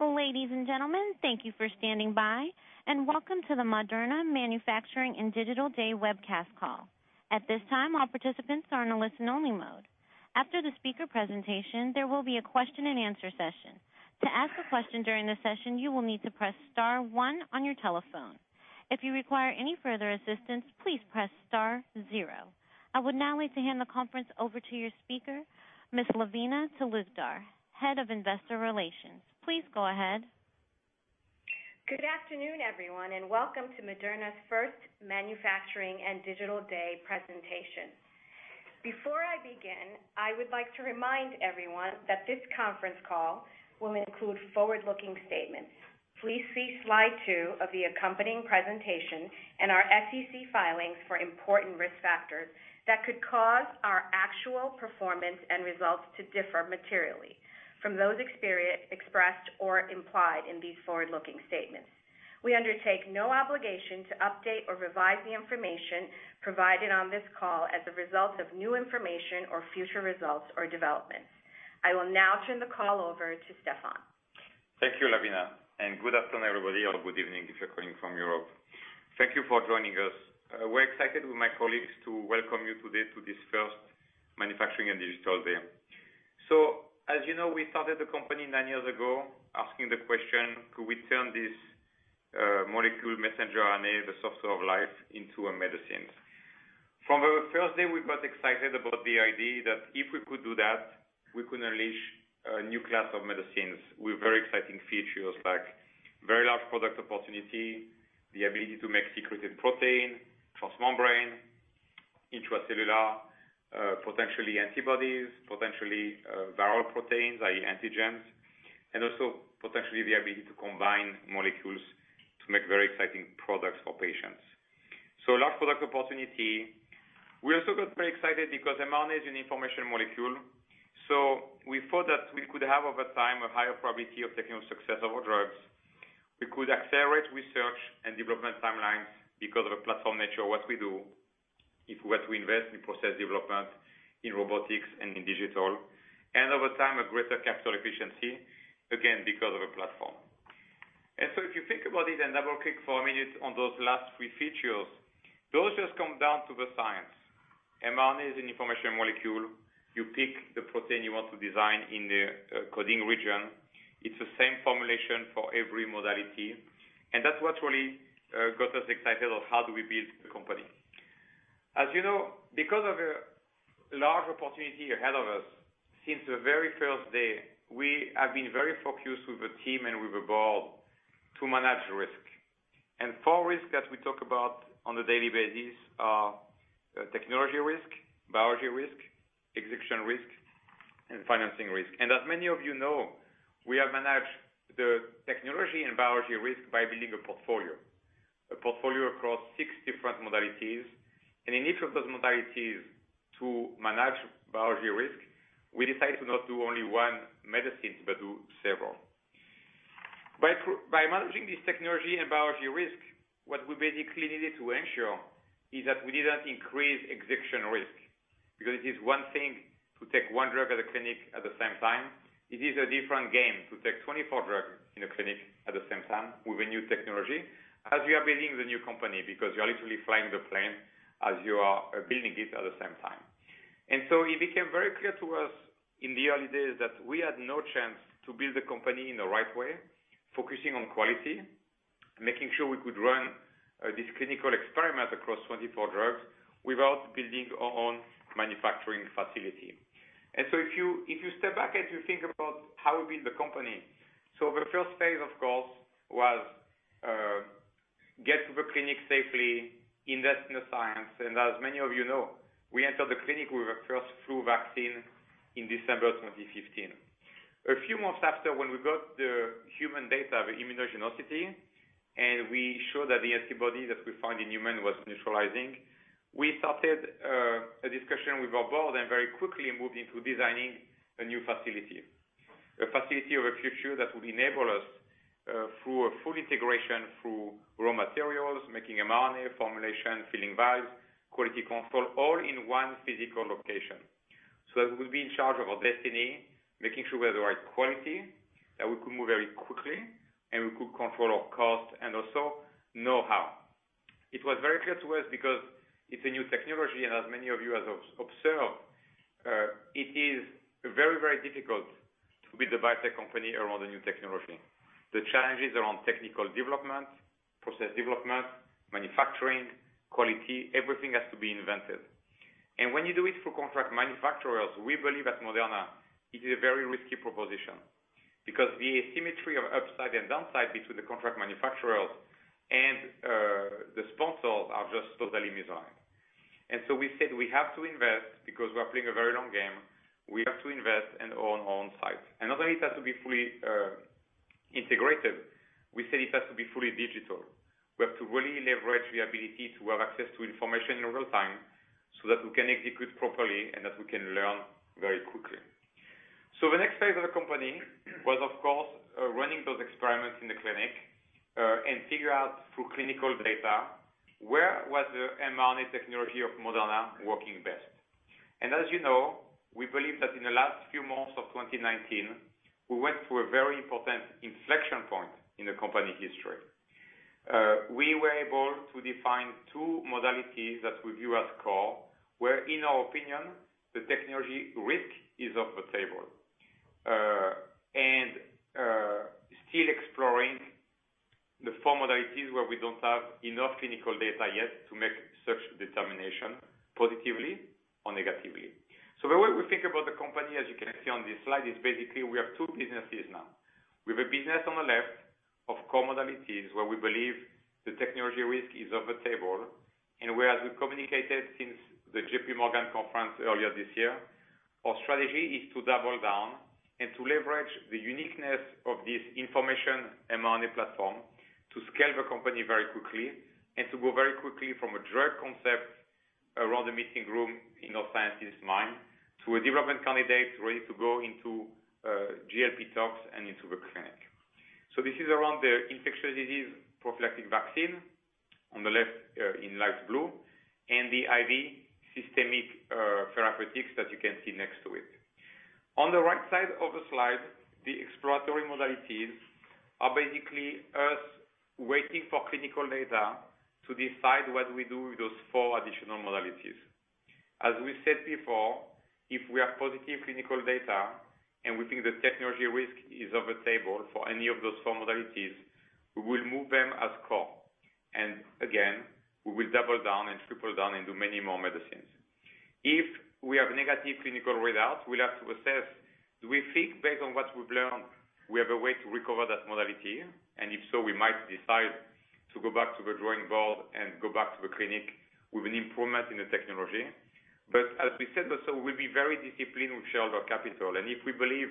Ladies and gentlemen, thank you for standing by. Welcome to the Moderna Manufacturing & Digital Day webcast call. At this time, all participants are in a listen-only mode. After the speaker presentation, there will be a question-and-answer session. To ask a question during the session, you will need to press star one on your telephone. If you require any further assistance, please press star zero. I would now like to hand the conference over to your speaker, Ms. Lavina Talukdar, Head of Investor Relations. Please go ahead. Good afternoon, everyone, and welcome to Moderna's first Manufacturing & Digital Day presentation. Before I begin, I would like to remind everyone that this conference call will include forward-looking statements. Please see slide two of the accompanying presentation and our SEC filings for important risk factors that could cause our actual performance and results to differ materially from those expressed or implied in these forward-looking statements. We undertake no obligation to update or revise the information provided on this call as a result of new information or future results or developments. I will now turn the call over to Stéphane. Thank you, Lavina, and good afternoon, everybody, or good evening if you're calling from Europe. Thank you for joining us. We're excited with my colleagues to welcome you today to this first Manufacturing & Digital Day. As you know, we started the company nine years ago asking the question, could we turn this molecule messenger RNA, the software of life, into a medicine? From our first day, we got excited about the idea that if we could do that, we could unleash a new class of medicines with very exciting features like very large product opportunity, the ability to make secreted protein, transmembrane, intracellular, potentially antibodies, potentially viral proteins, i.e., antigens, and also potentially the ability to combine molecules to make very exciting products for patients. Large product opportunity. We also got very excited because mRNA is an information molecule, so we thought that we could have, over time, a higher probability of technical success of our drugs. We could accelerate research and development timelines because of the platform nature of what we do, if we were to invest in process development, in robotics and in digital. Over time, a greater capital efficiency, again, because of the platform. If you think about it and double click for a minute on those last three features, those just come down to the science. mRNA is an information molecule. You pick the protein you want to design in the coding region. It's the same formulation for every modality. That's what really got us excited of how do we build the company. As you know, because of a large opportunity ahead of us, since the very first day, we have been very focused with the team and with the board to manage risk. Four risks that we talk about on a daily basis are technology risk, biology risk, execution risk, and financing risk. As many of you know, we have managed the technology and biology risk by building a portfolio, a portfolio across six different modalities. In each of those modalities to manage biology risk, we decide to not do only one medicine, but do several. By managing this technology and biology risk, what we basically needed to ensure is that we didn't increase execution risk, because it is one thing to take one drug at a clinic at the same time. It is a different game to take 24 drugs in a clinic at the same time with a new technology as we are building the new company, because you're literally flying the plane as you are building it at the same time. It became very clear to us in the early days that we had no chance to build the company in the right way, focusing on quality, making sure we could run this clinical experiment across 24 drugs without building our own manufacturing facility. If you step back and you think about how we build the company, so the first phase, of course, was get to the clinic safely, invest in the science. As many of you know, we entered the clinic with our first flu vaccine in December 2015. A few months after, when we got the human data of immunogenicity, and we showed that the antibody that we found in human was neutralizing, we started a discussion with our board and very quickly moved into designing a new facility, a facility of the future that will enable us through a full integration through raw materials, making mRNA, formulation, filling vials, quality control, all in one physical location. That we would be in charge of our destiny, making sure we have the right quality, that we could move very quickly, and we could control our cost, and also know-how. It was very clear to us because it's a new technology, and as many of you have observed, it is very, very difficult to build a biotech company around a new technology. The challenges around technical development, process development, manufacturing, quality, everything has to be invented. When you do it through contract manufacturers, we believe at Moderna it is a very risky proposition, because the asymmetry of upside and downside between the contract manufacturers and the sponsors are just totally misaligned. We said we have to invest because we are playing a very long game. We have to invest and own our own site. Not only it has to be fully integrated, we said it has to be fully digital. We have to really leverage the ability to have access to information in real time so that we can execute properly and that we can learn very quickly. The next phase of the company was, of course, running those experiments in the clinic and figure out through clinical data where was the mRNA technology of Moderna working best. As you know, we believe that in the last few months of 2019, we went through a very important inflection point in the company history. We were able to define two modalities that we view as core, where, in our opinion, the technology risk is off the table, and still exploring the modalities where we don't have enough clinical data yet to make such determination positively or negatively. The way we think about the company, as you can see on this slide, is basically we have two businesses now. We have a business on the left of core modalities where we believe the technology risk is off the table. Where, as we communicated since the JPMorgan conference earlier this year, our strategy is to double down and to leverage the uniqueness of this information mRNA platform to scale the company very quickly, and to go very quickly from a drug concept around the meeting room in our scientist's mind, to a development candidate ready to go into GLP talks and into the clinic. This is around the infectious disease prophylactic vaccine, on the left in light blue, and the IV systemic therapeutics that you can see next to it. On the right side of the slide, the exploratory modalities are basically us waiting for clinical data to decide what we do with those four additional modalities. As we said before, if we have positive clinical data and we think the technology risk is off the table for any of those four modalities, we will move them as core. Again, we will double down and triple down into many more medicines. If we have negative clinical readouts, we'll have to assess, do we think based on what we've learned, we have a way to recover that modality? If so, we might decide to go back to the drawing board and go back to the clinic with an improvement in the technology. As we said also, we'll be very disciplined with share of our capital. If we believe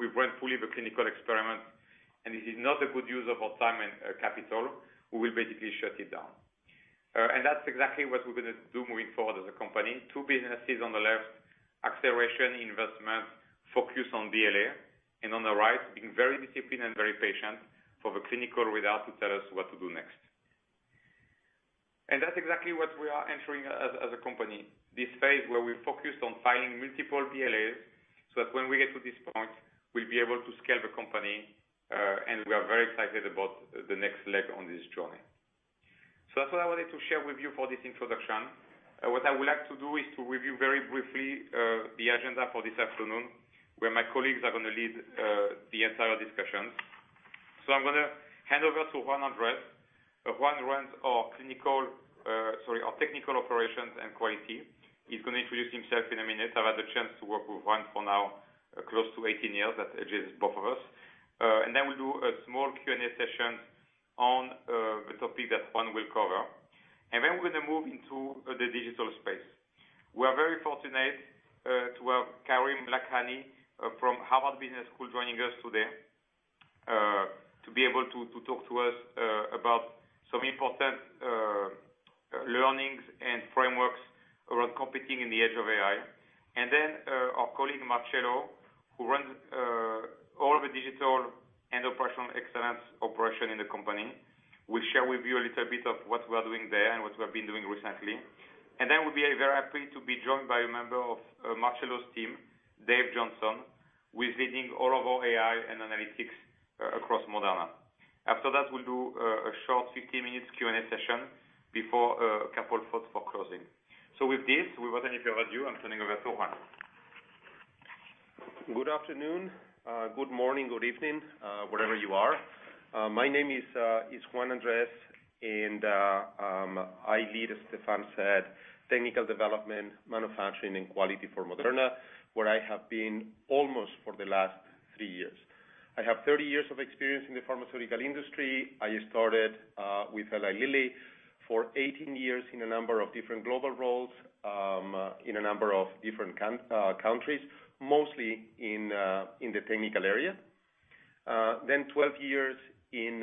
we've run fully the clinical experiment, and this is not a good use of our time and capital, we will basically shut it down. That's exactly what we're going to do moving forward as a company. Two businesses on the left, acceleration, investment, focus on BLA, and on the right, being very disciplined and very patient for the clinical readout to tell us what to do next. That's exactly what we are entering as a company. This phase where we're focused on filing multiple BLAs, so that when we get to this point, we'll be able to scale the company, and we are very excited about the next leg on this journey. That's what I wanted to share with you for this introduction. What I would like to do is to review very briefly, the agenda for this afternoon, where my colleagues are going to lead the entire discussion. I'm going to hand over to Juan Andres. Juan runs our clinical, sorry, our technical operations and quality. He's going to introduce himself in a minute. I've had the chance to work with Juan for now close to 18 years, that edges both of us. We'll do a small Q&A session on the topic that Juan will cover. We're going to move into the digital space. We are very fortunate to have Karim Lakhani from Harvard Business School joining us today, to be able to talk to us about some important learnings and frameworks around Competing in the Age of AI. Our colleague Marcello, who runs all the digital and operational excellence operation in the company, will share with you a little bit of what we are doing there and what we've been doing recently. Then we'll be very happy to be joined by a member of Marcello's team, Dave Johnson, who is leading all of our AI and analytics across Moderna. After that, we'll do a short 50 minutes Q&A session before a couple thoughts for closing. With this, without any further ado, I'm turning over to Juan. Good afternoon, good morning, good evening, wherever you are. My name is Juan Andres, and I lead, as Stéphane said, technical development, manufacturing, and quality for Moderna, where I have been almost for the last three years. I have 30 years of experience in the pharmaceutical industry. I started with Eli Lilly for 18 years in a number of different global roles, in a number of different countries, mostly in the technical area. 12 years in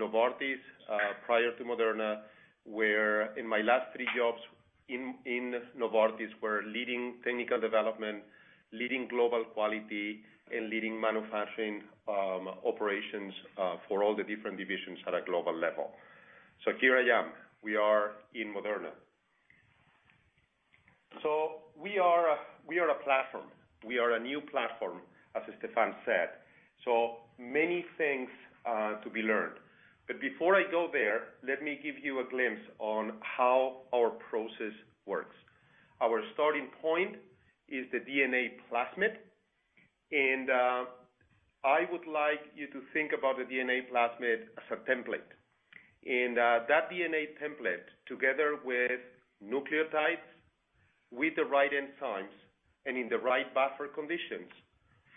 Novartis prior to Moderna, where in my last three jobs in Novartis were leading technical development, leading global quality, and leading manufacturing operations for all the different divisions at a global level. Here I am. We are in Moderna. We are a platform. We are a new platform, as Stéphane said, so many things to be learned. Before I go there, let me give you a glimpse on how our process works. Our starting point is the DNA plasmid, and I would like you to think about the DNA plasmid as a template. That DNA template, together with nucleotides, with the right enzymes, and in the right buffer conditions,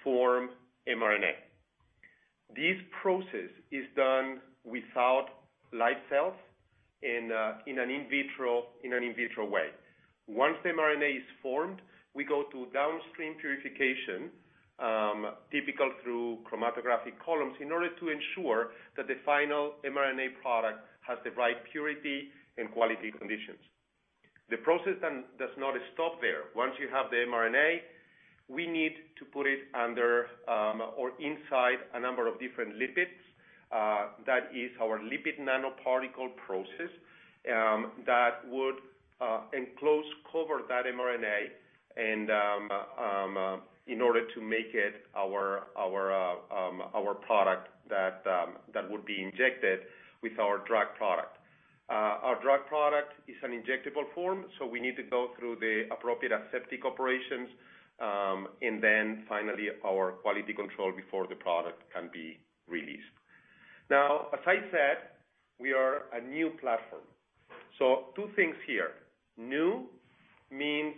form mRNA. This process is done without live cells in an in vitro way. Once the mRNA is formed, we go to downstream purification, typical through chromatographic columns, in order to ensure that the final mRNA product has the right purity and quality conditions. The process does not stop there. Once you have the mRNA, we need to put it under or inside a number of different lipids. That is our lipid nanoparticle process that would enclose, cover that mRNA in order to make it our product that would be injected with our drug product. Our drug product is an injectable form, so we need to go through the appropriate aseptic operations, and then finally our quality control before the product can be released. As I said, we are a new platform. Two things here. New means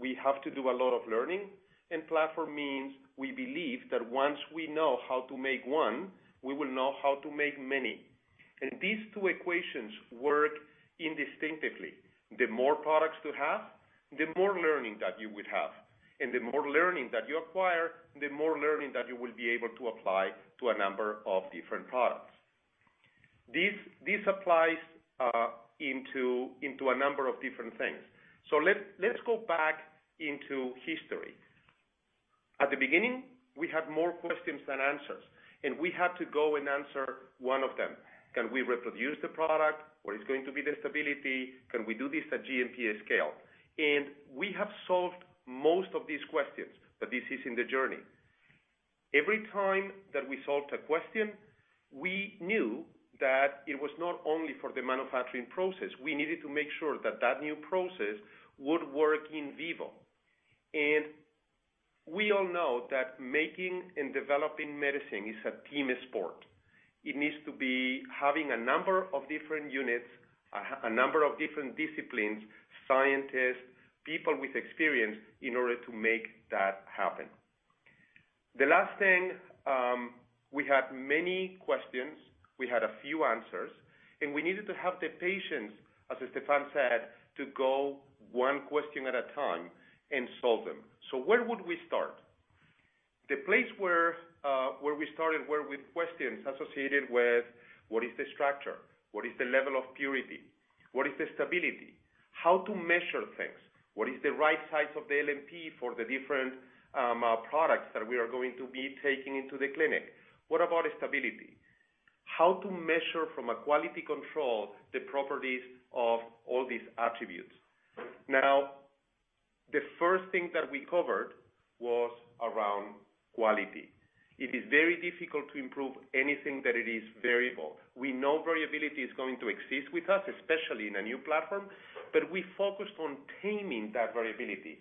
we have to do a lot of learning, and platform means we believe that once we know how to make one, we will know how to make many. These two equations work indistinctively. The more products you have, the more learning that you would have. The more learning that you acquire, the more learning that you will be able to apply to a number of different products. This applies into a number of different things. Let's go back into history. At the beginning, we had more questions than answers, and we had to go and answer one of them. Can we reproduce the product? What is going to be the stability? Can we do this at GMP scale? We have solved most of these questions, but this is in the journey. Every time that we solved a question, we knew that it was not only for the manufacturing process. We needed to make sure that that new process would work in vivo. We all know that making and developing medicine is a team sport. It needs to be having a number of different units, a number of different disciplines, scientists, people with experience in order to make that happen. The last thing, we had many questions, we had a few answers, and we needed to have the patience, as Stéphane said, to go one question at a time and solve them. Where would we start? The place where we started were with questions associated with what is the structure, what is the level of purity, what is the stability, how to measure things, what is the right size of the LNP for the different products that we are going to be taking into the clinic? What about stability? How to measure from a quality control the properties of all these attributes. The first thing that we covered was around quality. It is very difficult to improve anything that it is variable. We know variability is going to exist with us, especially in a new platform, but we focused on taming that variability.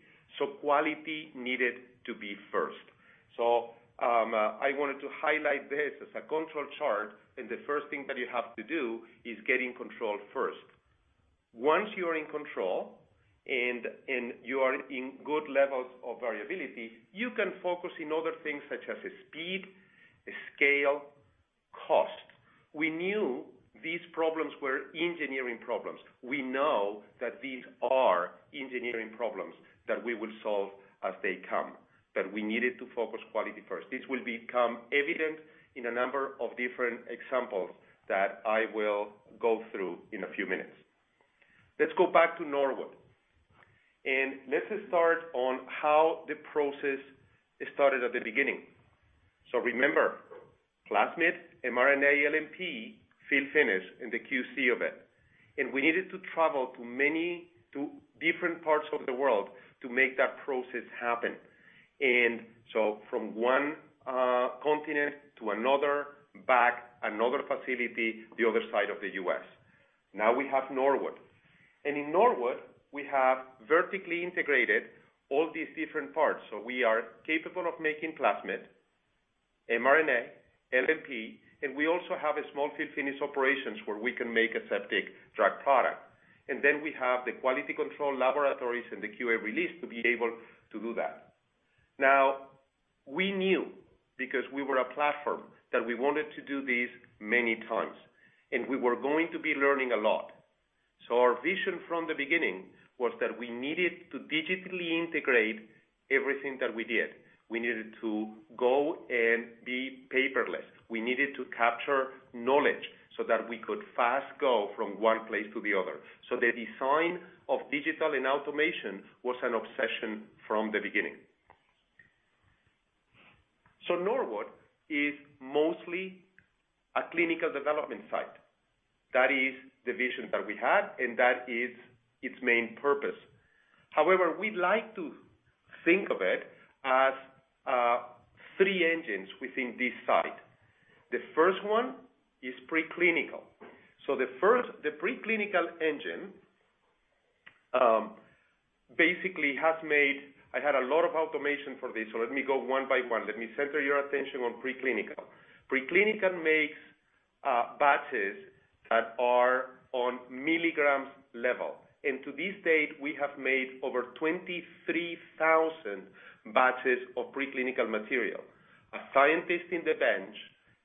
Quality needed to be first. I wanted to highlight this as a control chart, and the first thing that you have to do is get in control first. Once you are in control and you are in good levels of variability, you can focus in other things such as speed, scale, cost. We knew these problems were engineering problems. We know that these are engineering problems that we will solve as they come, but we needed to focus quality first. This will become evident in a number of different examples that I will go through in a few minutes. Let's go back to Norwood, and let's start on how the process started at the beginning. Remember, plasmid, mRNA, LNP, fill/finish, and the QC of it. We needed to travel to different parts of the world to make that process happen. From one continent to another, back, another facility, the other side of the U.S. Now we have Norwood. In Norwood, we have vertically integrated all these different parts. We are capable of making plasmid, mRNA, LNP, and we also have a small fill/finish operations where we can make aseptic drug product. We have the quality control laboratories and the QA release to be able to do that. Now, we knew because we were a platform that we wanted to do this many times, and we were going to be learning a lot. Our vision from the beginning was that we needed to digitally integrate everything that we did. We needed to go and be paperless. We needed to capture knowledge so that we could fast go from one place to the other. The design of digital and automation was an obsession from the beginning. Norwood is mostly a clinical development site. That is the vision that we had, and that is its main purpose. However, we'd like to think of it as three engines within this site. The first one is preclinical. So the first, the preclinical engine basically has made, had a lot of automation for this one. So let me go one by one. Let me center your attention on preclinical. Preclinical makes batches that are on milligrams level. To this date, we have made over 23,000 batches of preclinical material. A scientist in the bench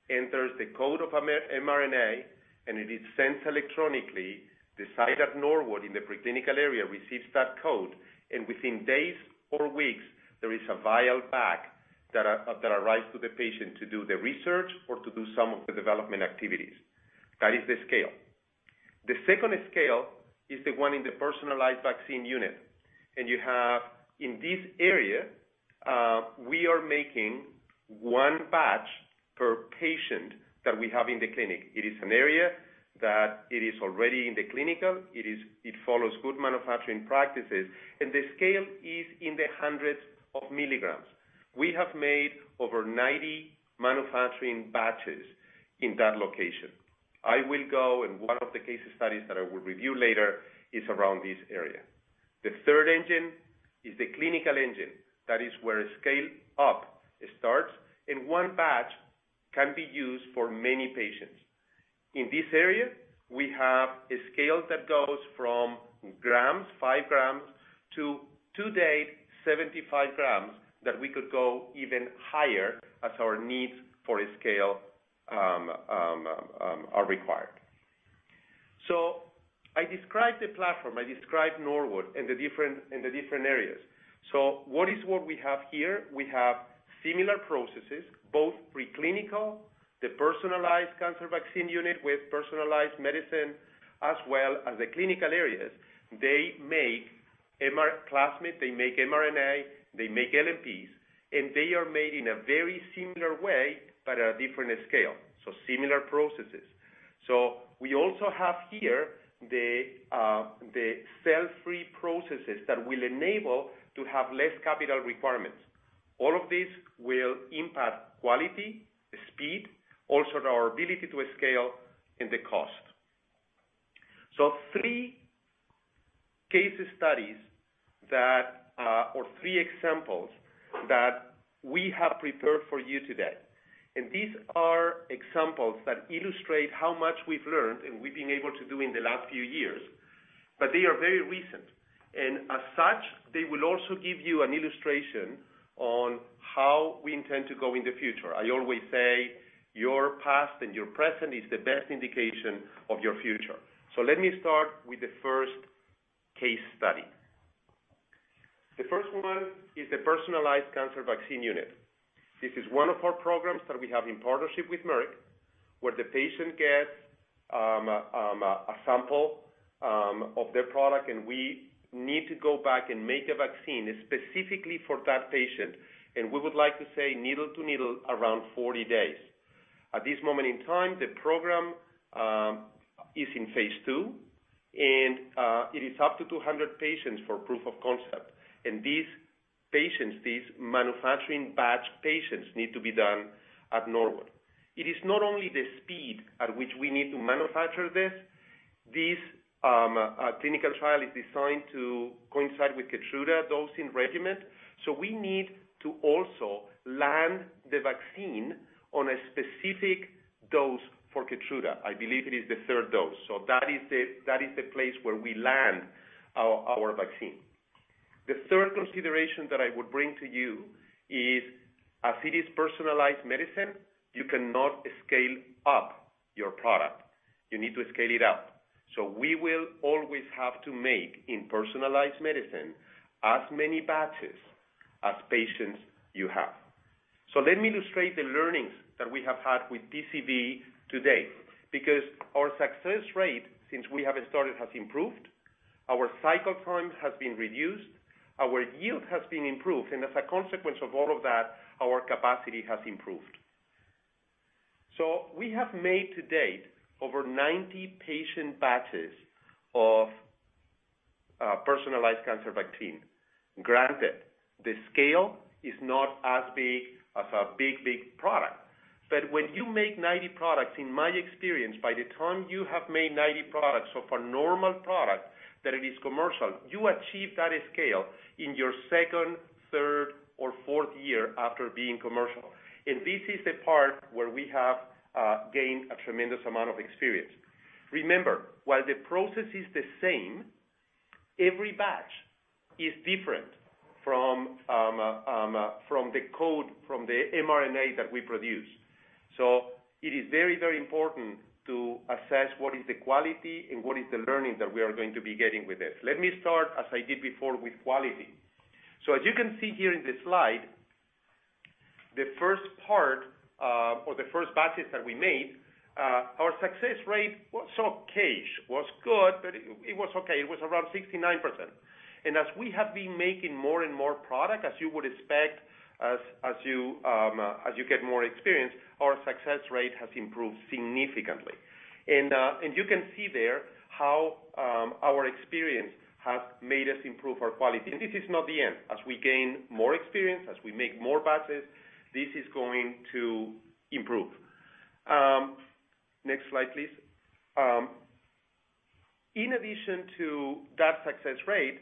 enters the code of mRNA, and it is sent electronically. The site at Norwood in the preclinical area receives that code, and within days or weeks, there is a vial back that arise to the patient to do the research or to do some of the development activities. That is the scale. The second scale is the one in the personalized vaccine unit. You have in this area, we are making one batch per patient that we have in the clinic. It is an area that it is already in the clinical, it follows good manufacturing practices, and the scale is in the hundreds of milligrams. We have made over 90 manufacturing batches in that location. I will go, in one of the case studies that I will review later, is around this area. The third engine is the clinical engine. That is where scale-up starts, and one batch can be used for many patients. In this area, we have a scale that goes from grams, 5 g, to to-date, 75 g, that we could go even higher as our needs for a scale are required. I described the platform, I described Norwood and the different areas. What is what we have here? We have similar processes, both preclinical, the personalized cancer vaccine unit with personalized medicine, as well as the clinical areas. They make plasmid, they make mRNA, they make LNPs, and they are made in a very similar way, but at a different scale. Similar processes. We also have here the cell-free processes that will enable to have less capital requirements. All of this will impact quality, speed, also our ability to scale, and the cost. Three case studies that or three examples that we have prepared for you today. These are examples that illustrate how much we've learned and we've been able to do in the last few years, but they are very recent. As such, they will also give you an illustration on how we intend to go in the future. I always say your past and your present is the best indication of your future. Let me start with the first case study. The first one is the personalized cancer vaccine unit. This is one of our programs that we have in partnership with Merck, where the patient gets a sample of their product, and we need to go back and make a vaccine specifically for that patient. We would like to say needle-to-needle, around 40 days. At this moment in time, the program is in phase II, and it is up to 200 patients for proof of concept. These patients, these manufacturing batch patients, need to be done at Norwood. It is not only the speed at which we need to manufacture this clinical trial is designed to coincide with KEYTRUDA dosing regimen. We need to also land the vaccine on a specific dose for KEYTRUDA. I believe it is the third dose. That is the place where we land our vaccine. The third consideration that I would bring to you is, as it is personalized medicine, you cannot scale up your product. You need to scale it out. We will always have to make, in personalized medicine, as many batches as patients you have. Let me illustrate the learnings that we have had with PCV to date, because our success rate since we have started has improved, our cycle time has been reduced, our yield has been improved, and as a consequence of all of that, our capacity has improved. We have made to date over 90 patient batches of personalized cancer vaccine. Granted, the scale is not as big as a big product. When you make 90 products, in my experience, by the time you have made 90 products of a normal product that it is commercial, you achieve that scale in your second, third, or fourth year after being commercial. This is the part where we have gained a tremendous amount of experience. Remember, while the process is the same, every batch is different from the code, from the mRNA that we produce. It is very important to assess what is the quality and what is the learning that we are going to be getting with this. Let me start, as I did before, with quality. As you can see here in the slide, the first part, or the first batches that we made, our success rate was okay-ish. Was good, but it was okay. It was around 69%. As we have been making more and more product, as you would expect as you get more experience, our success rate has improved significantly. You can see there how our experience has made us improve our quality. This is not the end. As we gain more experience, as we make more batches, this is going to improve. Next slide, please. In addition to that success rate,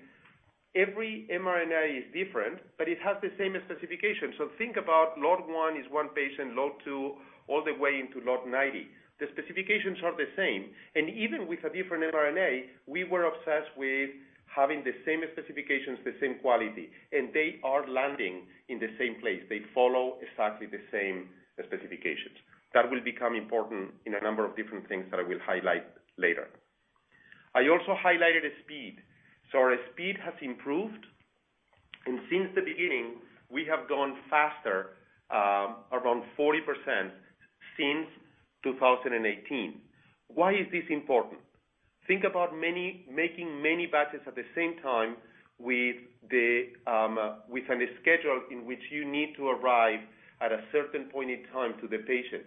every mRNA is different, but it has the same specification. Think about lot one is one patient, lot two, all the way into lot 90. The specifications are the same. Even with a different mRNA, we were obsessed with having the same specifications, the same quality. They are landing in the same place. They follow exactly the same specifications. That will become important in a number of different things that I will highlight later. I also highlighted speed. Our speed has improved, and since the beginning, we have gone faster, around 40% since 2018. Why is this important? Think about making many batches at the same time with a schedule in which you need to arrive at a certain point in time to the patient.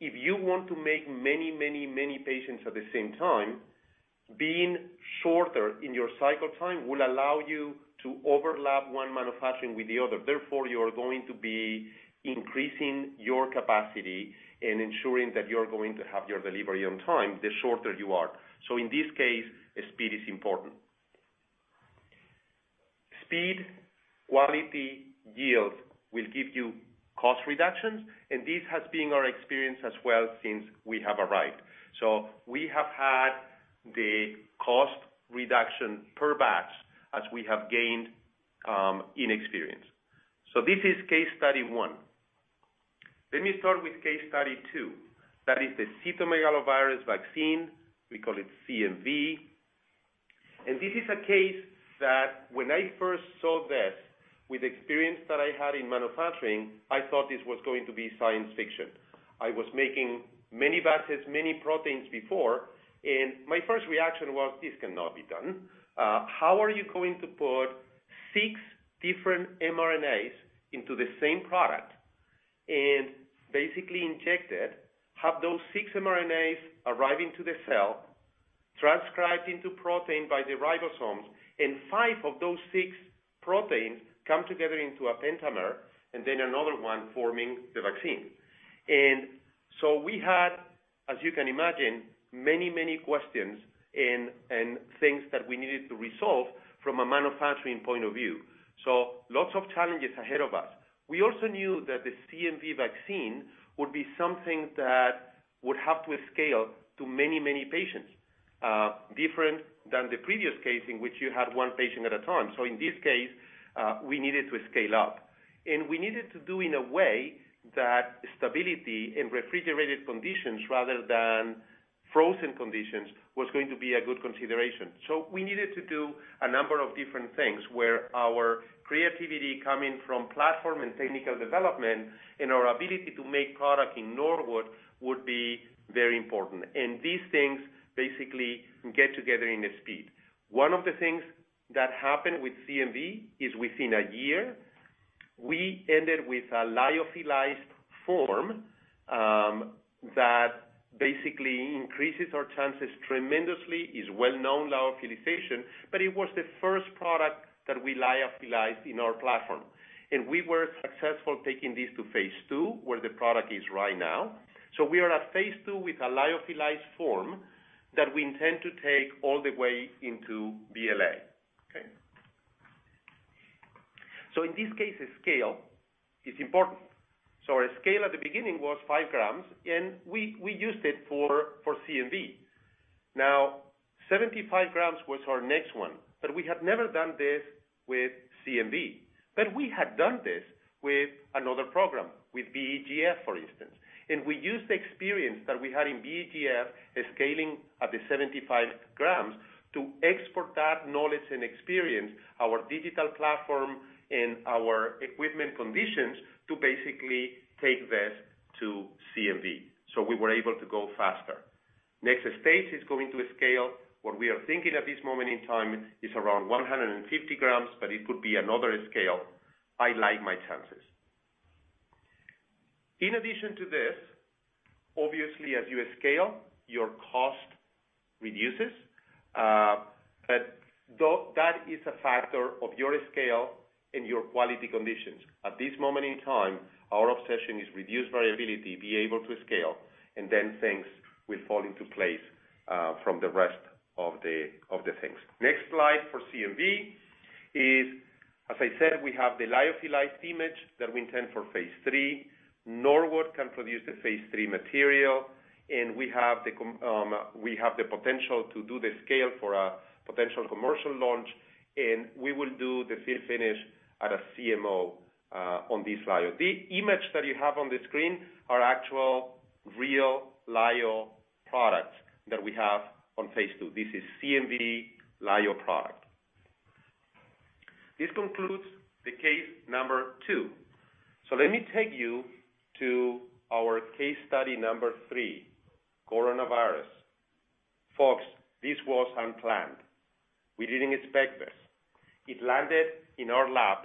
If you want to make many, many patients at the same time, being shorter in your cycle time will allow you to overlap one manufacturing with the other. Therefore, you are going to be increasing your capacity and ensuring that you're going to have your delivery on time, the shorter you are. In this case, speed is important. Speed, quality, yield will give you cost reductions, and this has been our experience as well since we have arrived. We have had the cost reduction per batch as we have gained in experience. This is case study one. Let me start with case study two. That is the cytomegalovirus vaccine. We call it CMV. This is a case that when I first saw this with experience that I had in manufacturing, I thought this was going to be science fiction. I was making many batches, many proteins before, and my first reaction was, "This cannot be done." How are you going to put six different mRNAs into the same product and basically inject it, have those six mRNAs arrive into the cell, transcribed into protein by the ribosomes, and five of those six proteins come together into a pentamer, and then another one forming the vaccine? We had, as you can imagine, many questions and things that we needed to resolve from a manufacturing point of view. Lots of challenges ahead of us. We also knew that the CMV vaccine would be something that would have to scale to many patients, different than the previous case in which you had one patient at a time. In this case, we needed to scale up. We needed to do in a way that stability in refrigerated conditions rather than frozen conditions was going to be a good consideration. We needed to do a number of different things where our creativity coming from platform and technical development, and our ability to make product in Norwood would be very important. These things basically get together in the speed. One of the things that happened with CMV is within a year, we ended with a lyophilized form that basically increases our chances tremendously, is well-known, lyophilization, but it was the first product that we lyophilized in our platform. We were successful taking this to phase II, where the product is right now. We are at phase II with a lyophilized form that we intend to take all the way into BLA. Okay. In this case, scale is important. Our scale at the beginning was 5 g, and we used it for CMV. 75 g was our next one, but we had never done this with CMV. We had done this with another program, with VEGF, for instance. We used the experience that we had in VEGF, scaling at the 75 g to export that knowledge and experience, our digital platform and our equipment conditions to basically take this to CMV. We were able to go faster. Next phase is going to scale. What we are thinking at this moment in time is around 150 g, but it could be another scale. I like my chances. In addition to this, obviously as you scale, your cost reduces. That is a factor of your scale and your quality conditions. At this moment in time, our obsession is reduce variability, be able to scale, and then things will fall into place from the rest of the things. Next slide for CMV is, as I said, we have the lyophilized image that we intend for phase III. Norwood can produce the phase III material, and we have the potential to do the scale for a potential commercial launch, and we will do the fill finish at a CMO on this lyo. The image that you have on the screen are actual, real lyo products that we have on phase II. This is CMV lyo product. This concludes the case number two. Let me take you to our case study number three, coronavirus. Folks, this was unplanned. We didn't expect this. It landed in our lab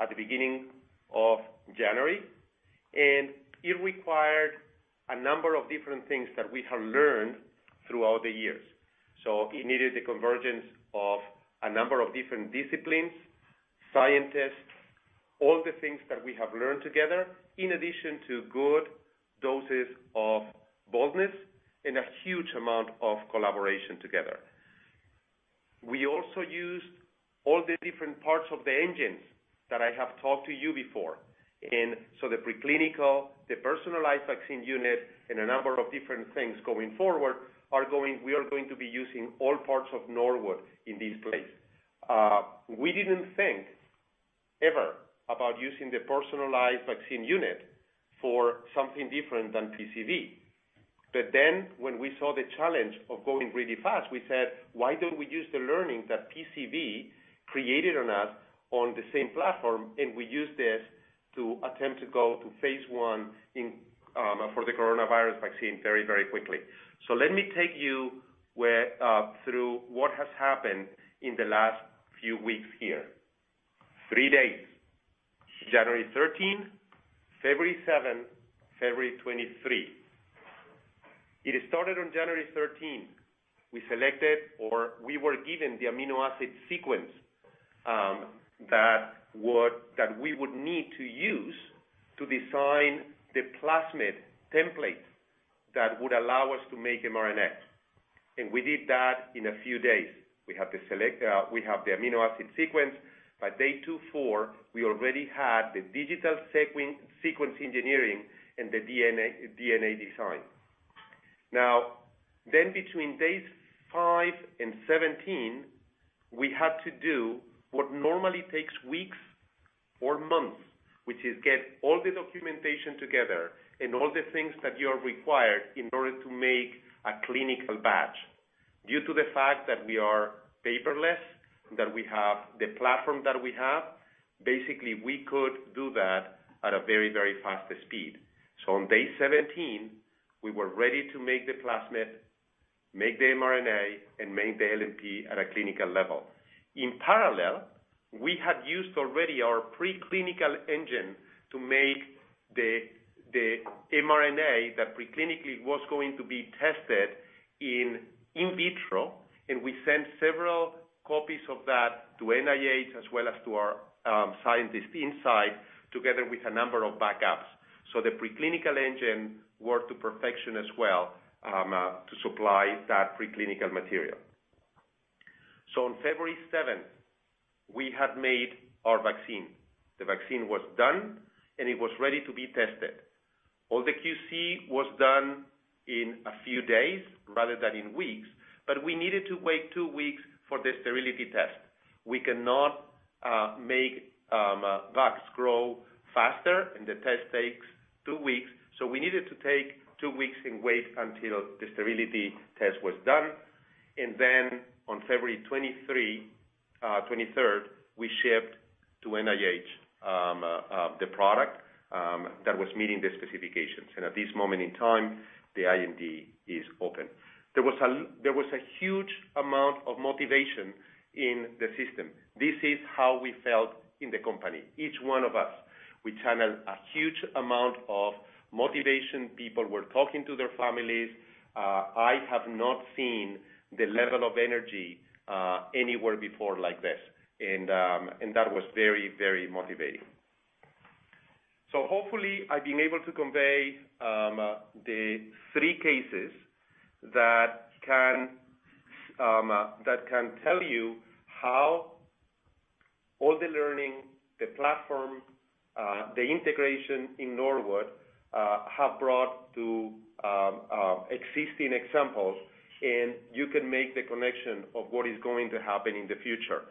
at the beginning of January, and it required a number of different things that we have learned throughout the years. It needed a convergence of a number of different disciplines, scientists, all the things that we have learned together, in addition to good doses of boldness and a huge amount of collaboration together. We also used all the different parts of the engines that I have talked to you before. The preclinical, the personalized vaccine unit, and a number of different things going forward, we are going to be using all parts of Norwood in this place. We didn't think ever about using the personalized vaccine unit for something different than PCV. When we saw the challenge of going really fast, we said, "Why don't we use the learning that PCV created on us on the same platform, and we use this to attempt to go to phase I for the coronavirus vaccine very quickly?" Let me take you through what has happened in the last few weeks here. Three days, January 13, February 7, February 23. It started on January 13. We selected, or we were given the amino acid sequence that we would need to use to design the plasmid template that would allow us to make mRNA. We did that in a few days. We have the amino acid sequence. By day two, four, we already had the digital sequence engineering and the DNA design. Between days five and 17, we had to do what normally takes weeks or months, which is get all the documentation together and all the things that you require in order to make a clinical batch. Due to the fact that we are paperless, that we have the platform that we have, basically, we could do that at a very fast speed. On day 17, we were ready to make the plasmid, make the mRNA, and make the LNP at a clinical level. In parallel, we had used already our preclinical engine to make the mRNA that preclinically was going to be tested in vitro, and we sent several copies of that to NIH as well as to our scientist inside, together with a number of backups. The preclinical engine worked to perfection as well to supply that preclinical material. On February 7th, we had made our vaccine. The vaccine was done, and it was ready to be tested. All the QC was done in a few days rather than in weeks, but we needed to wait two weeks for the sterility test. We cannot make bugs grow faster, and the test takes two weeks. We needed to take two weeks and wait until the sterility test was done. On February 23rd, we shipped to NIH the product that was meeting the specifications. At this moment in time, the IND is open. There was a huge amount of motivation in the system. This is how we felt in the company. Each one of us. We channeled a huge amount of motivation. People were talking to their families. I have not seen the level of energy anywhere before like this, and that was very motivating. Hopefully, I've been able to convey the three cases that can tell you how all the learning, the platform, the integration in Norwood, have brought to existing examples, and you can make the connection of what is going to happen in the future.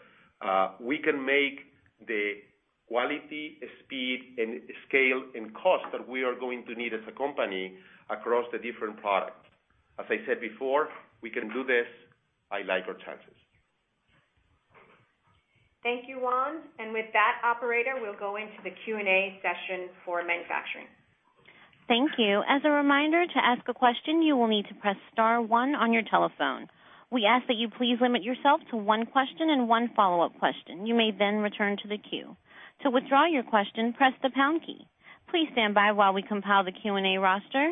We can make the quality, speed, and scale, and cost that we are going to need as a company across the different products. As I said before, we can do this. I like our chances. Thank you, Juan. With that, operator, we'll go into the Q&A session for manufacturing. Thank you. As a reminder, to ask a question, you will need to press star one on your telephone. We ask that you please limit yourself to one question and one follow-up question. You may return to the queue. To withdraw your question, press the pound key. Please stand by while we compile the Q&A roster.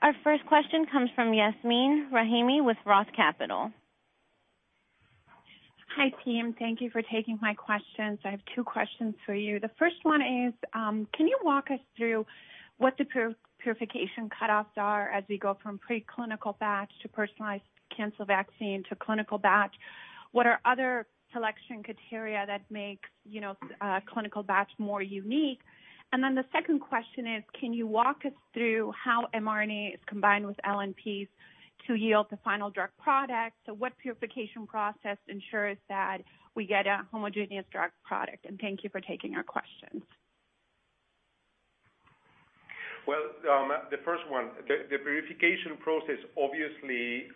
Our first question comes from Yasmeen Rahimi with ROTH Capital. Hi, team. Thank you for taking my questions. I have two questions for you. The first one is, can you walk us through what the purification cut-offs are as we go from preclinical batch to personalized cancer vaccine to clinical batch? What are other selection criteria that make clinical batch more unique? The second question is, can you walk us through how mRNA is combined with LNPs to yield the final drug product? What purification process ensures that we get a homogeneous drug product? Thank you for taking our questions. Well, the first one, the purification process obviously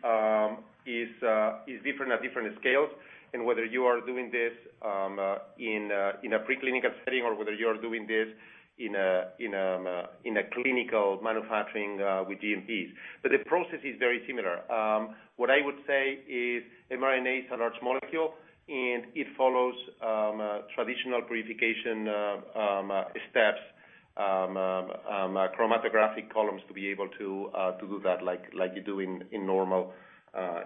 is different at different scales, and whether you are doing this in a preclinical setting or whether you are doing this in a clinical manufacturing with GMPs. The process is very similar. What I would say is mRNA is a large molecule, and it follows traditional purification steps, chromatographic columns to be able to do that like you do in normal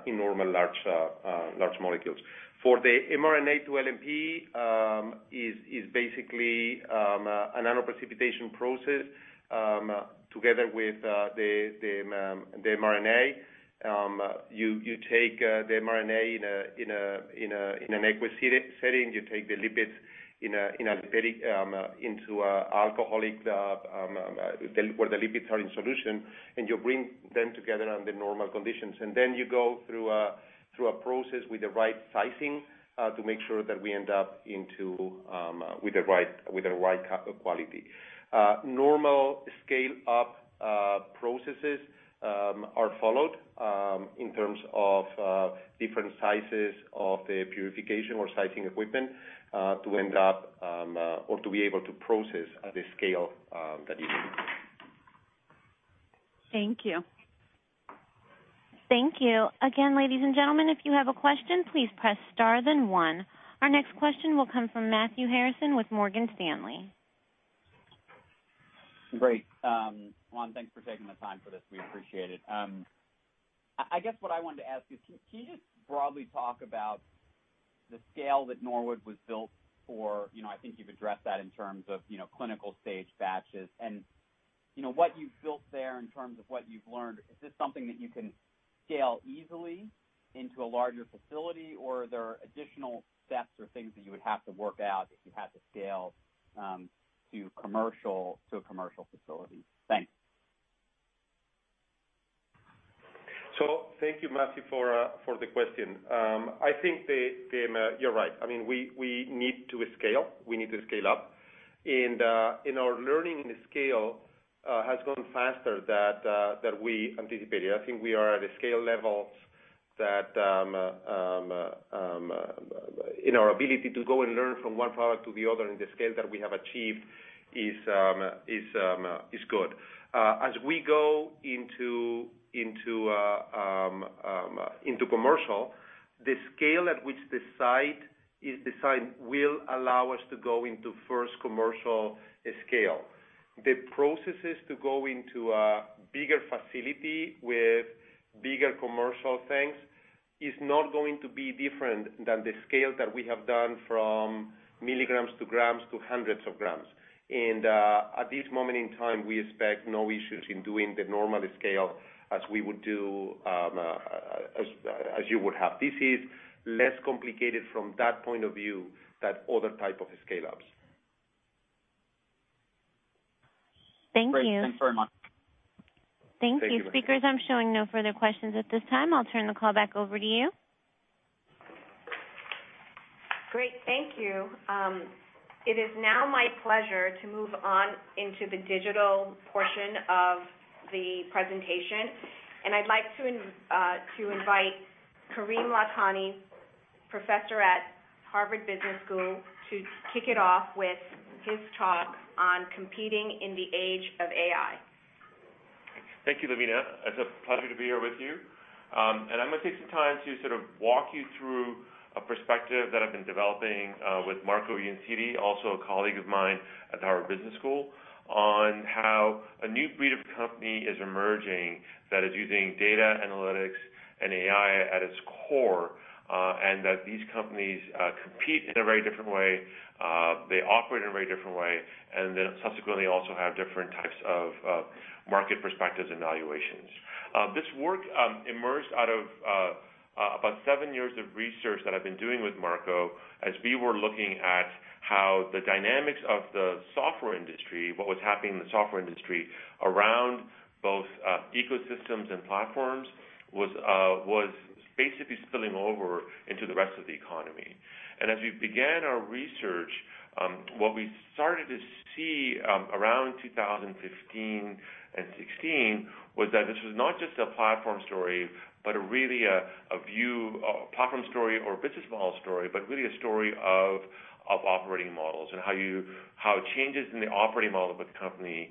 large molecules. For the mRNA to LNP is basically a nanoprecipitation process together with the mRNA. You take the mRNA in an aqueous setting. You take the lipids into alcoholic, where the lipids are in solution, and you bring them together under normal conditions. Through a process with the right sizing to make sure that we end up with the right quality. Normal scale-up processes are followed in terms of different sizes of the purification or sizing equipment, to end up or to be able to process at the scale that is needed. Thank you. Thank you. Again, ladies and gentlemen, if you have a question, please press star then one. Our next question will come from Matthew Harrison with Morgan Stanley. Great. Juan, thanks for taking the time for this. We appreciate it. I guess what I wanted to ask you is, can you just broadly talk about the scale that Norwood was built for? I think you've addressed that in terms of clinical-stage batches and what you've built there in terms of what you've learned. Is this something that you can scale easily into a larger facility or are there additional steps or things that you would have to work out if you had to scale to a commercial facility? Thanks. Thank you, Matthew, for the question. I think that you're right. We need to scale up. Our learning in scale has gone faster than we anticipated. I think we are at a scale level that in our ability to go and learn from one product to the other, and the scale that we have achieved is good. As we go into commercial, the scale at which the site is designed will allow us to go into first commercial scale. The processes to go into a bigger facility with bigger commercial things is not going to be different than the scale that we have done from milligrams to grams to hundreds of grams. At this moment in time, we expect no issues in doing the normal scale as you would have. This is less complicated from that point of view than other types of scale-ups. Great. Thanks very much. Thank you. Thank you. Speakers, I'm showing no further questions at this time. I'll turn the call back over to you. Great. Thank you. It is now my pleasure to move on into the digital portion of the presentation. I'd like to invite Karim Lakhani, professor at Harvard Business School, to kick it off with his talk on Competing in the Age of AI. Thank you, Lavina. It's a pleasure to be here with you. I'm going to take some time to sort of walk you through a perspective that I've been developing with Marco Iansiti, also a colleague of mine at the Harvard Business School, on how a new breed of company is emerging that is using data analytics and AI at its core, and that these companies compete in a very different way, they operate in a very different way, and then subsequently also have different types of market perspectives and valuations. This work emerged out of about seven years of research that I've been doing with Marco as we were looking at how the dynamics of the software industry, what was happening in the software industry around both ecosystems and platforms, was basically spilling over into the rest of the economy. As we began our research, what we started to see around 2015 and 2016 was that this was not just a platform story or a business model story, but really a story of operating models and how changes in the operating model of a company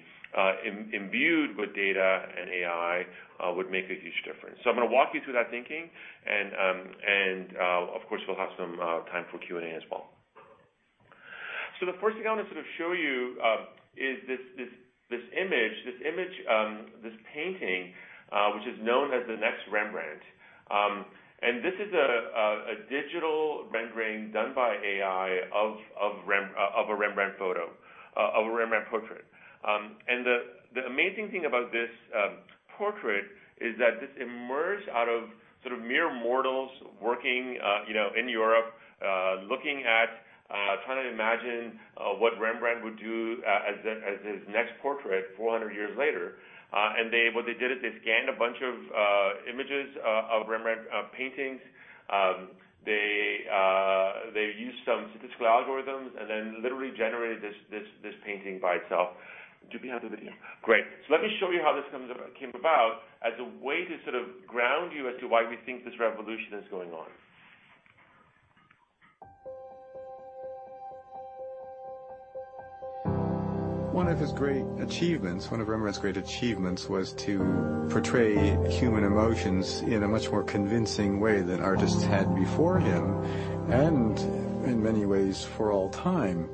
imbued with data and AI would make a huge difference. I'm going to walk you through that thinking, and of course, we'll have some time for Q&A as well. The first thing I want to sort of show you is this image, this painting, which is known as The Next Rembrandt. This is a digital rendering done by AI of a Rembrandt portrait. The amazing thing about this portrait is that this emerged out of sort of mere mortals working in Europe, looking at trying to imagine what Rembrandt would do as his next portrait 400 years later. What they did is they scanned a bunch of images of Rembrandt paintings. They used some statistical algorithms and then literally generated this painting by itself. Do we have the video? Great. Let me show you how this came about as a way to sort of ground you as to why we think this revolution is going on. One of his great achievements, one of Rembrandt's great achievements, was to portray human emotions in a much more convincing way than artists had before him, and in many ways, for all time.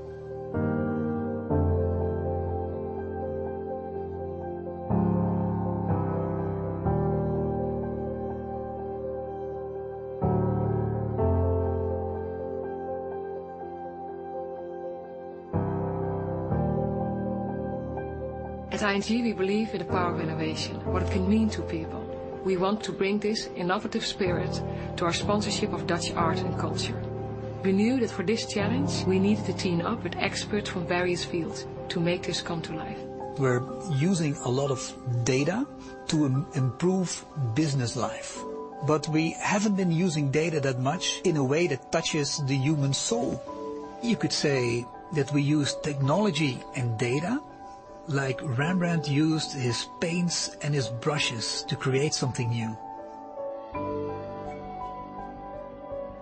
At ING, we believe in the power of innovation, what it can mean to people. We want to bring this innovative spirit to our sponsorship of Dutch art and culture. We knew that for this challenge, we needed to team up with experts from various fields to make this come to life. We're using a lot of data to improve business life, but we haven't been using data that much in a way that touches the human soul. You could say that we use technology and data like Rembrandt used his paints and his brushes to create something new.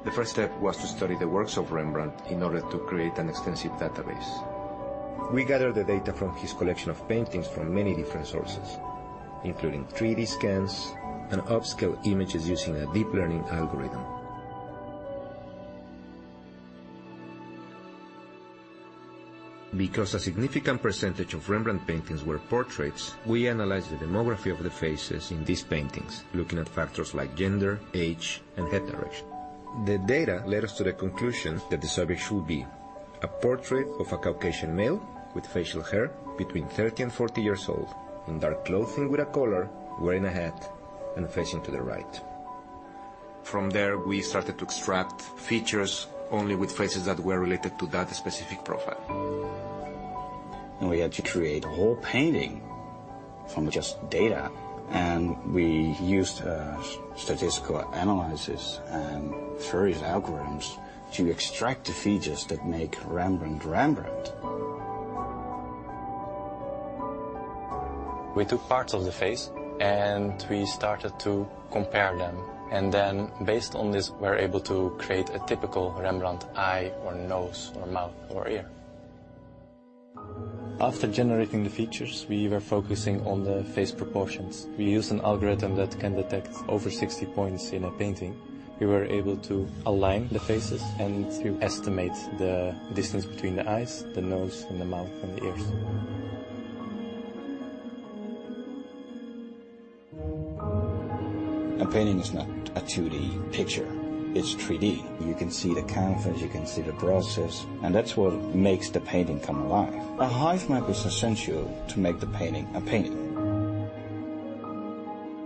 The first step was to study the works of Rembrandt in order to create an extensive database. We gathered the data from his collection of paintings from many different sources, including 3D scans and upscaled images using a deep learning algorithm. Because a significant percentage of Rembrandt paintings were portraits, we analyzed the demography of the faces in these paintings, looking at factors like gender, age, and head direction. The data led us to the conclusion that the subject should be a portrait of a Caucasian male with facial hair between 30 and 40 years old, in dark clothing with a collar, wearing a hat and facing to the right. From there, we started to extract features only with faces that were related to that specific profile. We had to create a whole painting from just data, and we used statistical analysis and various algorithms to extract the features that make Rembrandt. We took parts of the face and we started to compare them. Based on this, we were able to create a typical Rembrandt eye or nose or mouth or ear. After generating the features, we were focusing on the face proportions. We used an algorithm that can detect over 60 points in a painting. We were able to align the faces and to estimate the distance between the eyes, the nose and the mouth and the ears. A painting is not a 2D picture. It's 3D. You can see the canvas, you can see the brushes, and that's what makes the painting come alive. A height map is essential to make the painting a painting.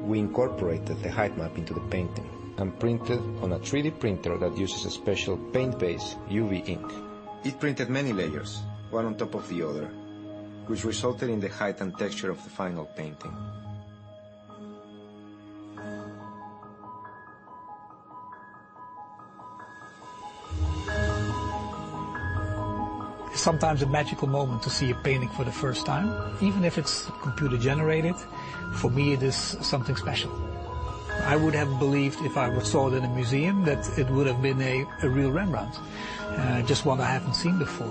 We incorporated the height map into the painting and printed on a 3D printer that uses a special paint-based UV ink. It printed many layers, one on top of the other, which resulted in the height and texture of the final painting. It's sometimes a magical moment to see a painting for the first time. Even if it's computer-generated, for me, it is something special. I would have believed if I would saw it in a museum, that it would have been a real Rembrandt, just one I haven't seen before.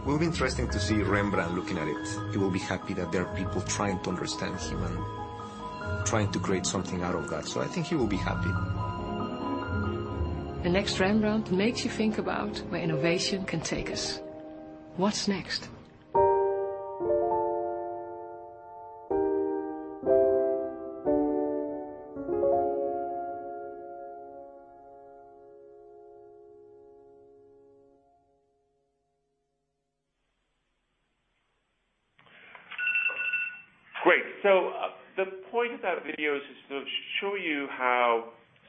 It will be interesting to see Rembrandt looking at it. He will be happy that there are people trying to understand him and trying to create something out of that. I think he will be happy. The Next Rembrandt makes you think about where innovation can take us. What's next? Great. The point of that video is to show you how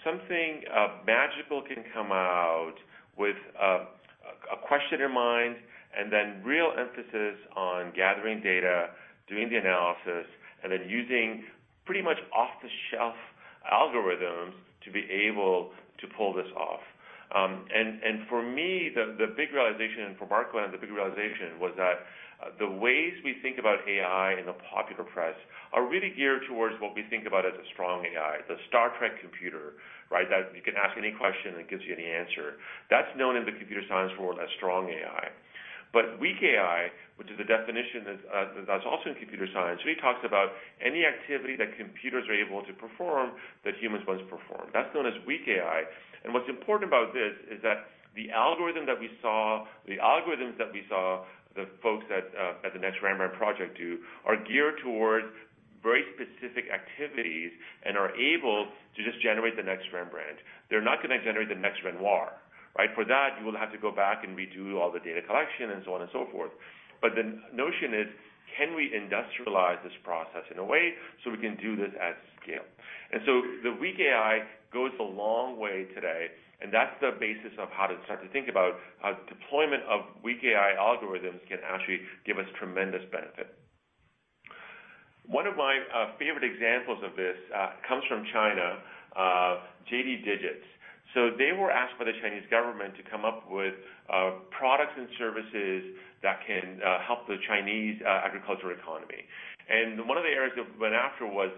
something magical can come out with a question in mind, then real emphasis on gathering data, doing the analysis, and then using pretty much off-the-shelf algorithms to be able to pull this off. For me, the big realization, and for Marco and I, the big realization was that the ways we think about AI in the popular press are really geared towards what we think about as a strong AI, the Star Trek computer. That you can ask any question and it gives you any answer. That's known in the computer science world as strong AI. Weak AI, which is a definition that's also in computer science, really talks about any activity that computers are able to perform that humans once performed. That's known as weak AI. What's important about this is that the algorithms that we saw the folks at The Next Rembrandt do are geared towards very specific activities and are able to just generate the next Rembrandt. They're not going to generate the next Renoir. For that, you will have to go back and redo all the data collection and so on and so forth. The notion is, can we industrialize this process in a way so we can do this at scale? The weak AI goes a long way today, and that's the basis of how to start to think about how deployment of weak AI algorithms can actually give us tremendous benefit. One of my favorite examples of this comes from China, JD Digits. They were asked by the Chinese government to come up with products and services that can help the Chinese agricultural economy. One of the areas they went after was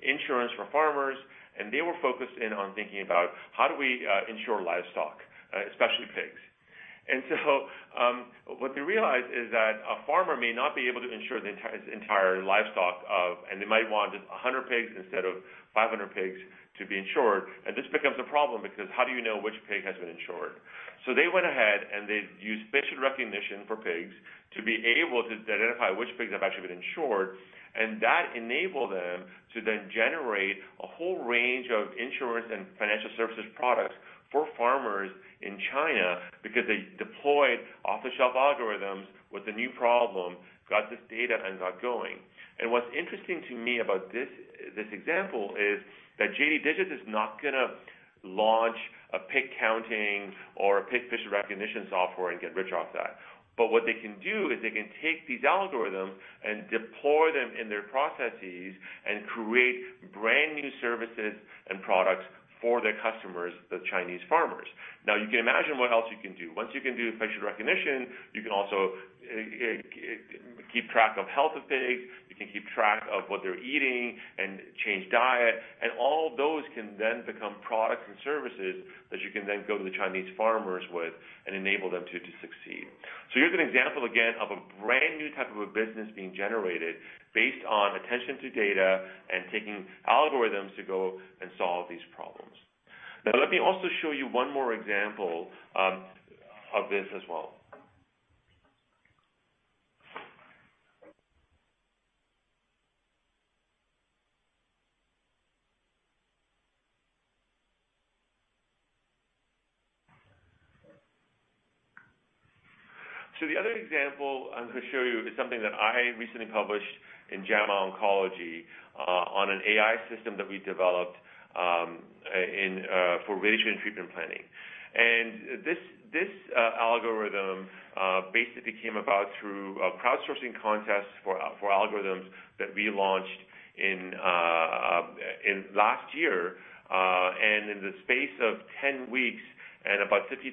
insurance for farmers, and they were focused in on thinking about how do we insure livestock, especially pigs. What they realized is that a farmer may not be able to insure his entire livestock, and they might want just 100 pigs instead of 500 pigs to be insured. This becomes a problem because how do you know which pig has been insured? They went ahead and they used facial recognition for pigs to be able to identify which pigs have actually been insured, and that enabled them to then generate a whole range of insurance and financial services products for farmers in China because they deployed off-the-shelf algorithms with a new problem, got this data, and got going. What's interesting to me about this example is that JD Digits is not going to launch a pig counting or a pig facial recognition software and get rich off that. What they can do is they can take these algorithms and deploy them in their processes and create brand-new services and products for their customers, the Chinese farmers. Now, you can imagine what else you can do. Once you can do facial recognition, you can also keep track of health of pigs, you can keep track of what they're eating and change diet, and all of those can then become products and services that you can then go to the Chinese farmers with and enable them to succeed. Here's an example again of a brand-new type of a business being generated based on attention to data and taking algorithms to go and solve these problems. Let me also show you one more example of this as well. The other example I'm going to show you is something that I recently published in JAMA Oncology, on an AI system that we developed for radiation treatment planning. This algorithm basically came about through a crowdsourcing contest for algorithms that we launched last year. In the space of 10 weeks and about $50,000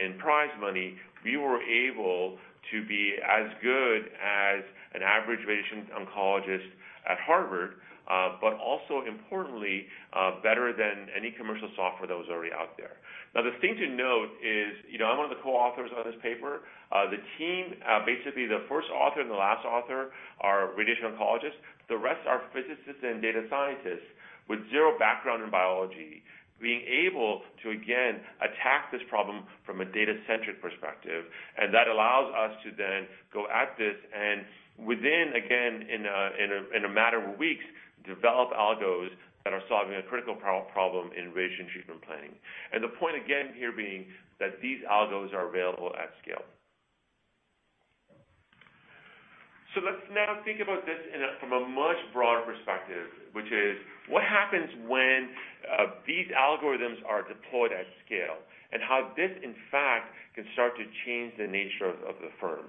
in prize money, we were able to be as good as an average radiation oncologist at Harvard, but also importantly, better than any commercial software that was already out there. The thing to note is, I'm one of the co-authors on this paper. The team, basically the first author and the last author are radiation oncologists. The rest are physicists and data scientists with zero background in biology, being able to, again, attack this problem from a data-centric perspective. That allows us to then go at this and within, again, in a matter of weeks, develop algos that are solving a critical problem in radiation treatment planning. The point again here being that these algos are available at scale. Let's now think about this from a much broader perspective, which is what happens when these algorithms are deployed at scale, and how this, in fact, can start to change the nature of the firms.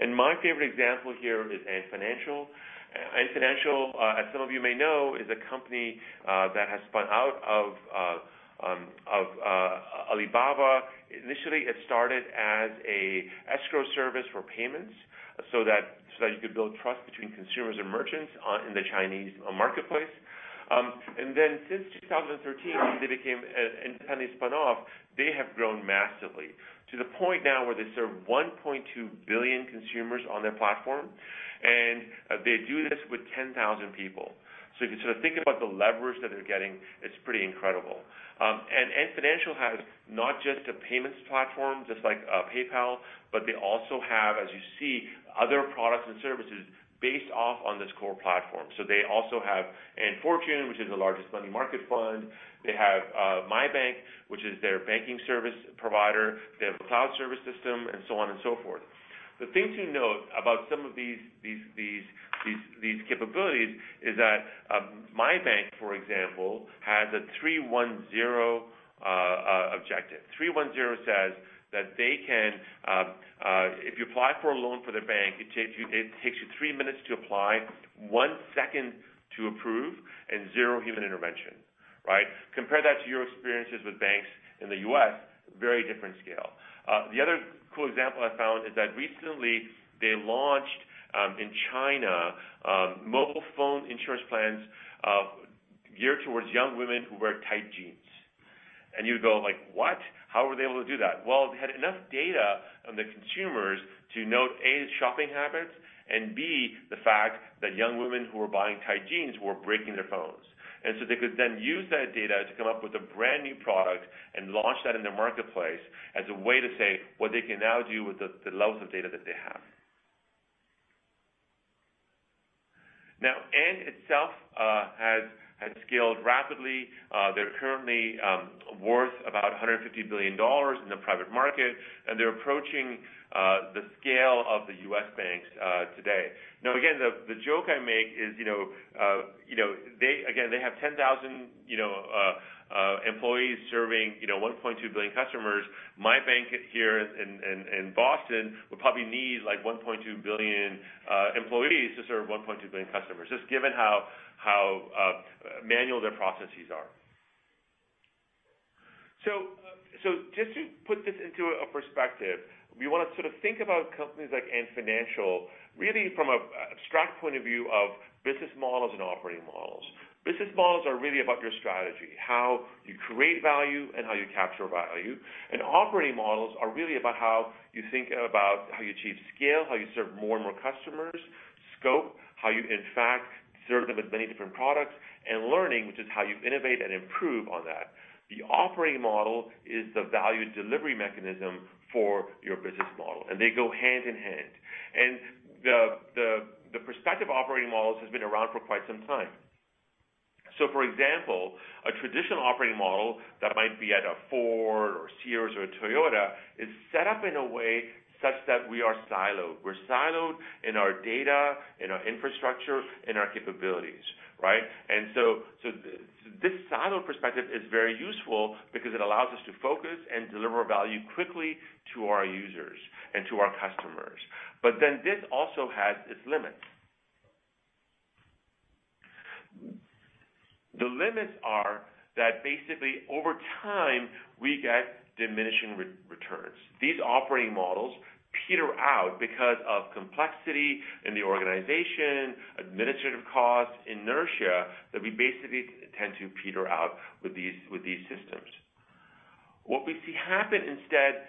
My favorite example here is Ant Financial. Ant Financial, as some of you may know, is a company that has spun out of Alibaba. Initially, it started as a escrow service for payments so that you could build trust between consumers and merchants in the Chinese marketplace. Since 2013, they became independently spun off, they have grown massively to the point now where they serve 1.2 billion consumers on their platform, and they do this with 10,000 people. If you think about the leverage that they're getting, it's pretty incredible. Ant Financial has not just a payments platform, just like PayPal, but they also have, as you see, other products and services based off on this core platform. They also have Ant Fortune, which is the largest money market fund. They have MYbank, which is their banking service provider. They have a cloud service system, and so on and so forth. The thing to note about some of these capabilities is that MYbank, for example, has a 3:1:0 objective. 3:1:0 says that if you apply for a loan for the bank, it takes you three minutes to apply, one second to approve, and zero human intervention. Right? Compare that to your experiences with banks in the U.S., very different scale. The other cool example I found is that recently they launched in China, mobile phone insurance plans geared towards young women who wear tight jeans. You go, "What? How were they able to do that?" Well, they had enough data on the consumers to note, A, shopping habits, and B, the fact that young women who were buying tight jeans were breaking their phones. They could then use that data to come up with a brand-new product and launch that in their marketplace as a way to say what they can now do with the levels of data that they have. Ant itself has scaled rapidly. They're currently worth about $150 billion in the private market. They're approaching the scale of the U.S. banks today. Again, the joke I make is, they have 10,000 employees serving 1.2 billion customers. My bank here in Boston would probably need 1.2 billion employees to serve 1.2 billion customers, just given how manual their processes are. Just to put this into a perspective, we want to think about companies like Ant Financial really from an abstract point of view of business models and operating models. Business models are really about your strategy, how you create value, and how you capture value. Operating models are really about how you think about how you achieve scale, how you serve more and more customers. Scope, how you in fact serve them with many different products. Learning, which is how you innovate and improve on that. The operating model is the value delivery mechanism for your business model, and they go hand in hand. The perspective operating models has been around for quite some time. For example, a traditional operating model that might be at a Ford or Sears or a Toyota is set up in a way such that we are siloed. We're siloed in our data, in our infrastructure, in our capabilities, right? This siloed perspective is very useful because it allows us to focus and deliver value quickly to our users and to our customers. This also has its limits. The limits are that basically over time, we get diminishing returns. These operating models peter out because of complexity in the organization, administrative costs, inertia, that we basically tend to peter out with these systems. What we see happen instead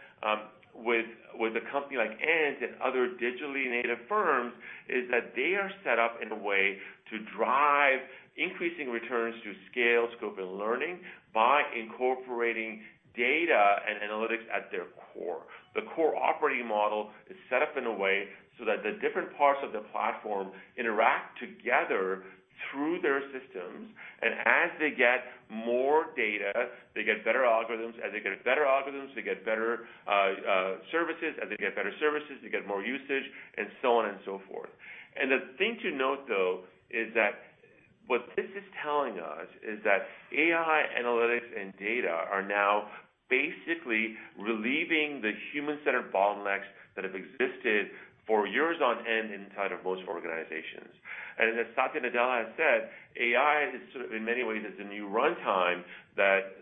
with a company like Ant and other digitally native firms, is that they are set up in a way to drive increasing returns through scale, scope, and learning by incorporating data and analytics at their core. The core operating model is set up in a way so that the different parts of the platform interact together through their systems, and as they get more data, they get better algorithms. As they get better algorithms, they get better services. As they get better services, they get more usage, and so on and so forth. The thing to note, though, is that what this is telling us is that AI analytics and data are now basically relieving the human-centered bottlenecks that have existed for years on end inside of most organizations. As Satya Nadella has said, AI is sort of in many ways is the new runtime that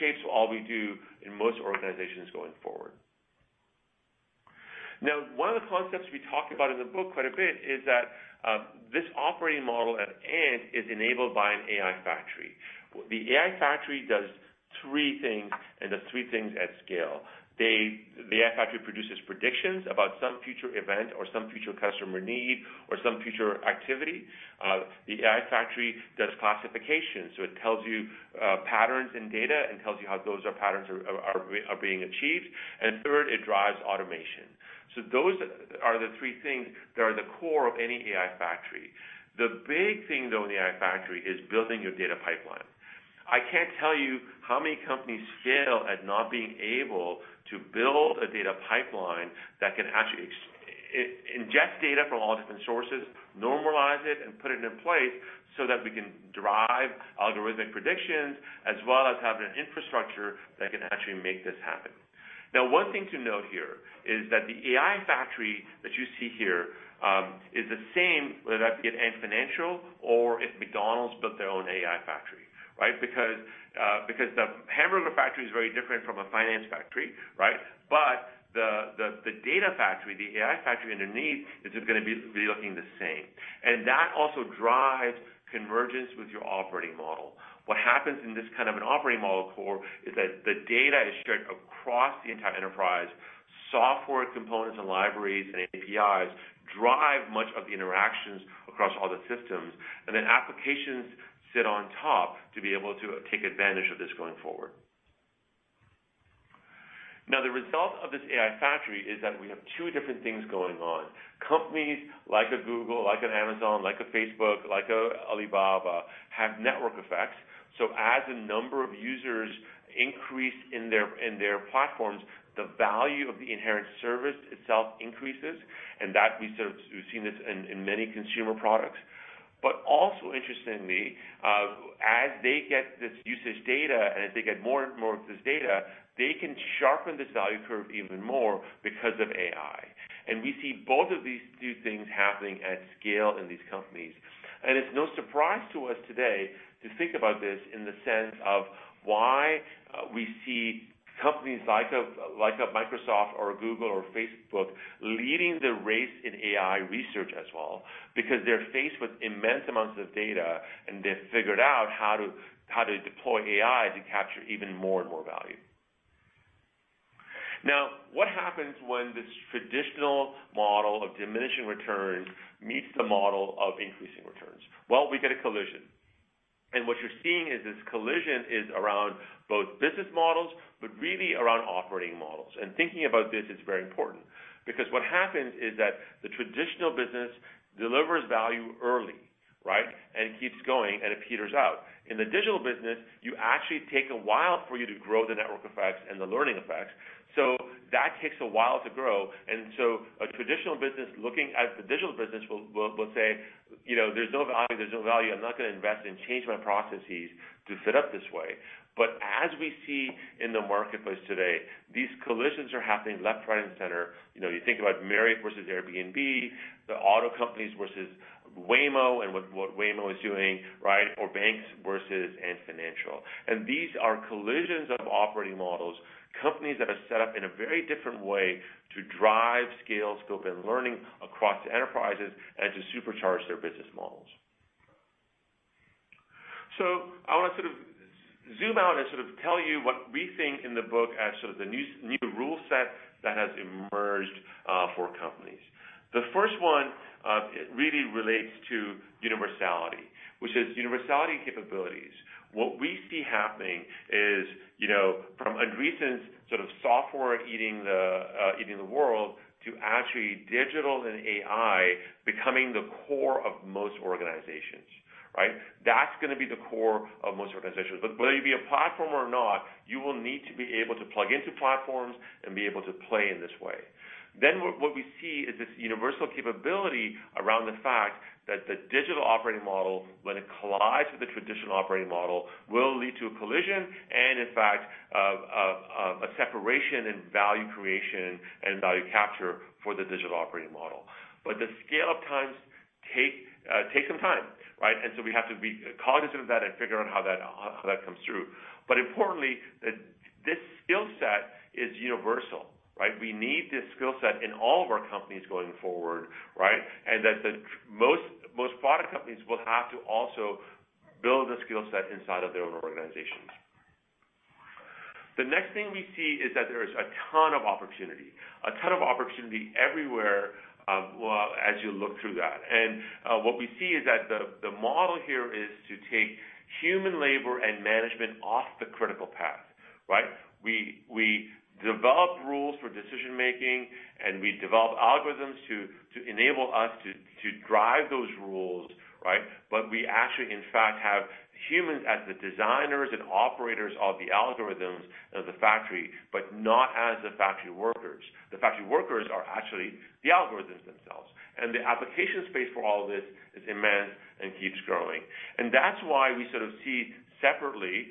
shapes all we do in most organizations going forward. One of the concepts we talk about in the book quite a bit is that this operating model at Ant is enabled by an AI factory. The AI factory does three things and does three things at scale. The AI factory produces predictions about some future event or some future customer need or some future activity. The AI factory does classification, so it tells you patterns in data and tells you how those patterns are being achieved. Third, it drives automation. Those are the three things that are the core of any AI factory. The big thing, though, in the AI factory is building your data pipeline. I can't tell you how many companies fail at not being able to build a data pipeline that can actually inject data from all different sources, normalize it, and put it in place so that we can derive algorithmic predictions as well as have an infrastructure that can actually make this happen. One thing to note here is that the AI factory that you see here is the same, whether that's at Ant Financial or if McDonald's built their own AI factory, right? The hamburger factory is very different from a finance factory, right? The data factory, the AI factory underneath, is just going to be looking the same. That also drives convergence with your operating model. What happens in this kind of an operating model core is that the data is shared across the entire enterprise. Software components and libraries and APIs drive much of the interactions across all the systems, and then applications sit on top to be able to take advantage of this going forward. Now, the result of this AI factory is that we have two different things going on. Companies like a Google, like an Amazon, like a Facebook, like a Alibaba, have network effects. As the number of users increase in their platforms, the value of the inherent service itself increases, and that we've seen this in many consumer products. Also interestingly, as they get this usage data, and as they get more and more of this data, they can sharpen this value curve even more because of AI. We see both of these two things happening at scale in these companies. It's no surprise to us today to think about this in the sense of why we see companies like a Microsoft or a Google or Facebook leading the race in AI research as well, because they're faced with immense amounts of data, and they've figured out how to deploy AI to capture even more and more value. What happens when this traditional model of diminishing returns meets the model of increasing returns? Well, we get a collision. What you're seeing is this collision is around both business models, but really around operating models. Thinking about this is very important because what happens is that the traditional business delivers value early, right? Keeps going, and it peters out. In the digital business, you actually take a while for you to grow the network effects and the learning effects, so that takes a while to grow. A traditional business looking at the digital business will say, "There's no value. I'm not going to invest and change my processes to set up this way." As we see in the marketplace today, these collisions are happening left, right, and center. You think about Marriott versus Airbnb, the auto companies versus Waymo and what Waymo is doing, right, or banks versus Ant Financial. These are collisions of operating models, companies that are set up in a very different way to drive scale, scope, and learning across enterprises and to supercharge their business models. I want to sort of zoom out and tell you what we think in the book as new rule set that has emerged for companies. The first one really relates to universality, which is universality capabilities. What we see happening is from a recent sort of software eating the world to actually digital and AI becoming the core of most organizations, right? That's going to be the core of most organizations. Whether you be a platform or not, you will need to be able to plug into platforms and be able to play in this way. What we see is this universal capability around the fact that the digital operating model, when it collides with the traditional operating model, will lead to a collision and in fact, a separation in value creation and value capture for the digital operating model. The scale up times take some time, right? We have to be cognizant of that and figure out how that comes through. Importantly, this skill set is universal, right? We need this skill set in all of our companies going forward, right? That the most product companies will have to also build a skill set inside of their own organizations. The next thing we see is that there is a ton of opportunity, a ton of opportunity everywhere, as you look through that. What we see is that the model here is to take human labor and management off the critical path, right? We develop rules for decision making, and we develop algorithms to enable us to drive those rules, right? We actually, in fact, have humans as the designers and operators of the algorithms of the factory, but not as the factory workers. The factory workers are actually the algorithms themselves. The application space for all of this is immense and keeps growing. That's why we sort of see separately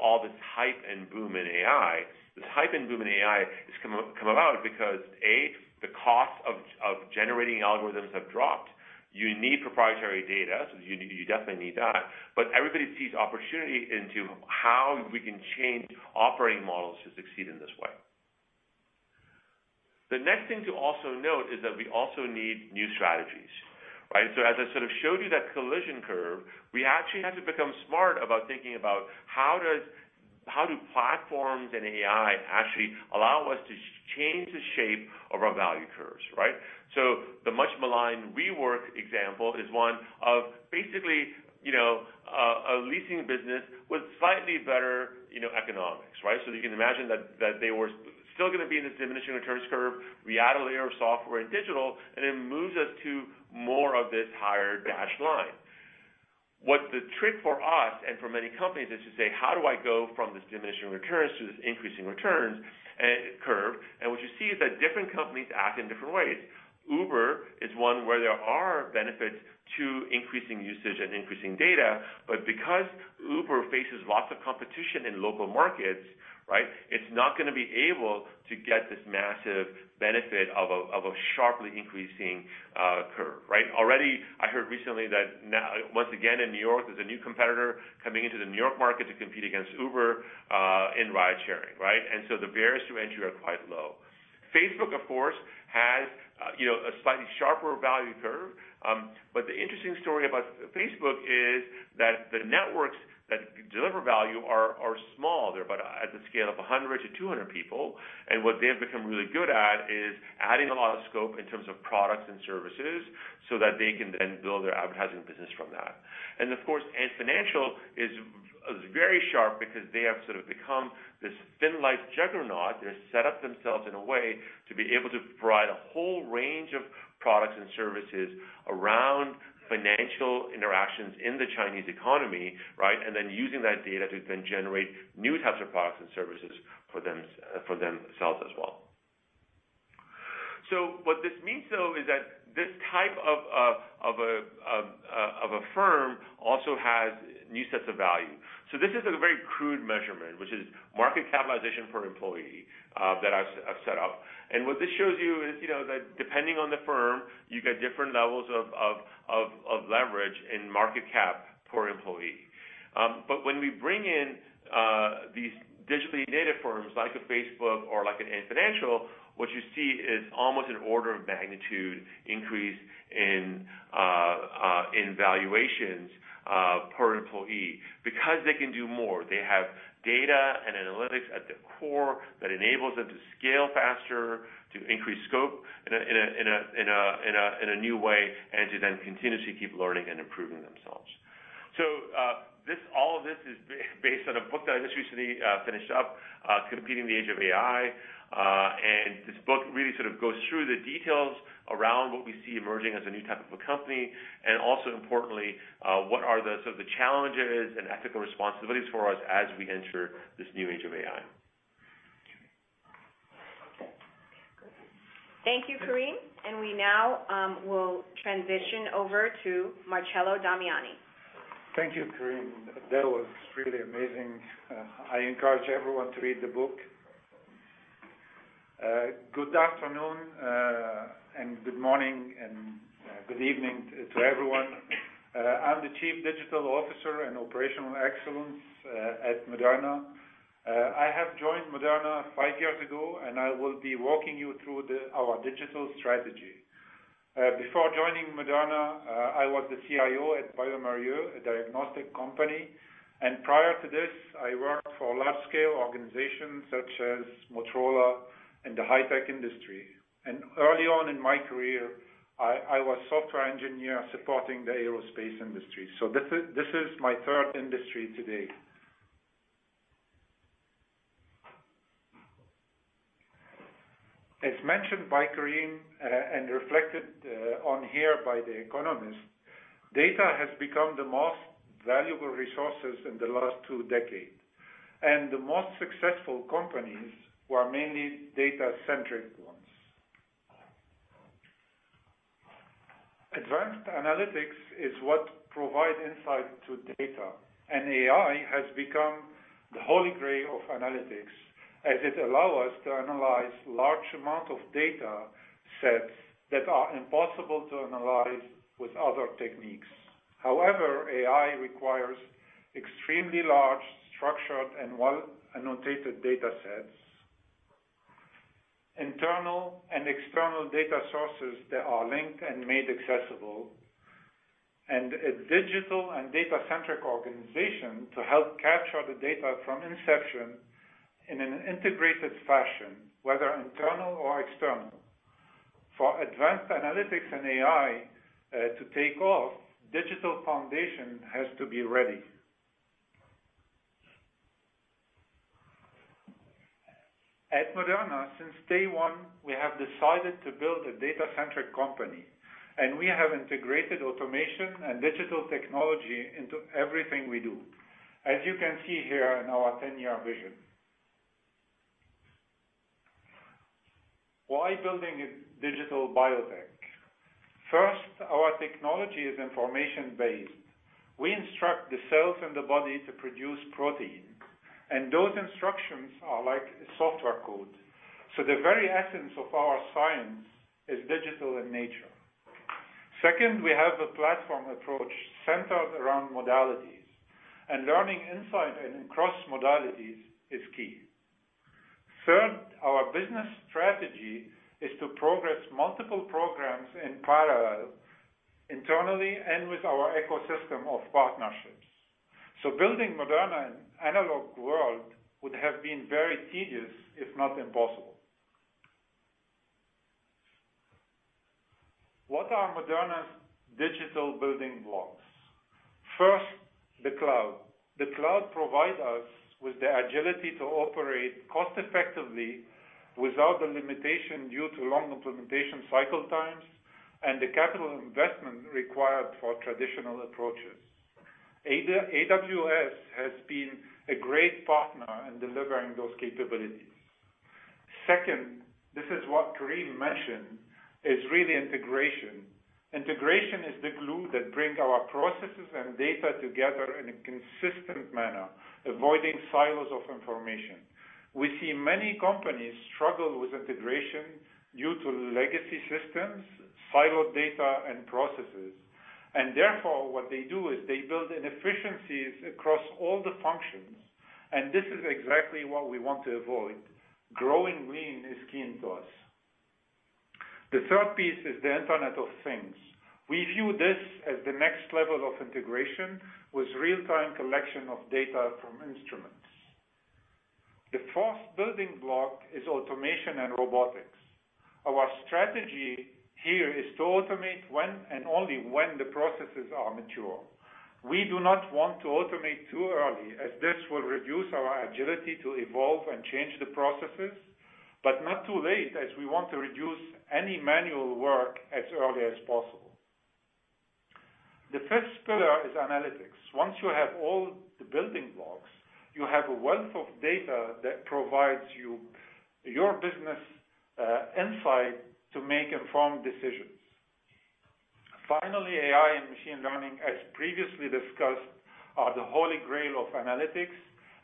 all this hype and boom in AI. This hype and boom in AI has come about because, A, the cost of generating algorithms have dropped. You need proprietary data, so you definitely need that. Everybody sees opportunity into how we can change operating models to succeed in this way. The next thing to also note is that we also need new strategies, right? As I sort of showed you that collision curve, we actually have to become smart about thinking about how do platforms and AI actually allow us to change the shape of our value curves, right. The much-maligned WeWork example is one of basically, a leasing business with slightly better economics, right? You can imagine that they were still going to be in this diminishing returns curve. We add a layer of software and digital, and it moves us to more of this higher dashed line. What the trick for us and for many companies is to say, how do I go from this diminishing returns to this increasing returns curve. What you see is that different companies act in different ways. Uber is one where there are benefits to increasing usage and increasing data. Because Uber faces lots of competition in local markets, right, it's not going to be able to get this massive benefit of a sharply increasing curve, right? Already, I heard recently that once again in New York, there's a new competitor coming into the New York market to compete against Uber in ride sharing, right? The barriers to entry are quite low. Facebook, of course, has a slightly sharper value curve. The interesting story about Facebook is that the networks that deliver value are small. They're about at the scale of 100-200 people. What they have become really good at is adding a lot of scope in terms of products and services so that they can then build their advertising business from that. Of course, Ant Financial is very sharp because they have sort of become this thin life juggernaut. They've set up themselves in a way to be able to provide a whole range of products and services around financial interactions in the Chinese economy, right? Using that data to then generate new types of products and services for themselves as well. What this means, though, is that this type of a firm also has new sets of value. This is a very crude measurement, which is market capitalization per employee that I've set up. What this shows you is that depending on the firm, you get different levels of leverage in market cap per employee. When we bring in these digitally native firms, like a Facebook or like an Ant Financial, what you see is almost an order of magnitude increase in valuations per employee because they can do more. They have data and analytics at the core that enables them to scale faster, to increase scope in a new way, and to then continuously keep learning and improving themselves. All of this is based on a book that I just recently finished up, Competing in the Age of AI. This book really sort of goes through the details around what we see emerging as a new type of a company, and also importantly, what are the sort of the challenges and ethical responsibilities for us as we enter this new age of AI. Thank you, Karim. We now will transition over to Marcello Damiani. Thank you, Karim. That was really amazing. I encourage everyone to read the book. Good afternoon, and good morning and good evening to everyone. I'm the Chief Digital Officer and Operational Excellence at Moderna. I have joined Moderna five years ago, and I will be walking you through our digital strategy. Before joining Moderna, I was the CIO at bioMérieux, a diagnostic company. Prior to this, I worked for large-scale organizations such as Motorola in the high-tech industry. Early on in my career, I was a software engineer supporting the aerospace industry. This is my third industry today. As mentioned by Karim and reflected on here by The Economist, data has become the most valuable resources in the last two decades, and the most successful companies were mainly data-centric ones. Advanced analytics is what provide insight to data, and AI has become the holy grail of analytics as it allow us to analyze large amount of data sets that are impossible to analyze with other techniques. However, AI requires extremely large, structured, and well-annotated data sets, internal and external data sources that are linked and made accessible, and a digital and data-centric organization to help capture the data from inception in an integrated fashion, whether internal or external. For advanced analytics and AI to take off, digital foundation has to be ready. At Moderna, since day one, we have decided to build a data-centric company, and we have integrated automation and digital technology into everything we do, as you can see here in our 10 year vision. Why building a digital biotech? First, our technology is information-based. We instruct the cells in the body to produce protein, and those instructions are like software code. The very essence of our science is digital in nature. Second, we have a platform approach centered around modalities, and learning insight and across modalities is key. Third, our business strategy is to progress multiple programs in parallel, internally and with our ecosystem of partnerships. Building Moderna in analog world would have been very tedious, if not impossible. What are Moderna's digital building blocks? First, the cloud. The cloud provide us with the agility to operate cost effectively without the limitation due to long implementation cycle times and the capital investment required for traditional approaches. AWS has been a great partner in delivering those capabilities. Second, this is what Karim mentioned, is really integration. Integration is the glue that brings our processes and data together in a consistent manner, avoiding silos of information. We see many companies struggle with integration due to legacy systems, siloed data and processes, therefore what they do is they build inefficiencies across all the functions, this is exactly what we want to avoid. Growing lean is key to us. The third piece is the Internet of Things. We view this as the next level of integration with real-time collection of data from instruments. The fourth building block is automation and robotics. Our strategy here is to automate when and only when the processes are mature. We do not want to automate too early as this will reduce our agility to evolve and change the processes, but not too late as we want to reduce any manual work as early as possible. The fifth pillar is analytics. Once you have all the building blocks, you have a wealth of data that provides your business insight to make informed decisions. Finally, AI and machine learning, as previously discussed, are the holy grail of analytics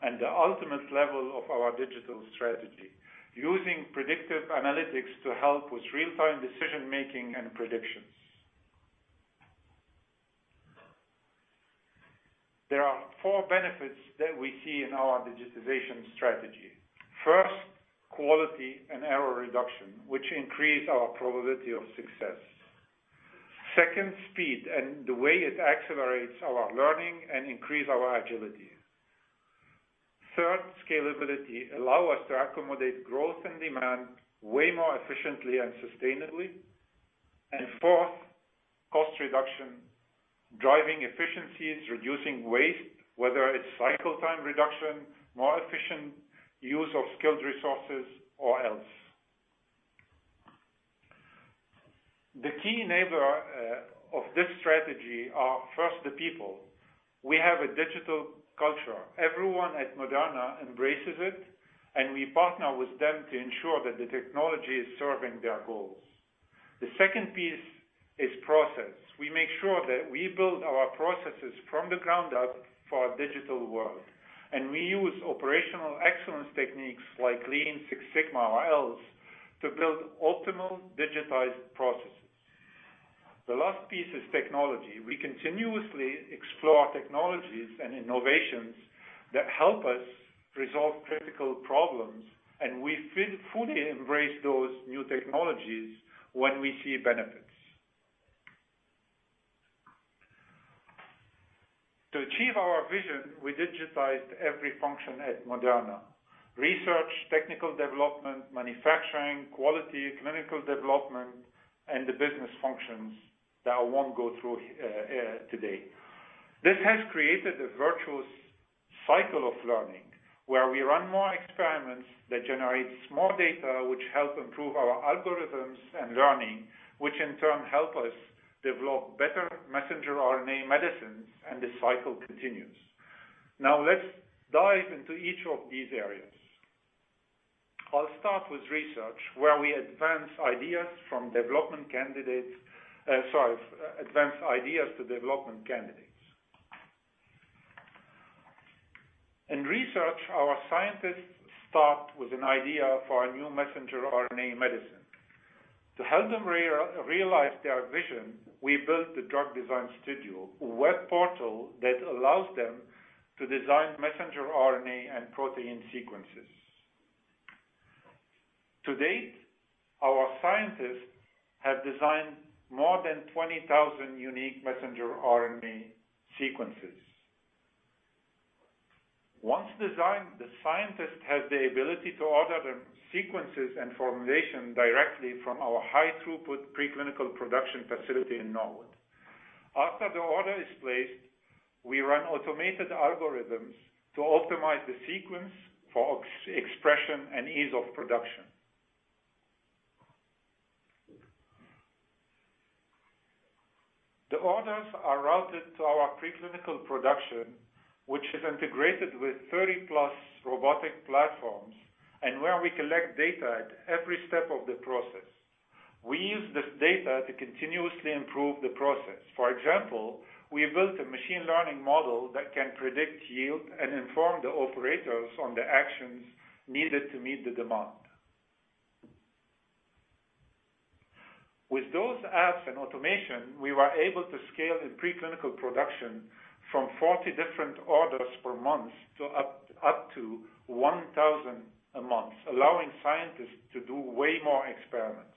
and the ultimate level of our digital strategy, using predictive analytics to help with real-time decision making and predictions. There are four benefits that we see in our digitization strategy. First, quality and error reduction, which increase our probability of success. Second, speed and the way it accelerates our learning and increase our agility. Third, scalability allow us to accommodate growth and demand way more efficiently and sustainably. Fourth, cost reduction, driving efficiencies, reducing waste, whether it's cycle time reduction, more efficient use of skilled resources, or else. The key enabler of this strategy are first the people. We have a digital culture. Everyone at Moderna embraces it and we partner with them to ensure that the technology is serving their goals. The second piece is process. We make sure that we build our processes from the ground up for a digital world, We use operational excellence techniques like Lean, Six Sigma or else to build optimal digitized processes. The last piece is technology. We continuously explore technologies and innovations that help us resolve critical problems, and we fully embrace those new technologies when we see benefits. To achieve our vision, we digitized every function at Moderna: research, technical development, manufacturing, quality, clinical development, and the business functions that I won't go through today. This has created a virtuous cycle of learning, where we run more experiments that generate more data, which help improve our algorithms and learning, which in turn help us develop better messenger RNA medicines, and this cycle continues. Let's dive into each of these areas. I'll start with research, where we advance ideas to development candidates. In research, our scientists start with an idea for a new messenger RNA medicine. To help them realize their vision, we built the Drug Design Studio, a web portal that allows them to design messenger RNA and protein sequences. To date, our scientists have designed more than 20,000 unique messenger RNA sequences. Once designed, the scientist has the ability to order the sequences and formulation directly from our high throughput preclinical production facility in Norwood. After the order is placed, we run automated algorithms to optimize the sequence for expression and ease of production. The orders are routed to our preclinical production, which is integrated with 30+ robotic platforms, and where we collect data at every step of the process. We use this data to continuously improve the process. For example, we built a machine learning model that can predict yield and inform the operators on the actions needed to meet the demand. With those apps and automation, we were able to scale the preclinical production from 40 different orders per month to up to 1,000 a month, allowing scientists to do way more experiments.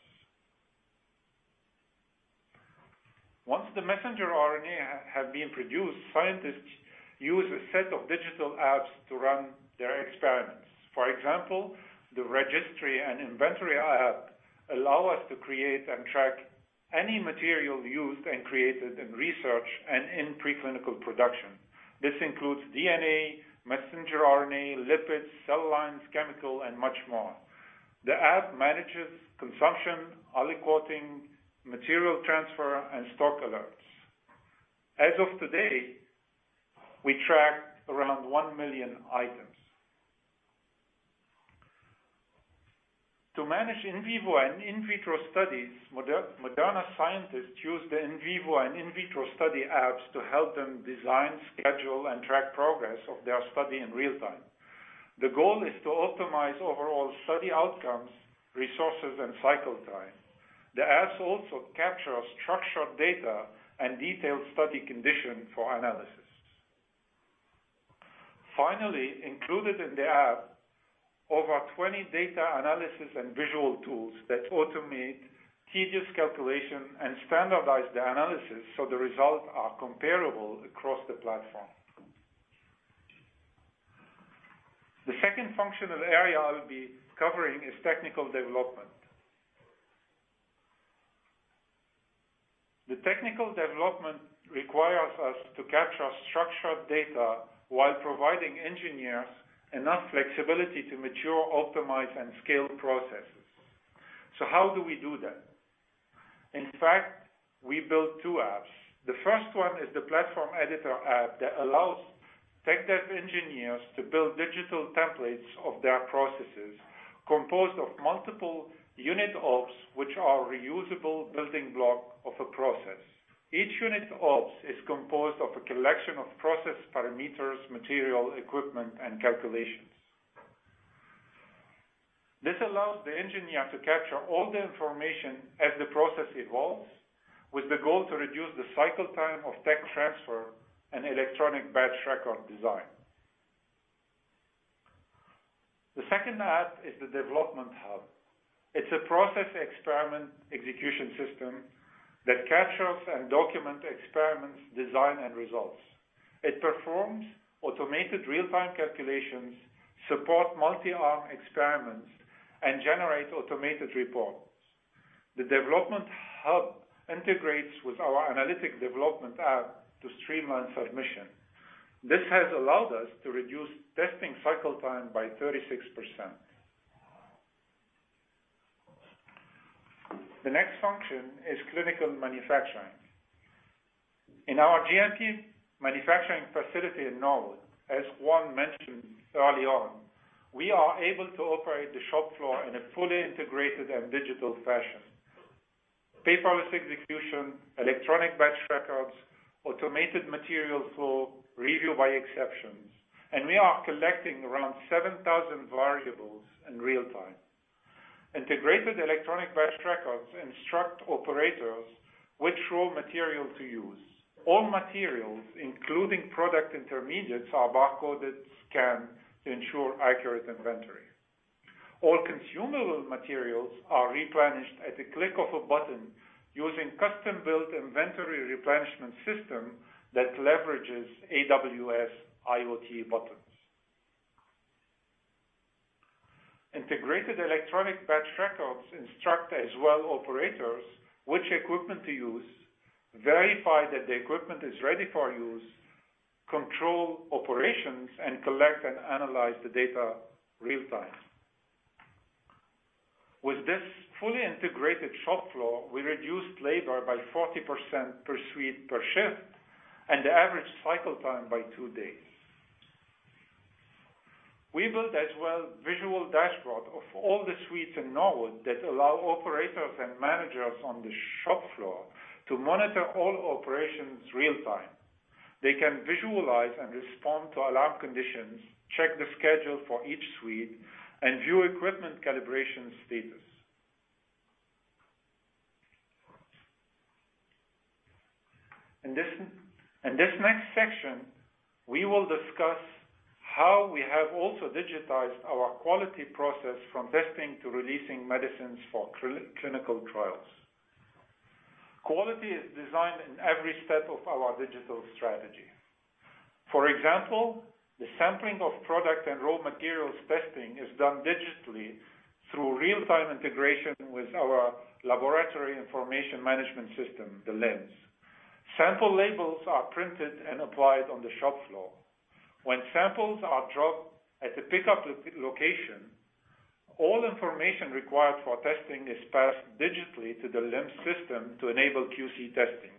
Once the messenger RNA have been produced, scientists use a set of digital apps to run their experiments. For example, the registry and inventory app allow us to create and track any material used and created in research and in preclinical production. This includes DNA, messenger RNA, lipids, cell lines, chemicals, and much more. The app manages consumption, aliquoting, material transfer, and stock alerts. As of today, we tracked around 1 million items. To manage in vivo and in vitro studies, Moderna scientists use the in vivo and in vitro study apps to help them design, schedule, and track progress of their study in real time. The goal is to optimize overall study outcomes, resources, and cycle time. The apps also capture structured data and detailed study conditions for analysis. Finally, included in the app, over 20 data analysis and visual tools that automate tedious calculation and standardize the analysis so the results are comparable across the platform. The second functional area I'll be covering is technical development. The technical development requires us to capture structured data while providing engineers enough flexibility to mature, optimize, and scale processes. How do we do that? In fact, we built two apps. The first one is the platform editor app that allows tech dev engineers to build digital templates of their processes composed of multiple unit ops, which are reusable building block of a process. Each unit ops is composed of a collection of process parameters, material, equipment, and calculations. This allows the engineer to capture all the information as the process evolves, with the goal to reduce the cycle time of tech transfer and electronic batch record design. The second app is the development hub. It's a process experiment execution system that captures and document experiments, design, and results. It performs automated real-time calculations, support multi-arm experiments, and generates automated reports. The development hub integrates with our analytic development app to streamline submission. This has allowed us to reduce testing cycle time by 36%. The next function is clinical manufacturing. In our GMP manufacturing facility in Norwood, as Juan mentioned early on, we are able to operate the shop floor in a fully integrated and digital fashion. Paperless execution, electronic batch records, automated material flow, review by exceptions, and we are collecting around 7,000 variables in real time. Integrated electronic batch records instruct operators which raw material to use. All materials, including product intermediates, are bar-coded, scanned to ensure accurate inventory. All consumable materials are replenished at the click of a button using custom-built inventory replenishment system that leverages AWS IoT buttons. Integrated electronic batch records instruct as well operators which equipment to use, verify that the equipment is ready for use, control operations, and collect and analyze the data real-time. With this fully integrated shop floor, we reduced labor by 40% per suite per shift, and the average cycle time by two days. We built as well visual dashboard of all the suites in Norwood that allow operators and managers on the shop floor to monitor all operations real-time. They can visualize and respond to alarm conditions, check the schedule for each suite, and view equipment calibration status. In this next section, we will discuss how we have also digitized our quality process from testing to releasing medicines for clinical trials. Quality is designed in every step of our digital strategy. For example, the sampling of product and raw materials testing is done digitally through real-time integration with our laboratory information management system, the LIMS. Sample labels are printed and applied on the shop floor. When samples are dropped at the pickup location, all information required for testing is passed digitally to the LIMS system to enable QC testing.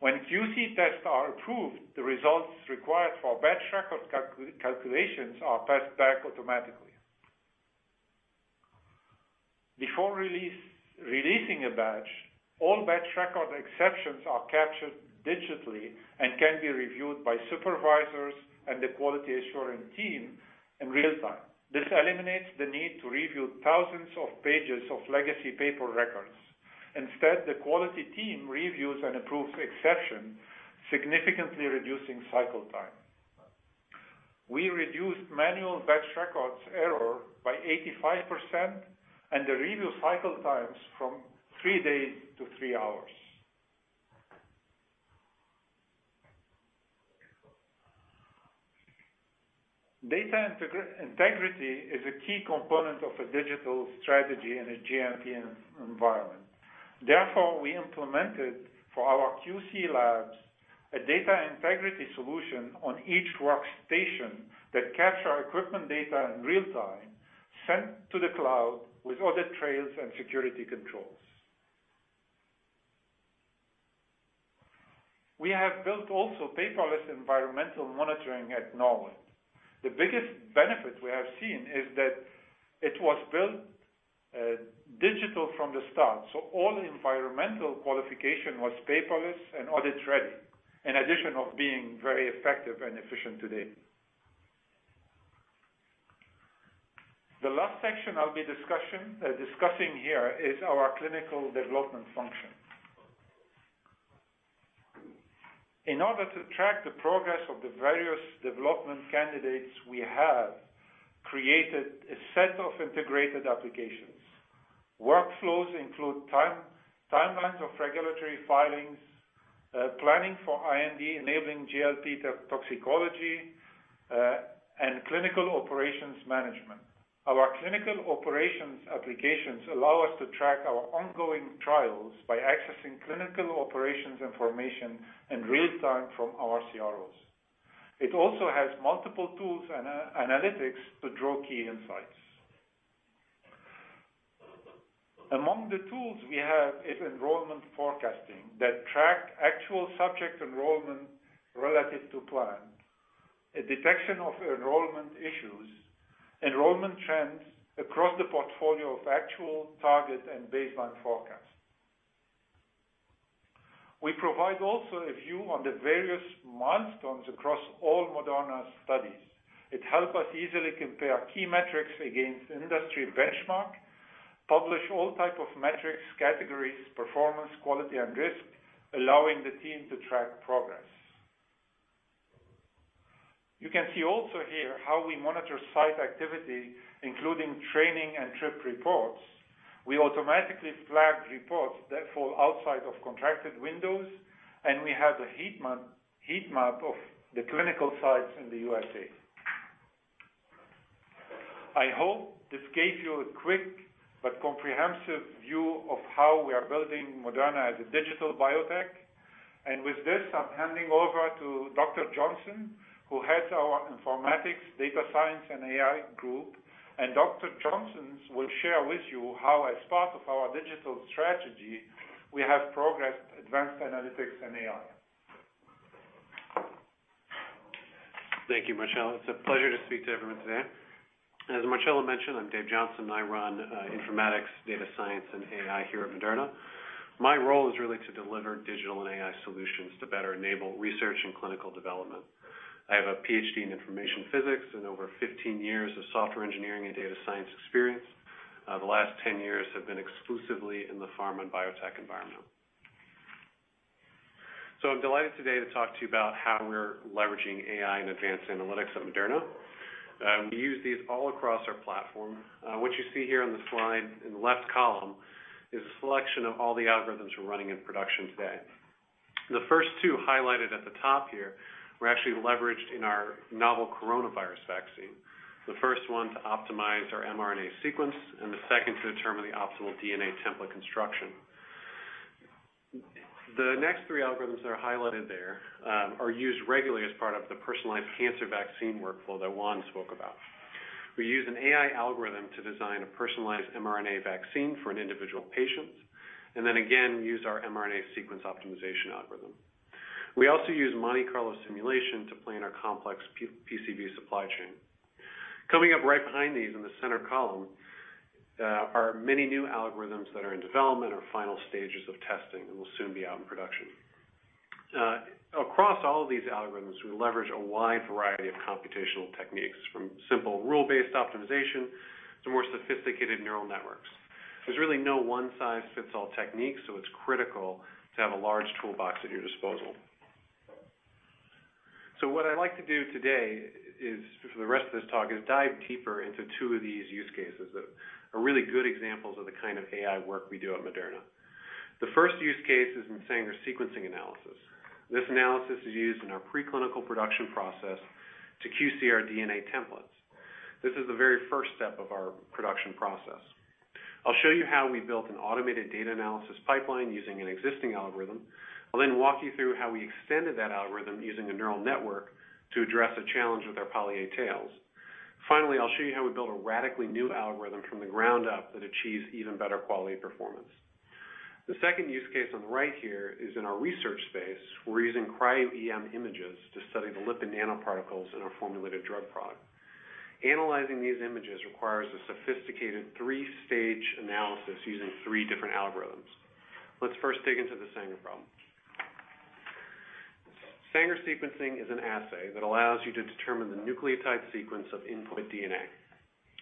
When QC tests are approved, the results required for batch record calculations are passed back automatically. Before releasing a batch, all batch record exceptions are captured digitally and can be reviewed by supervisors and the quality assurance team in real-time. This eliminates the need to review thousands of pages of legacy paper records. Instead, the quality team reviews and approves exception, significantly reducing cycle time. We reduced manual batch records error by 85%, and the review cycle times from three days to three hours. Data integrity is a key component of a digital strategy in a GMP environment. We implemented for our QC labs a data integrity solution on each workstation that capture equipment data in real-time, sent to the cloud with audit trails and security controls. We have built also paperless environmental monitoring at Norwood. The biggest benefit we have seen is that it was built digital from the start, so all environmental qualification was paperless and audit ready, in addition of being very effective and efficient today. The last section I'll be discussing here is our clinical development function. In order to track the progress of the various development candidates, we have created a set of integrated applications. Workflows include timelines of regulatory filings, planning for IND-enabling GLP toxicology, and clinical operations management. Our clinical operations applications allow us to track our ongoing trials by accessing clinical operations information in real time from our CROs. It also has multiple tools and analytics to draw key insights. Among the tools we have is enrollment forecasting that track actual subject enrollment relative to plan, a detection of enrollment issues, enrollment trends across the portfolio of actual target and baseline forecast. We provide also a view on the various milestones across all Moderna studies. It help us easily compare key metrics against industry benchmark, publish all type of metrics, categories, performance, quality, and risk, allowing the team to track progress. You can see also here how we monitor site activity, including training and trip reports. We automatically flag reports that fall outside of contracted windows, and we have a heat map of the clinical sites in the U.S.A. I hope this gave you a quick but comprehensive view of how we are building Moderna as a digital biotech. With this, I'm handing over to Dr. Johnson, who heads our informatics, data science, and AI group, and Dr. Johnson will share with you how as part of our digital strategy, we have progressed advanced analytics and AI. Thank you, Marcello. It's a pleasure to speak to everyone today. As Marcello mentioned, I'm Dave Johnson. I run informatics, data science, and AI here at Moderna. My role is really to deliver digital and AI solutions to better enable research and clinical development. I have a PhD in Information Physics and over 15 years of software engineering and data science experience. The last 10 years have been exclusively in the pharma and biotech environment. I'm delighted today to talk to you about how we're leveraging AI and advanced analytics at Moderna. We use these all across our platform. What you see here on the slide in the left column is a selection of all the algorithms we're running in production today. The first two highlighted at the top here were actually leveraged in our novel coronavirus vaccine, the first one to optimize our mRNA sequence, and the second to determine the optimal DNA template construction. The next three algorithms that are highlighted there are used regularly as part of the personalized cancer vaccine workflow that Juan spoke about. We use an AI algorithm to design a personalized mRNA vaccine for an individual patient. Then again, we use our mRNA sequence optimization algorithm. We also use Monte Carlo simulation to plan our complex PCV supply chain. Coming up right behind these in the center column are many new algorithms that are in development or final stages of testing and will soon be out in production. Across all of these algorithms, we leverage a wide variety of computational techniques, from simple rule-based optimization to more sophisticated neural networks. There's really no one-size-fits-all technique, so it's critical to have a large toolbox at your disposal. What I'd like to do today for the rest of this talk is dive deeper into two of these use cases that are really good examples of the kind of AI work we do at Moderna. The first use case is in Sanger sequencing analysis. This analysis is used in our preclinical production process to QC our DNA templates. This is the very first step of our production process. I'll show you how we built an automated data analysis pipeline using an existing algorithm. I'll then walk you through how we extended that algorithm using a neural network to address a challenge with our poly-A tails. Finally, I'll show you how we built a radically new algorithm from the ground up that achieves even better quality performance. The second use case on the right here is in our research space, where we're using cryo-EM images to study the lipid nanoparticles in our formulated drug product. Analyzing these images requires a sophisticated three stage analysis using three different algorithms. Let's first dig into the Sanger problem. Sanger sequencing is an assay that allows you to determine the nucleotide sequence of input DNA.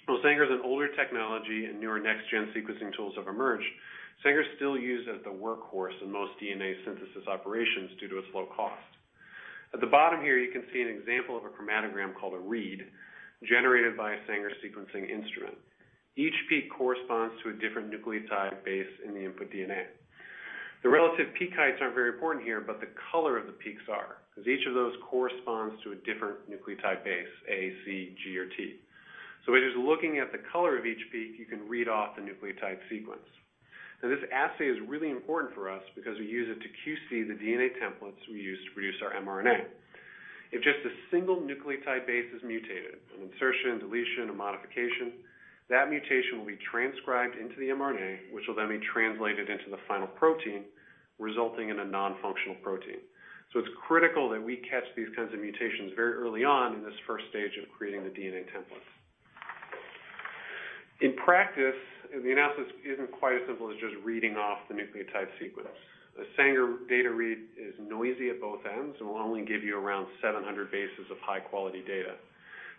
While Sanger is an older technology and newer next-gen sequencing tools have emerged, Sanger is still used as the workhorse in most DNA synthesis operations due to its low cost. At the bottom here, you can see an example of a chromatogram called a read generated by a Sanger sequencing instrument. Each peak corresponds to a different nucleotide base in the input DNA. The relative peak heights aren't very important here, but the color of the peaks are, because each of those corresponds to a different nucleotide base, A, C, G, or T. By just looking at the color of each peak, you can read off the nucleotide sequence. Now, this assay is really important for us because we use it to QC the DNA templates we use to produce our mRNA. If just a single nucleotide base is mutated, an insertion, deletion, a modification, that mutation will be transcribed into the mRNA, which will then be translated into the final protein, resulting in a non-functional protein. It's critical that we catch these kinds of mutations very early on in this first stage of creating the DNA template. In practice, the analysis isn't quite as simple as just reading off the nucleotide sequence. A Sanger data read is noisy at both ends and will only give you around 700 bases of high-quality data.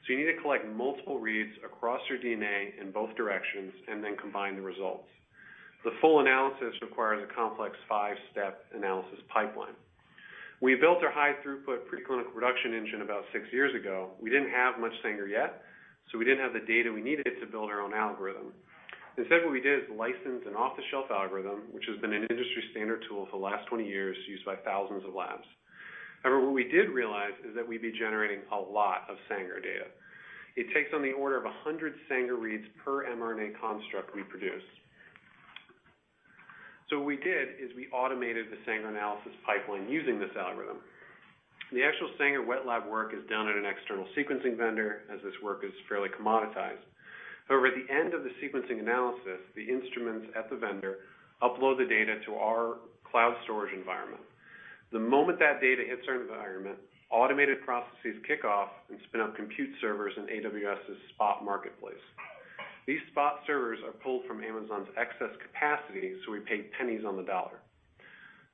You need to collect multiple reads across your DNA in both directions and then combine the results. The full analysis requires a complex five step analysis pipeline. We built our high-throughput preclinical production engine about six years ago. We didn't have much Sanger yet, so we didn't have the data we needed to build our own algorithm. Instead, what we did is license an off-the-shelf algorithm, which has been an industry-standard tool for the last 20 years, used by thousands of labs. However, what we did realize is that we'd be generating a lot of Sanger data. It takes on the order of 100 Sanger reads per mRNA construct we produce. What we did is we automated the Sanger analysis pipeline using this algorithm. The actual Sanger wet lab work is done at an external sequencing vendor, as this work is fairly commoditized. However, at the end of the sequencing analysis, the instruments at the vendor upload the data to our cloud storage environment. The moment that data hits our environment, automated processes kick off and spin up compute servers in AWS's Spot marketplace. These Spot servers are pulled from Amazon's excess capacity, so we pay pennies on the dollar.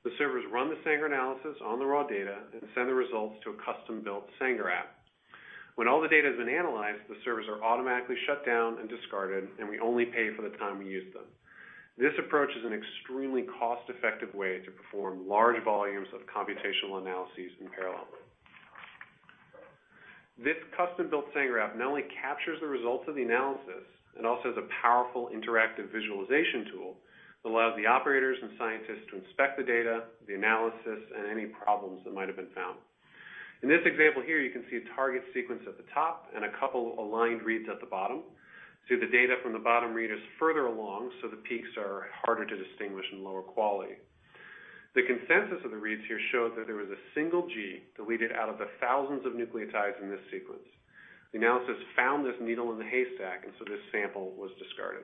The servers run the Sanger analysis on the raw data and send the results to a custom-built Sanger app. When all the data has been analyzed, the servers are automatically shut down and discarded, and we only pay for the time we use them. This approach is an extremely cost-effective way to perform large volumes of computational analyses in parallel. This custom-built Sanger app not only captures the results of the analysis, it also is a powerful interactive visualization tool that allows the operators and scientists to inspect the data, the analysis, and any problems that might have been found. In this example here, you can see a target sequence at the top and a couple aligned reads at the bottom. The data from the bottom read is further along, so the peaks are harder to distinguish and lower quality. The consensus of the reads here showed that there was a single G deleted out of the thousands of nucleotides in this sequence. The analysis found this needle in the haystack, this sample was discarded.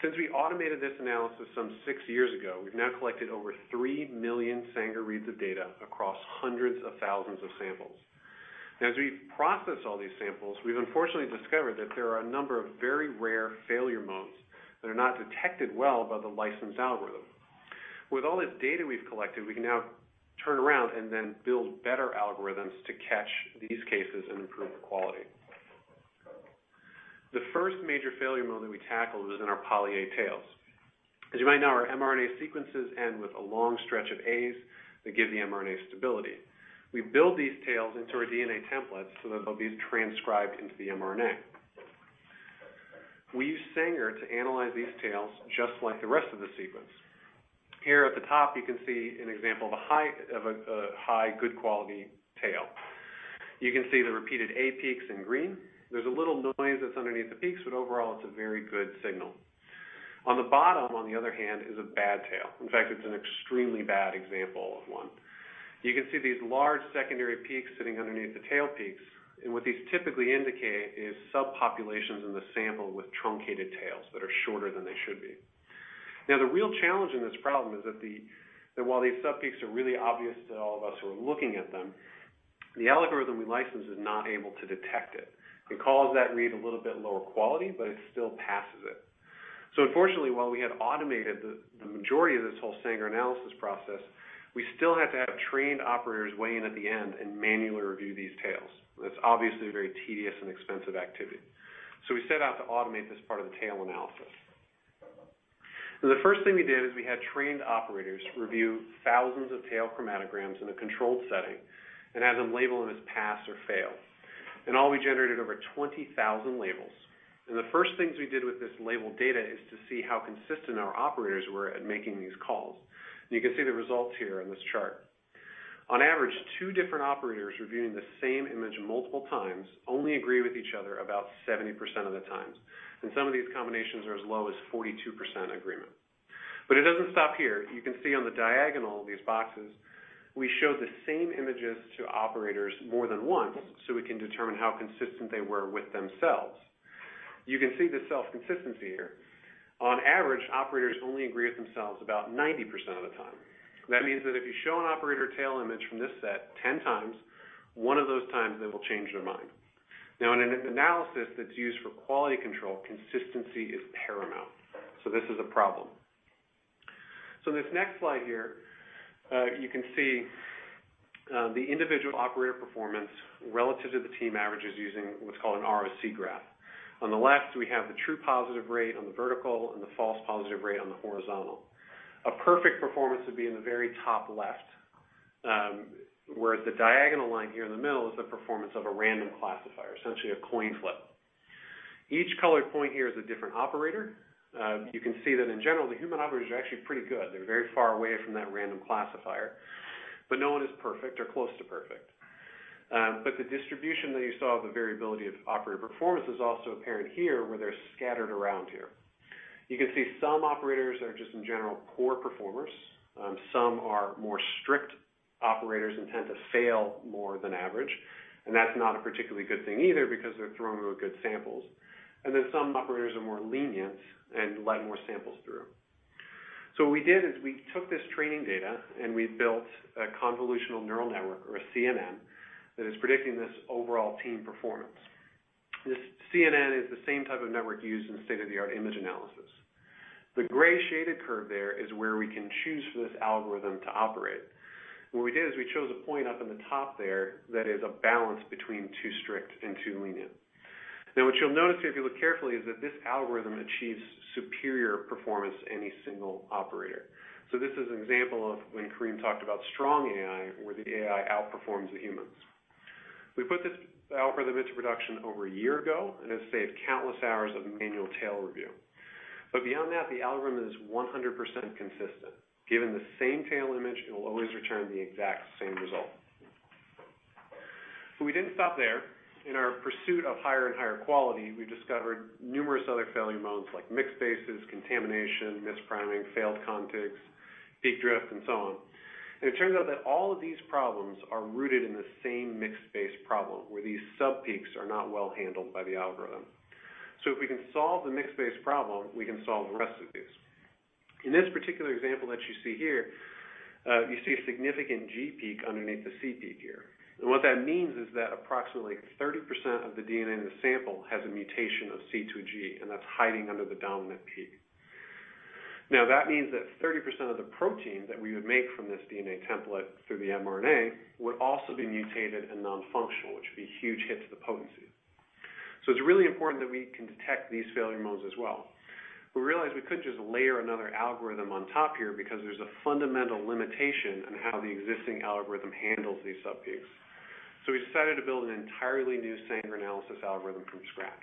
Since we automated this analysis some six years ago, we've now collected over 3 million Sanger reads of data across hundreds of thousands of samples. As we process all these samples, we've unfortunately discovered that there are a number of very rare failure modes that are not detected well by the licensed algorithm. With all this data we've collected, we can now turn around and then build better algorithms to catch these cases and improve the quality. The first major failure mode that we tackled is in our poly-A tails. As you might know, our mRNA sequences end with a long stretch of As that give the mRNA stability. We build these tails into our DNA templates so that they'll be transcribed into the mRNA. We use Sanger to analyze these tails just like the rest of the sequence. Here at the top, you can see an example of a high good quality tail. You can see the repeated A peaks in green. There's a little noise that's underneath the peaks, but overall, it's a very good signal. On the bottom, on the other hand, is a bad tail. In fact, it's an extremely bad example of one. You can see these large secondary peaks sitting underneath the tail peaks, and what these typically indicate is subpopulations in the sample with truncated tails that are shorter than they should be. The real challenge in this problem is that while these subpeaks are really obvious to all of us who are looking at them, the algorithm we licensed is not able to detect it. It calls that read a little bit lower quality, but it still passes it. Unfortunately, while we had automated the majority of this whole Sanger analysis process, we still had to have trained operators weigh in at the end and manually review these tails. That's obviously a very tedious and expensive activity. We set out to automate this part of the tail analysis. The first thing we did is we had trained operators review thousands of tail chromatograms in a controlled setting and have them label them as pass or fail. In all, we generated over 20,000 labels. The first things we did with this labeled data is to see how consistent our operators were at making these calls. You can see the results here on this chart. On average, two different operators reviewing the same image multiple times only agree with each other about 70% of the time, and some of these combinations are as low as 42% agreement. It doesn't stop here. You can see on the diagonal, these boxes, we show the same images to operators more than once so we can determine how consistent they were with themselves. You can see the self-consistency here. On average, operators only agree with themselves about 90% of the time. That means that if you show an operator a tail image from this set 10x, one of those times, they will change their mind. Now, in an analysis that's used for quality control, consistency is paramount, so this is a problem. This next slide here, you can see the individual operator performance relative to the team averages using what's called an ROC graph. On the left, we have the true positive rate on the vertical and the false positive rate on the horizontal. A perfect performance would be in the very top left, whereas the diagonal line here in the middle is the performance of a random classifier, essentially a coin flip. Each colored point here is a different operator. You can see that in general, the human operators are actually pretty good. They're very far away from that random classifier, but no one is perfect or close to perfect. The distribution that you saw of the variability of operator performance is also apparent here, where they're scattered around here. You can see some operators are just in general poor performers. Some are more strict operators and tend to fail more than average, and that's not a particularly good thing either, because they're throwing away good samples. Some operators are more lenient and let more samples through. What we did is we took this training data and we built a convolutional neural network, or a CNN, that is predicting this overall team performance. This CNN is the same type of network used in state-of-the-art image analysis. The gray shaded curve there is where we can choose for this algorithm to operate. What we did is we chose a point up in the top there that is a balance between too strict and too lenient. What you'll notice here if you look carefully, is that this algorithm achieves superior performance to any single operator. This is an example of when Karim talked about strong AI, where the AI outperforms the humans. We put this algorithm into production over a year ago, and it has saved countless hours of manual tail review. Beyond that, the algorithm is 100% consistent. Given the same tail image, it will always return the exact same result. We didn't stop there. In our pursuit of higher and higher quality, we discovered numerous other failure modes, like mixed bases, contamination, mispriming, failed contigs, peak drift, and so on. It turns out that all of these problems are rooted in the same mixed base problem, where these subpeaks are not well handled by the algorithm. If we can solve the mixed base problem, we can solve the rest of these. In this particular example that you see here, you see a significant G peak underneath the C peak here. What that means is that approximately 30% of the DNA in the sample has a mutation of C to G, and that's hiding under the dominant peak. That means that 30% of the protein that we would make from this DNA template through the mRNA would also be mutated and non-functional, which would be a huge hit to the potency. It's really important that we can detect these failure modes as well. We realized we couldn't just layer another algorithm on top here, because there's a fundamental limitation on how the existing algorithm handles these subpeaks. We decided to build an entirely new Sanger analysis algorithm from scratch.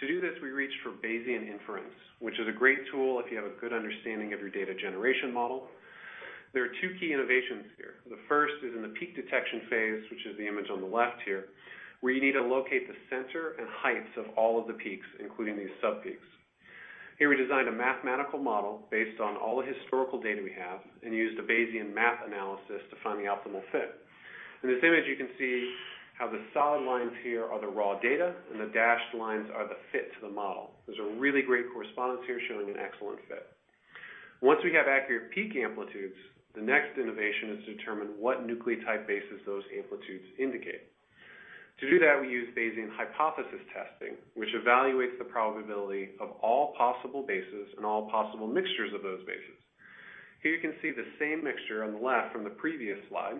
To do this, we reached for Bayesian inference, which is a great tool if you have a good understanding of your data generation model. There are two key innovations here. The first is in the peak detection phase, which is the image on the left here, where you need to locate the center and heights of all of the peaks, including these subpeaks. Here, we designed a mathematical model based on all the historical data we have and used a Bayesian math analysis to find the optimal fit. In this image, you can see how the solid lines here are the raw data and the dashed lines are the fit to the model. There's a really great correspondence here showing an excellent fit. Once we have accurate peak amplitudes, the next innovation is to determine what nucleotide bases those amplitudes indicate. To do that, we use Bayesian hypothesis testing, which evaluates the probability of all possible bases and all possible mixtures of those bases. Here you can see the same mixture on the left from the previous slide.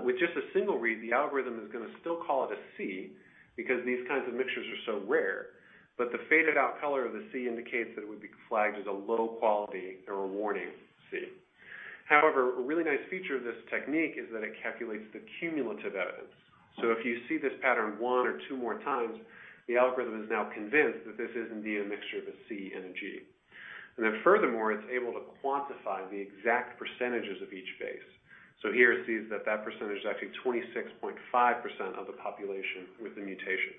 With just a single read, the algorithm is going to still call it a C because these kinds of mixtures are so rare, but the faded out color of the C indicates that it would be flagged as a low quality or a warning C. However, a really nice feature of this technique is that it calculates the cumulative evidence. If you see this pattern one or two more times, the algorithm is now convinced that this is indeed a mixture of a C and a G. Furthermore, it's able to quantify the exact percentages of each base. Here it sees that percentage is actually 26.5% of the population with the mutation.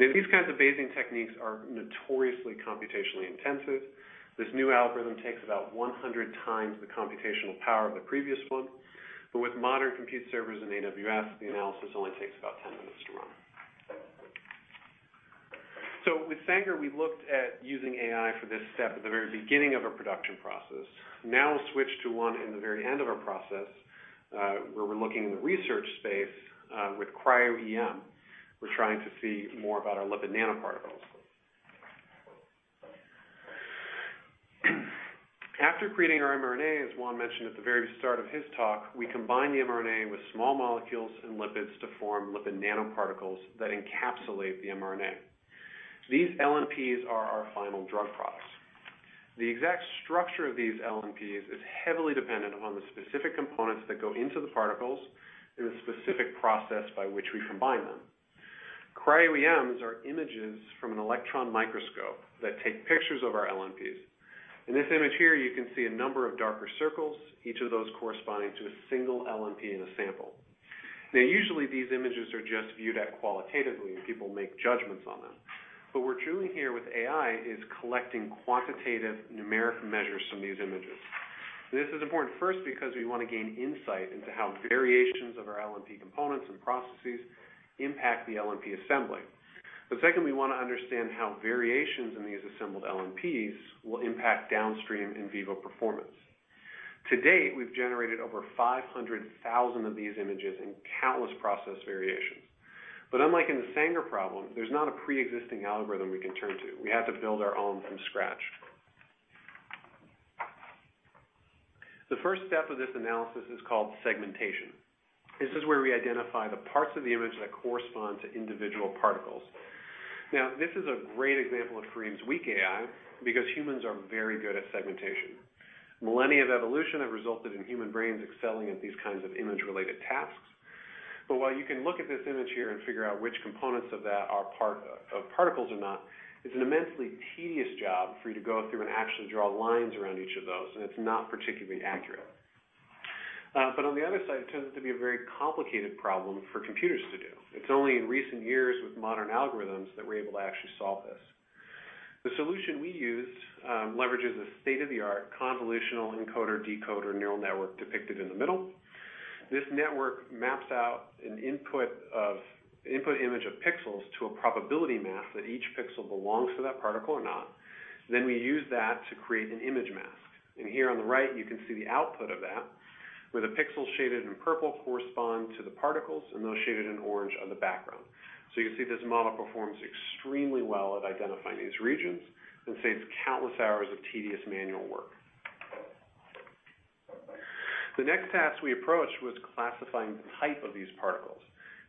Now, these kinds of Bayesian techniques are notoriously computationally intensive. This new algorithm takes about 100x the computational power of the previous one. With modern compute servers in AWS, the analysis only takes about 10 minutes to run. With Sanger, we looked at using AI for this step at the very beginning of our production process. Now we'll switch to one in the very end of our process, where we're looking in the research space, with cryo-EM. We're trying to see more about our lipid nanoparticles. After creating our mRNA, as Juan mentioned at the very start of his talk, we combine the mRNA with small molecules and lipids to form lipid nanoparticles that encapsulate the mRNA. These LNPs are our final drug products. The exact structure of these LNPs is heavily dependent upon the specific components that go into the particles and the specific process by which we combine them. Cryo-EMs are images from an electron microscope that take pictures of our LNPs. In this image here, you can see a number of darker circles, each of those corresponding to a single LNP in a sample. Usually these images are just viewed at qualitatively and people make judgments on them. What we're doing here with AI is collecting quantitative numeric measures from these images. This is important first because we want to gain insight into how variations of our LNP components and processes impact the LNP assembly. Second, we want to understand how variations in these assembled LNPs will impact downstream in vivo performance. To date, we've generated over 500,000 of these images in countless process variations. Unlike in the Sanger problem, there's not a preexisting algorithm we can turn to. We have to build our own from scratch. The first step of this analysis is called segmentation. This is where we identify the parts of the image that correspond to individual particles. This is a great example of Karim's weak AI, because humans are very good at segmentation. Millennia of evolution have resulted in human brains excelling at these kinds of image-related tasks. While you can look at this image here and figure out which components of that are particles or not, it's an immensely tedious job for you to go through and actually draw lines around each of those, and it's not particularly accurate. On the other side, it tends to be a very complicated problem for computers to do. It's only in recent years with modern algorithms that we're able to actually solve this. The solution we use leverages a state-of-the-art convolutional encoder-decoder neural network depicted in the middle. This network maps out an input image of pixels to a probability map that each pixel belongs to that particle or not. We use that to create an image mask. Here on the right, you can see the output of that, where the pixels shaded in purple correspond to the particles, and those shaded in orange are the background. You can see this model performs extremely well at identifying these regions and saves countless hours of tedious manual work. The next task we approached was classifying the type of these particles.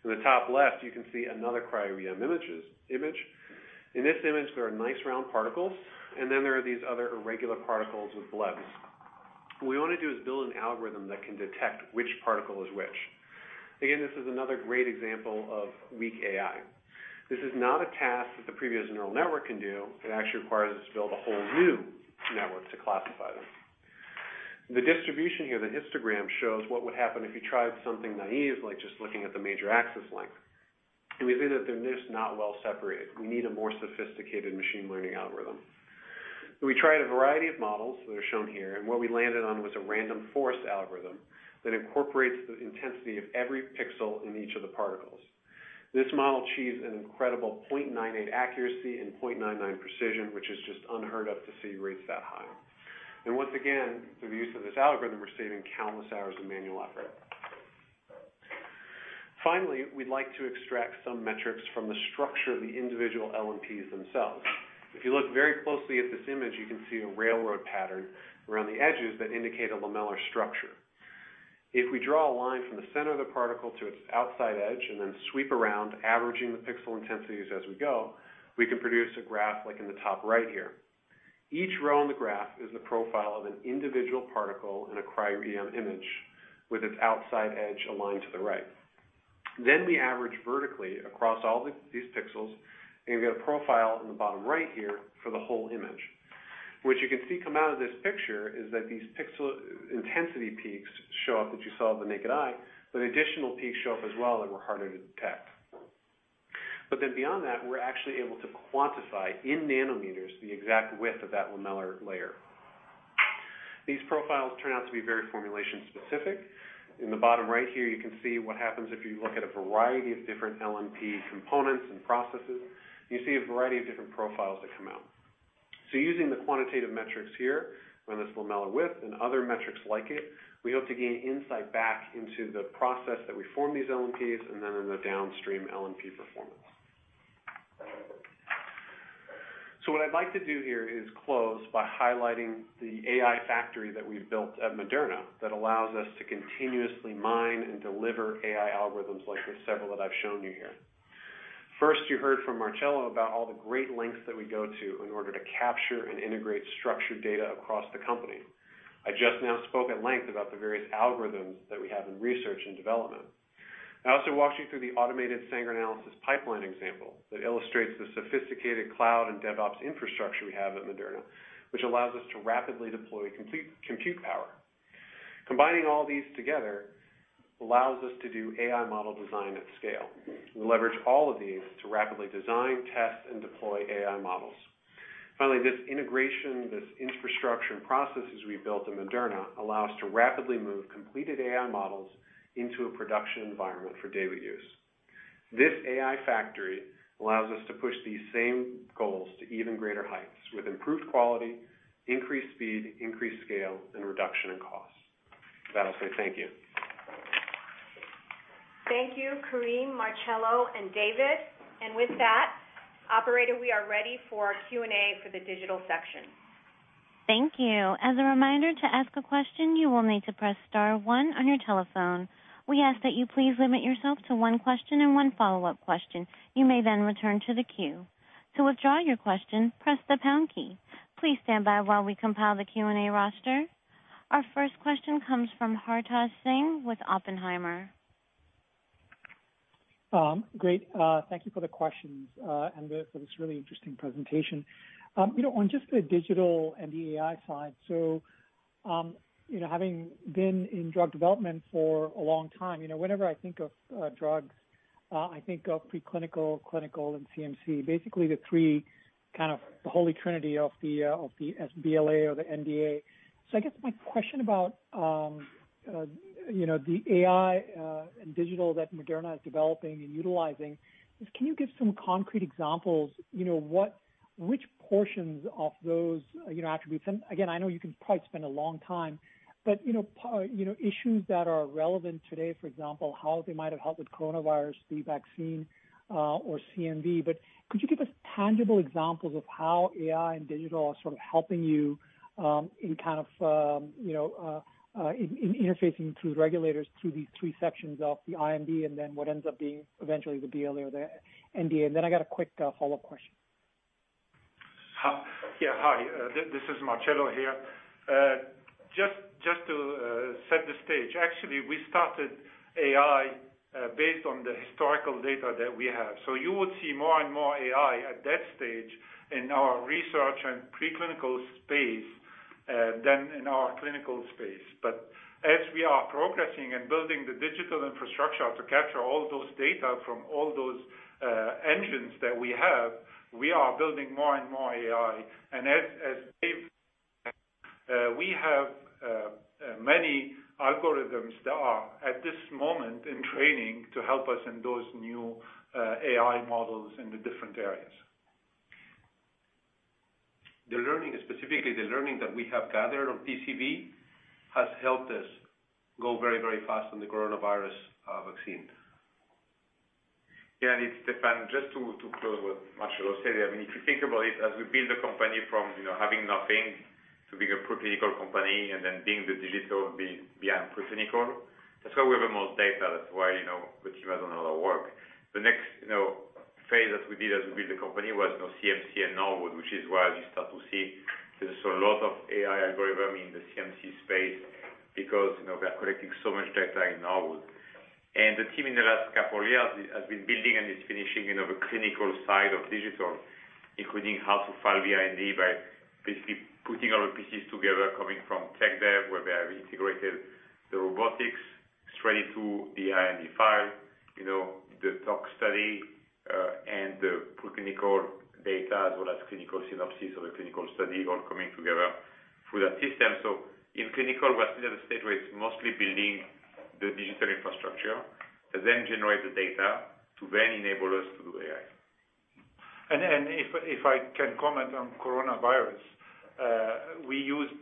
In the top left, you can see another cryo-EM image. In this image, there are nice round particles, and then there are these other irregular particles with blebs. What we want to do is build an algorithm that can detect which particle is which. Again, this is another great example of weak AI. This is not a task that the previous neural network can do. It actually requires us to build a whole new network to classify this. The distribution here, the histogram, shows what would happen if you tried something naive, like just looking at the major axis length. We see that they're just not well separated. We need a more sophisticated machine learning algorithm. We tried a variety of models that are shown here, and what we landed on was a random forest algorithm that incorporates the intensity of every pixel in each of the particles. This model achieves an incredible 0.98 accuracy and 0.99 precision, which is just unheard of to see rates that high. Once again, through the use of this algorithm, we're saving countless hours of manual effort. Finally, we'd like to extract some metrics from the structure of the individual LNPs themselves. If you look very closely at this image, you can see a railroad pattern around the edges that indicate a lamellar structure. If we draw a line from the center of the particle to its outside edge and then sweep around, averaging the pixel intensities as we go, we can produce a graph like in the top right here. Each row in the graph is the profile of an individual particle in a cryo-EM image with its outside edge aligned to the right. We average vertically across all these pixels, and we get a profile in the bottom right here for the whole image. What you can see come out of this picture is that these pixel intensity peaks show up that you saw with the naked eye, but additional peaks show up as well that were harder to detect. Beyond that, we're actually able to quantify in nanometers the exact width of that lamellar layer. These profiles turn out to be very formulation specific. In the bottom right here, you can see what happens if you look at a variety of different LNP components and processes. You see a variety of different profiles that come out. Using the quantitative metrics here, whether it's lamellar width and other metrics like it, we hope to gain insight back into the process that we form these LNPs, and then in the downstream LNP performance. What I'd like to do here is close by highlighting the AI factory that we've built at Moderna that allows us to continuously mine and deliver AI algorithms like the several that I've shown you here. First, you heard from Marcello about all the great lengths that we go to in order to capture and integrate structured data across the company. I just now spoke at length about the various algorithms that we have in research and development. I also walked you through the automated Sanger analysis pipeline example that illustrates the sophisticated cloud and DevOps infrastructure we have at Moderna, which allows us to rapidly deploy compute power. Combining all these together allows us to do AI model design at scale. We leverage all of these to rapidly design, test, and deploy AI models. Finally, this integration, this infrastructure and processes we built in Moderna allow us to rapidly move completed AI models into a production environment for daily use. This AI factory allows us to push these same goals to even greater heights with improved quality, increased speed, increased scale, and reduction in cost. With that I'll say thank you. Thank you, Karim, Marcello, and Dave. With that, operator, we are ready for Q&A for the digital section. Thank you. As a reminder, to ask a question, you will need to press star one on your telephone. We ask that you please limit yourself to one question and one follow-up question. You may then return to the queue. To withdraw your question, press the pound key. Please stand by while we compile the Q&A roster. Our first question comes from Hartaj Singh with Oppenheimer. Great. Thank you for the questions, and for this really interesting presentation. On just the digital and the AI side, so having been in drug development for a long time, whenever I think of drugs, I think of preclinical, clinical, and CMC, basically the three kind of the holy trinity of the BLA or the NDA. I guess my question about the AI and digital that Moderna is developing and utilizing is, can you give some concrete examples, which portions of those attributes, and again, I know you can probably spend a long time, but issues that are relevant today, for example, how they might have helped with coronavirus, the vaccine, or CMV, but could you give us tangible examples of how AI and digital are sort of helping you in interfacing through regulators through these three sections of the IND, and then what ends up being eventually the BLA or the NDA? Then I got a quick follow-up question. Yeah. Hi, this is Marcello here. Just to set the stage, actually, we started AI based on the historical data that we have. You would see more and more AI at that stage in our research and preclinical space than in our clinical space. As we are progressing and building the digital infrastructure to capture all those data from all those engines that we have, we are building more and more AI. As Dave said, we have many algorithms that are at this moment in training to help us in those new AI models in the different areas. The learning specifically, the learning that we have gathered on PCV has helped us go very fast on the coronavirus vaccine. Yeah, it's Stéphane. Just to close what Marcello said. If you think about it, as we built the company from having nothing to being a preclinical company and then being the digital behind preclinical, that's why we have the most data. That's why the team has done a lot of work. The next phase that we did as we built the company was CMC at Norwood, which is why you start to see there's a lot of AI algorithm in the CMC space because we are collecting so much data in Norwood. The team in the last couple years has been building and is finishing the clinical side of digital, including how to file the IND by basically putting all the pieces together, coming from tech dev, where we have integrated the robotics straight through the IND file, the tox study, and the preclinical data as well as clinical synopsis of the clinical study all coming together through that system. In clinical, we are still at a stage where it's mostly building the digital infrastructure to then generate the data to then enable us to do AI. If I can comment on coronavirus, we used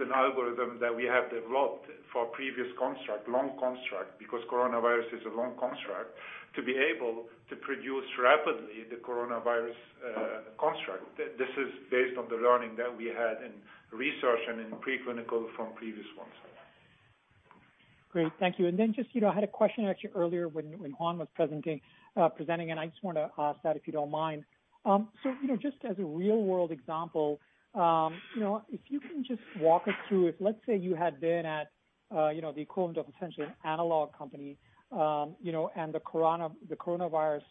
an algorithm that we have developed for previous construct, lung construct, because coronavirus is a lung construct, to be able to produce rapidly the coronavirus construct. This is based on the learning that we had in research and in preclinical from previous ones. Great. Thank you. Just, I had a question actually earlier when Juan was presenting, and I just wanted to ask that, if you don't mind. Just as a real-world example, if you can just walk us through, if let's say you had been at the equivalent of potentially an analog company, and the coronavirus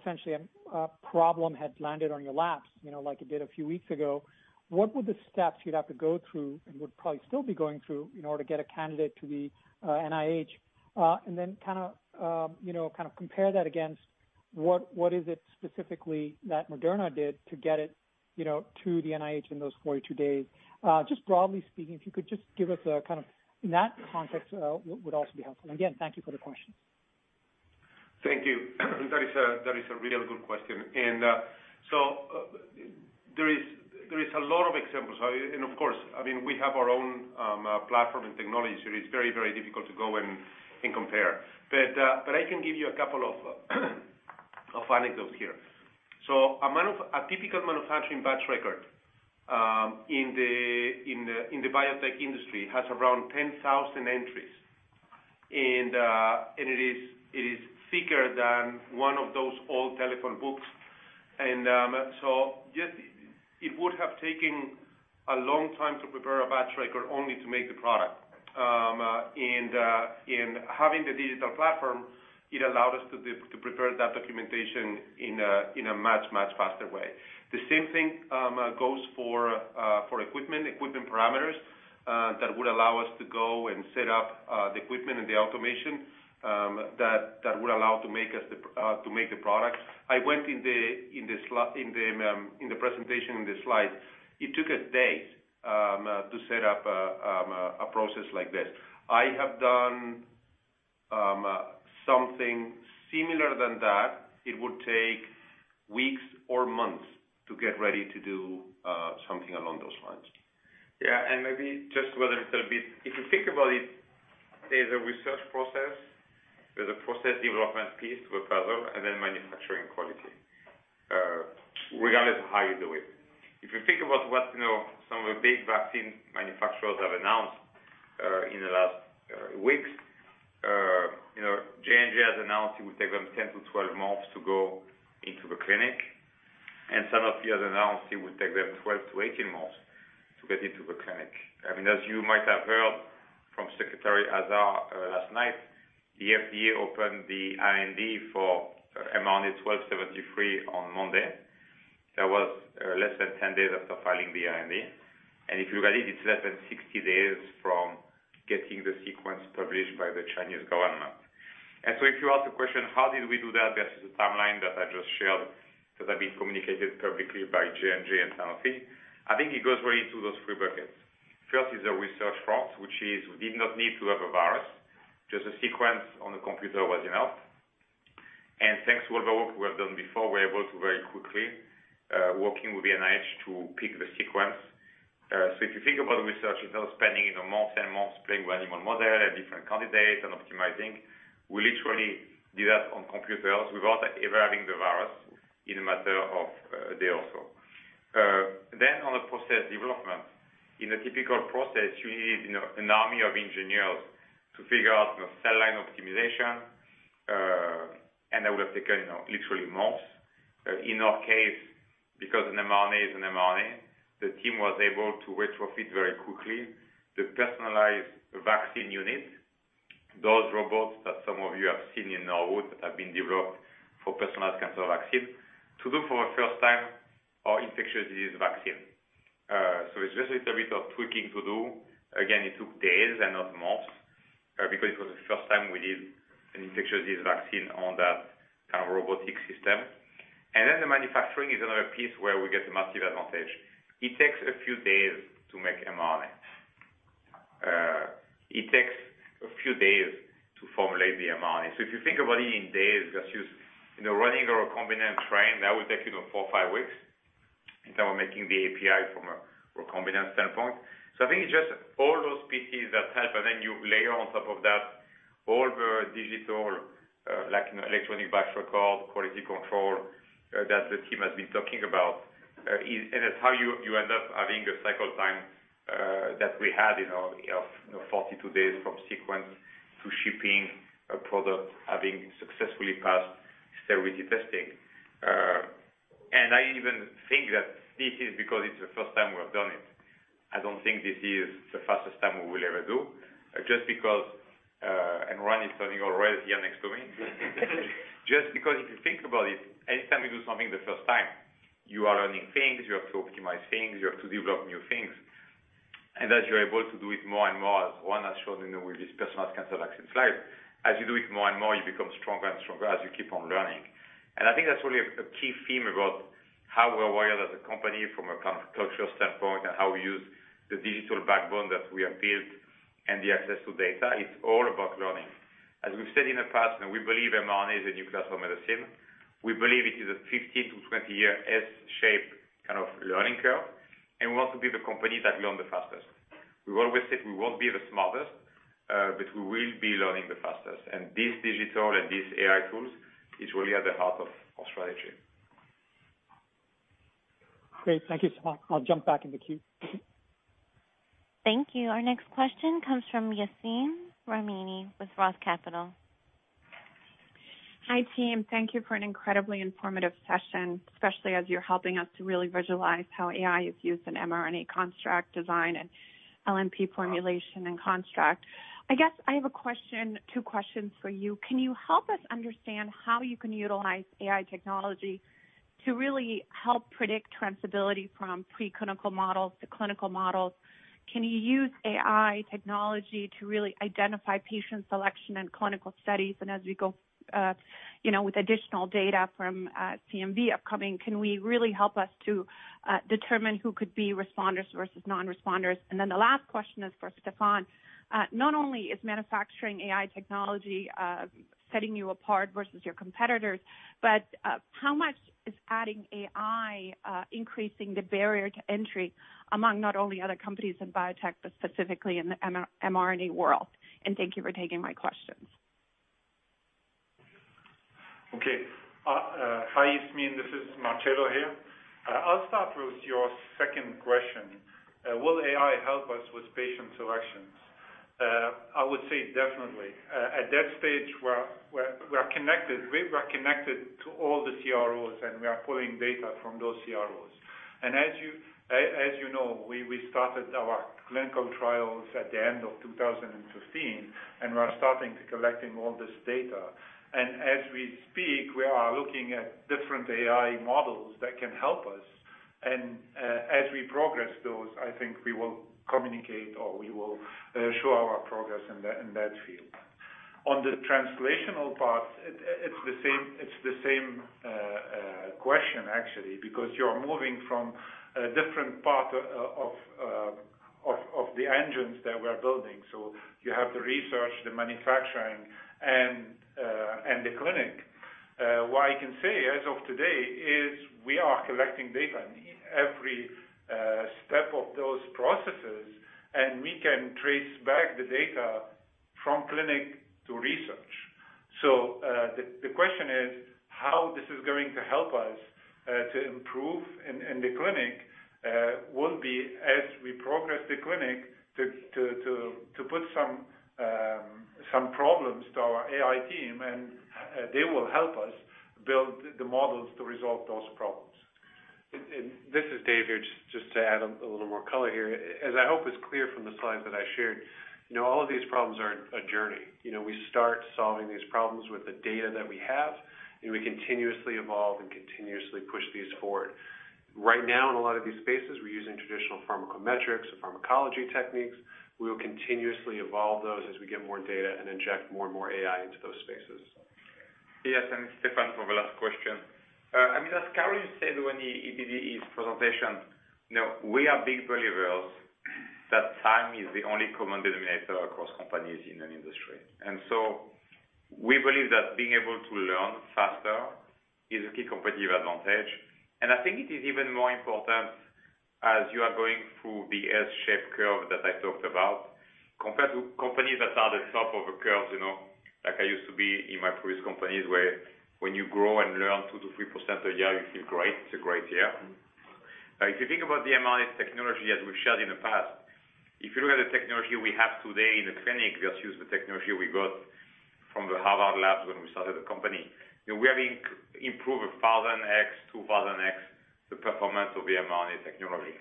essentially a problem had landed on your laps, like it did a few weeks ago. What were the steps you'd have to go through, and would probably still be going through in order to get a candidate to the NIH? Then kind of compare that against. What is it specifically that Moderna did to get it to the NIH in those 42 days? Just broadly speaking, if you could just give us a kind of in that context would also be helpful. Again, thank you for the question. Thank you. That is a really good question. There is a lot of examples. Of course, we have our own platform and technology. It's very difficult to go and compare. I can give you a couple of anecdotes here. A typical manufacturing batch record in the biotech industry has around 10,000 entries. It is thicker than one of those old telephone books. It would have taken a long time to prepare a batch record only to make the product. Having the digital platform, it allowed us to prepare that documentation in a much faster way. The same thing goes for equipment parameters that would allow us to go and set up the equipment and the automation that would allow to make the product. I went in the presentation, in the slide, it took us days to set up a process like this. I have done something similar than that. It would take weeks or months to get ready to do something along those lines. Maybe just a little bit, if you think about it, there's a research process, there's a process development piece to a puzzle, and then manufacturing quality, regardless of how you do it. If you think about what some of the big vaccine manufacturers have announced in the last weeks, J&J has announced it will take them 10-12 months to go into the clinic, and Sanofi has announced it would take them 12-18 months to get into the clinic. As you might have heard from Secretary Azar last night, the FDA opened the IND for mRNA-1273 on Monday. That was less than 10 days after filing the IND. If you read it's less than 60 days from getting the sequence published by the Chinese government. If you ask the question, how did we do that versus the timeline that I just shared, that have been communicated publicly by J&J and Sanofi, I think it goes really into those three buckets. First is the research front, which is we did not need to have a virus, just a sequence on the computer was enough. Thanks to all the work we have done before, we're able to very quickly, working with the NIH to pick the sequence. If you think about research, instead of spending months and months playing with animal model and different candidates and optimizing, we literally did that on computers without ever having the virus in a matter of a day or so. On the process development, in a typical process, you need an army of engineers to figure out cell line optimization, and that would have taken literally months. In our case, because an mRNA is an mRNA, the team was able to retrofit very quickly the personalized vaccine unit, those robots that some of you have seen in Norwood have been developed for personalized cancer vaccine, to do for the first time our infectious disease vaccine. It's just a little bit of tweaking to do. Again, it took days and not months, because it was the first time we did an infectious disease vaccine on that kind of robotic system. The manufacturing is another piece where we get a massive advantage. It takes a few days to make mRNA. It takes a few days to formulate the mRNA. If you think about it in days, just use running a recombinant train, that would take four, five weeks in terms of making the API from a recombinant standpoint. I think it's just all those pieces that help, and then you layer on top of that all the digital, like electronic batch record, quality control that the team has been talking about, and it's how you end up having a cycle time that we had of 42 days from sequence to shipping a product, having successfully passed sterility testing. I even think that this is because it's the first time we have done it. I don't think this is the fastest time we will ever do, just because, and Juan is turning already here next to me. Just because if you think about it, anytime you do something the first time, you are learning things, you have to optimize things, you have to develop new things. As you're able to do it more and more, as Juan has shown with this personalized cancer vaccine slide, as you do it more and more, you become stronger and stronger as you keep on learning. I think that's really a key theme about how we're wired as a company from a counter-cultural standpoint and how we use the digital backbone that we have built and the access to data. It's all about learning. As we've said in the past, we believe mRNA is the new class of medicine. We believe it is a 15-20 year S-shape kind of learning curve, and we want to be the company that learn the fastest. We've always said we won't be the smartest, but we will be learning the fastest. This digital and these AI tools is really at the heart of strategy. Great. Thank you so much. I'll jump back in the queue. Thank you. Our next question comes from Yasmeen Rahimi with ROTH Capital. Hi, team. Thank you for an incredibly informative session, especially as you're helping us to really visualize how AI is used in mRNA construct design and LNP formulation and construct. I guess I have a question, two questions for you. Can you help us understand how you can utilize AI technology? To really help predict transferability from preclinical models to clinical models, can you use AI technology to really identify patient selection in clinical studies? As we go with additional data from CMV upcoming, can we really help us to determine who could be responders versus non-responders? The last question is for Stéphane. Not only is manufacturing AI technology setting you apart versus your competitors, but how much is adding AI increasing the barrier to entry among not only other companies in biotech, but specifically in the mRNA world? Thank you for taking my questions. Okay. Hi, Yasmeen. This is Marcello here. I'll start with your second question. Will AI help us with patient selections? I would say definitely. At that stage, we're connected to all the CROs. We are pulling data from those CROs. As you know, we started our clinical trials at the end of 2015. We're starting to collecting all this data. As we speak, we are looking at different AI models that can help us. As we progress those, I think we will communicate or we will show our progress in that field. On the translational part, it's the same question, actually, because you're moving from a different part of the engines that we are building. You have the research, the manufacturing, and the clinic. What I can say as of today is we are collecting data in every step of those processes, and we can trace back the data from clinic to research. The question is how this is going to help us to improve in the clinic will be as we progress the clinic to put some problems to our AI team, and they will help us build the models to resolve those problems. This is Dave here, just to add a little more color here. As I hope is clear from the slides that I shared, all of these problems are a journey. We start solving these problems with the data that we have, and we continuously evolve and continuously push these forward. Right now, in a lot of these spaces, we're using traditional pharmacometrics and pharmacology techniques. We will continuously evolve those as we get more data and inject more and more AI into those spaces. Yes. It's Stéphane, for the last question. I mean, as Karim said when he did his presentation, we are big believers that time is the only common denominator across companies in an industry. We believe that being able to learn faster is a key competitive advantage. I think it is even more important as you are going through the S-shape curve that I talked about, compared to companies that are the top of a curve, like I used to be in my previous companies, where when you grow and learn 2%-3% a year, you feel great. It's a great year. If you think about the mRNA technology as we've shared in the past, if you look at the technology we have today in the clinic, we just use the technology we got from the Harvard labs when we started the company. We have improved 1,000x, 2,000x the performance of the mRNA technology.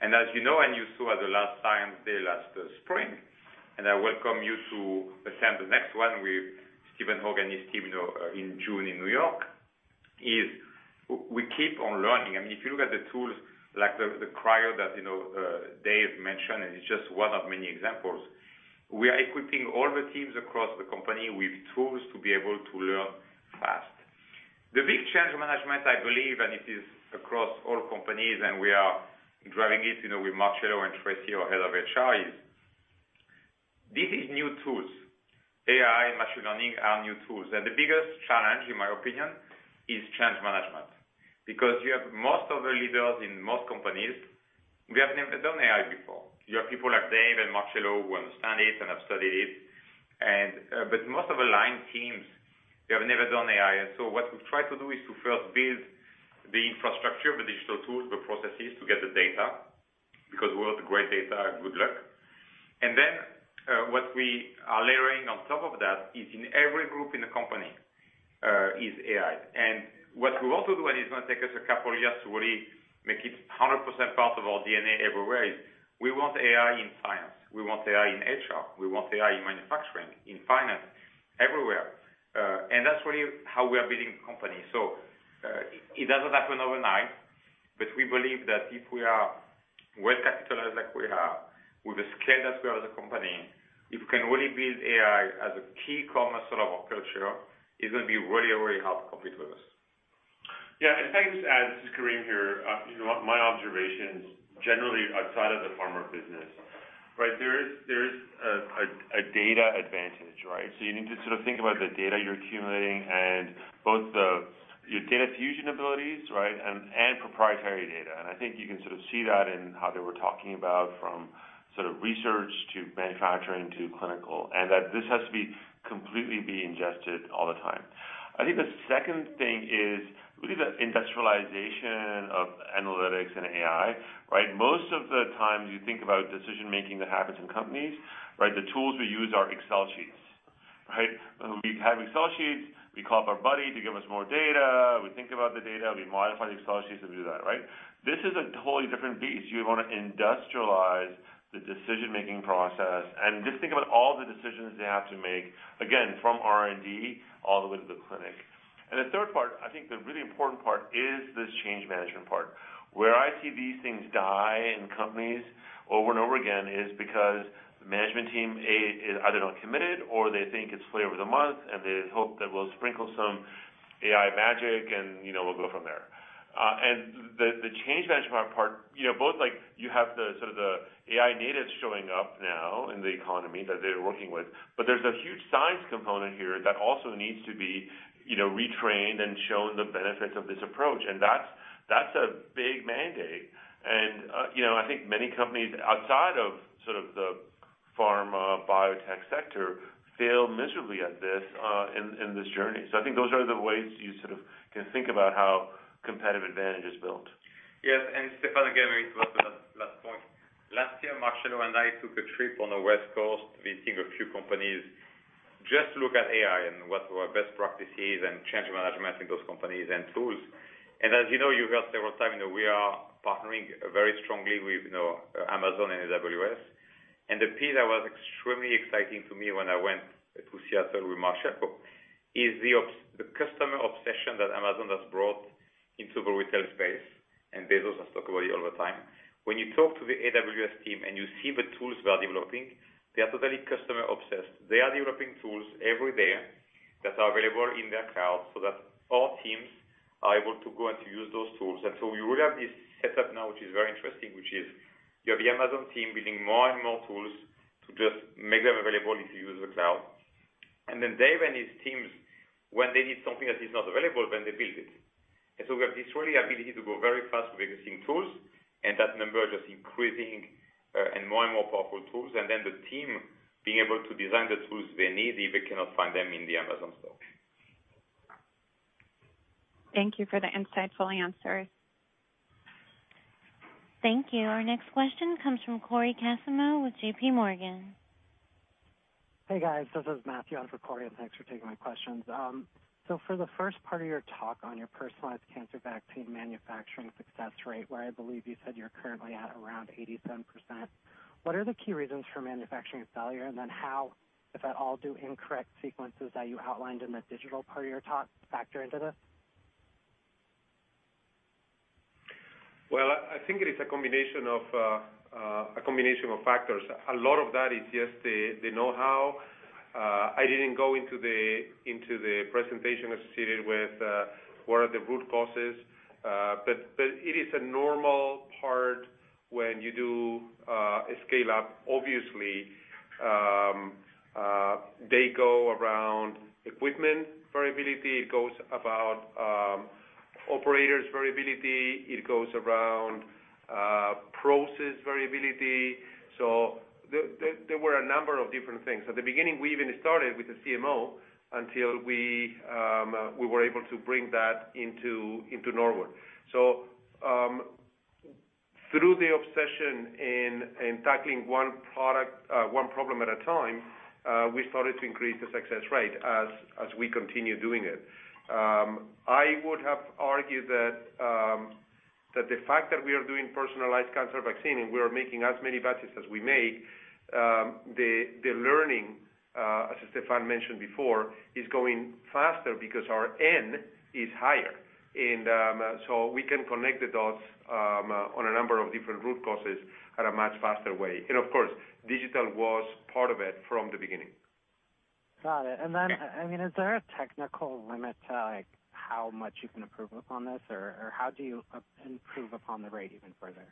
As you know, and you saw the last time, the last spring, and I welcome you to attend the next one with Stephen Hoge, his team in June in New York, is we keep on learning. I mean, if you look at the tools like the cryo that Dave mentioned. It's just one of many examples. We are equipping all the teams across the company with tools to be able to learn fast. The big change management, I believe, and it is across all companies, and we are driving it with Marcello and Tracey, our Head of HR. This is new tools. AI and machine learning are new tools. The biggest challenge, in my opinion, is change management, because you have most of the leaders in most companies, we have never done AI before. You have people like Dave and Marcello who understand it and have studied it. Most of the line teams, they have never done AI. What we've tried to do is to first build the infrastructure, the digital tools, the processes to get the data, because without the great data, good luck. What we are layering on top of that is in every group in the company is AI. What we want to do, and it's going to take us a couple of years to really make it 100% part of our DNA everywhere, is we want AI in finance. We want AI in HR. We want AI in manufacturing, in finance, everywhere. That's really how we are building the company. It doesn't happen overnight, but we believe that if we are well-capitalized like we are, with the scale that we are as a company, if we can really build AI as a key common sort of our culture, it's going to be very hard to compete with us. Yeah. If I can just add, this is Karim here. My observations generally outside of the pharma business, there is a data advantage, right? You need to sort of think about the data you're accumulating and both your data fusion abilities, right, and proprietary data. I think you can sort of see that in how they were talking about from sort of research to manufacturing to clinical, and that this has to be completely be ingested all the time. I think the second thing is really the industrialization of analytics and AI, right? Most of the time you think about decision-making that happens in companies, right? The tools we use are Excel sheets, right? We have Excel sheets. We call up our buddy to give us more data. We think about the data, we modify the Excel sheets, and we do that, right? This is a totally different beast. You want to industrialize the decision-making process and just think about all the decisions they have to make, again, from R&D all the way to the clinic. The third part, I think the really important part, is this change management part. Where I see these things die in companies over and over again is because the management team, A, is either not committed or they think it's flavor of the month, and they hope that we'll sprinkle some AI magic and we'll go from there. The change management part, both you have the AI natives showing up now in the economy that they're working with, but there's a huge science component here that also needs to be retrained and shown the benefits of this approach. That's a big mandate. I think many companies outside of the pharma biotech sector fail miserably at this in this journey. I think those are the ways you can think about how competitive advantage is built. Yes. It's Stéphane, again, very important last point. Last year, Marcello and I took a trip on the West Coast visiting a few companies just to look at AI and what were best practices and change management in those companies and tools. As you know, you heard several times, we are partnering very strongly with Amazon and AWS. The piece that was extremely exciting to me when I went to Seattle with Marcello is the customer obsession that Amazon has brought into the retail space, and Bezos has talked about it all the time. When you talk to the AWS team and you see the tools they are developing, they are totally customer-obsessed. They are developing tools every day that are available in their cloud so that all teams are able to go and to use those tools. We will have this setup now, which is very interesting, which is you have the Amazon team building more and more tools to just make them available if you use the cloud. They, when these teams need something that is not available, then they build it. We have this really ability to go very fast with existing tools, and that number just increasing, and more and more powerful tools, and then the team being able to design the tools they need if they cannot find them in the Amazon store. Thank you for the insightful answers. Thank you. Our next question comes from Cory Kasimov with JPMorgan. Hey, guys. This is Matthew on for Cory. Thanks for taking my questions. For the first part of your talk on your personalized cancer vaccine manufacturing success rate, where I believe you said you're currently at around 87%, what are the key reasons for manufacturing failure? How, if at all, do incorrect sequences that you outlined in the digital part of your talk factor into this? Well, I think it is a combination of factors. A lot of that is just the know-how. I didn't go into the presentation associated with what are the root causes. It is a normal part when you do a scale-up. Obviously, they go around equipment variability. It goes about operators variability. It goes around process variability. There were a number of different things. At the beginning, we even started with a CMO until we were able to bring that into Norwood. Through the obsession in tackling one problem at a time, we started to increase the success rate as we continue doing it. I would have argued that the fact that we are doing personalized cancer vaccine and we are making as many batches as we make, the learning, as Stéphane mentioned before, is going faster because our aim is higher. We can connect the dots on a number of different root causes at a much faster way. And of course, digital was part of it from the beginning. Got it. Is there a technical limit to how much you can improve upon this? How do you improve upon the rate even further?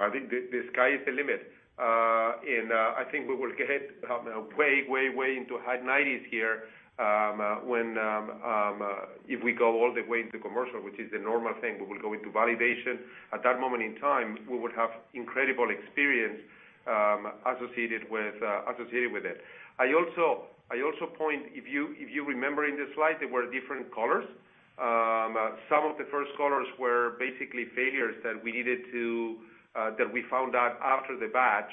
I think the sky is the limit. I think we will get way into high 90s here if we go all the way into commercial, which is the normal thing. We will go into validation. At that moment in time, we would have incredible experience associated with it. I also point, if you remember in the slide, there were different colors. Some of the first colors were basically failures that we found out after the batch.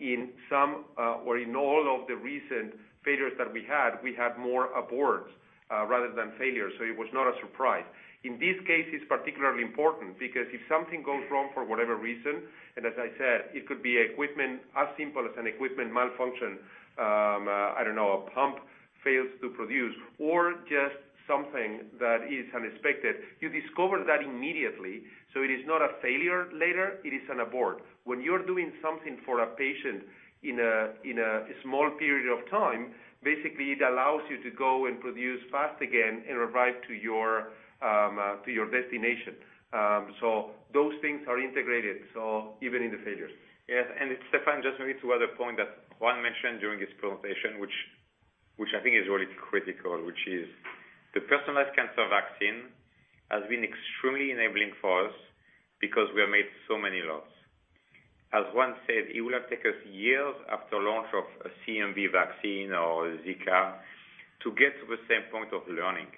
In some or in all of the recent failures that we had, we had more aborts rather than failures, so it was not a surprise. In these cases, particularly important, because if something goes wrong for whatever reason, and as I said, it could be equipment, as simple as an equipment malfunction, I don't know, a pump fails to produce or just something that is unexpected, you discover that immediately, so it is not a failure later, it is an abort. When you're doing something for a patient in a small period of time, basically it allows you to go and produce fast again and arrive to your destination. Those things are integrated, so even in the failures. Yes. It's Stéphane, just maybe to add a point that Juan mentioned during his presentation, which I think is really critical, which is the personalized cancer vaccine has been extremely enabling for us because we have made so many lots. As Juan said, it would have taken us years after launch of a CMV vaccine or Zika to get to the same point of learning.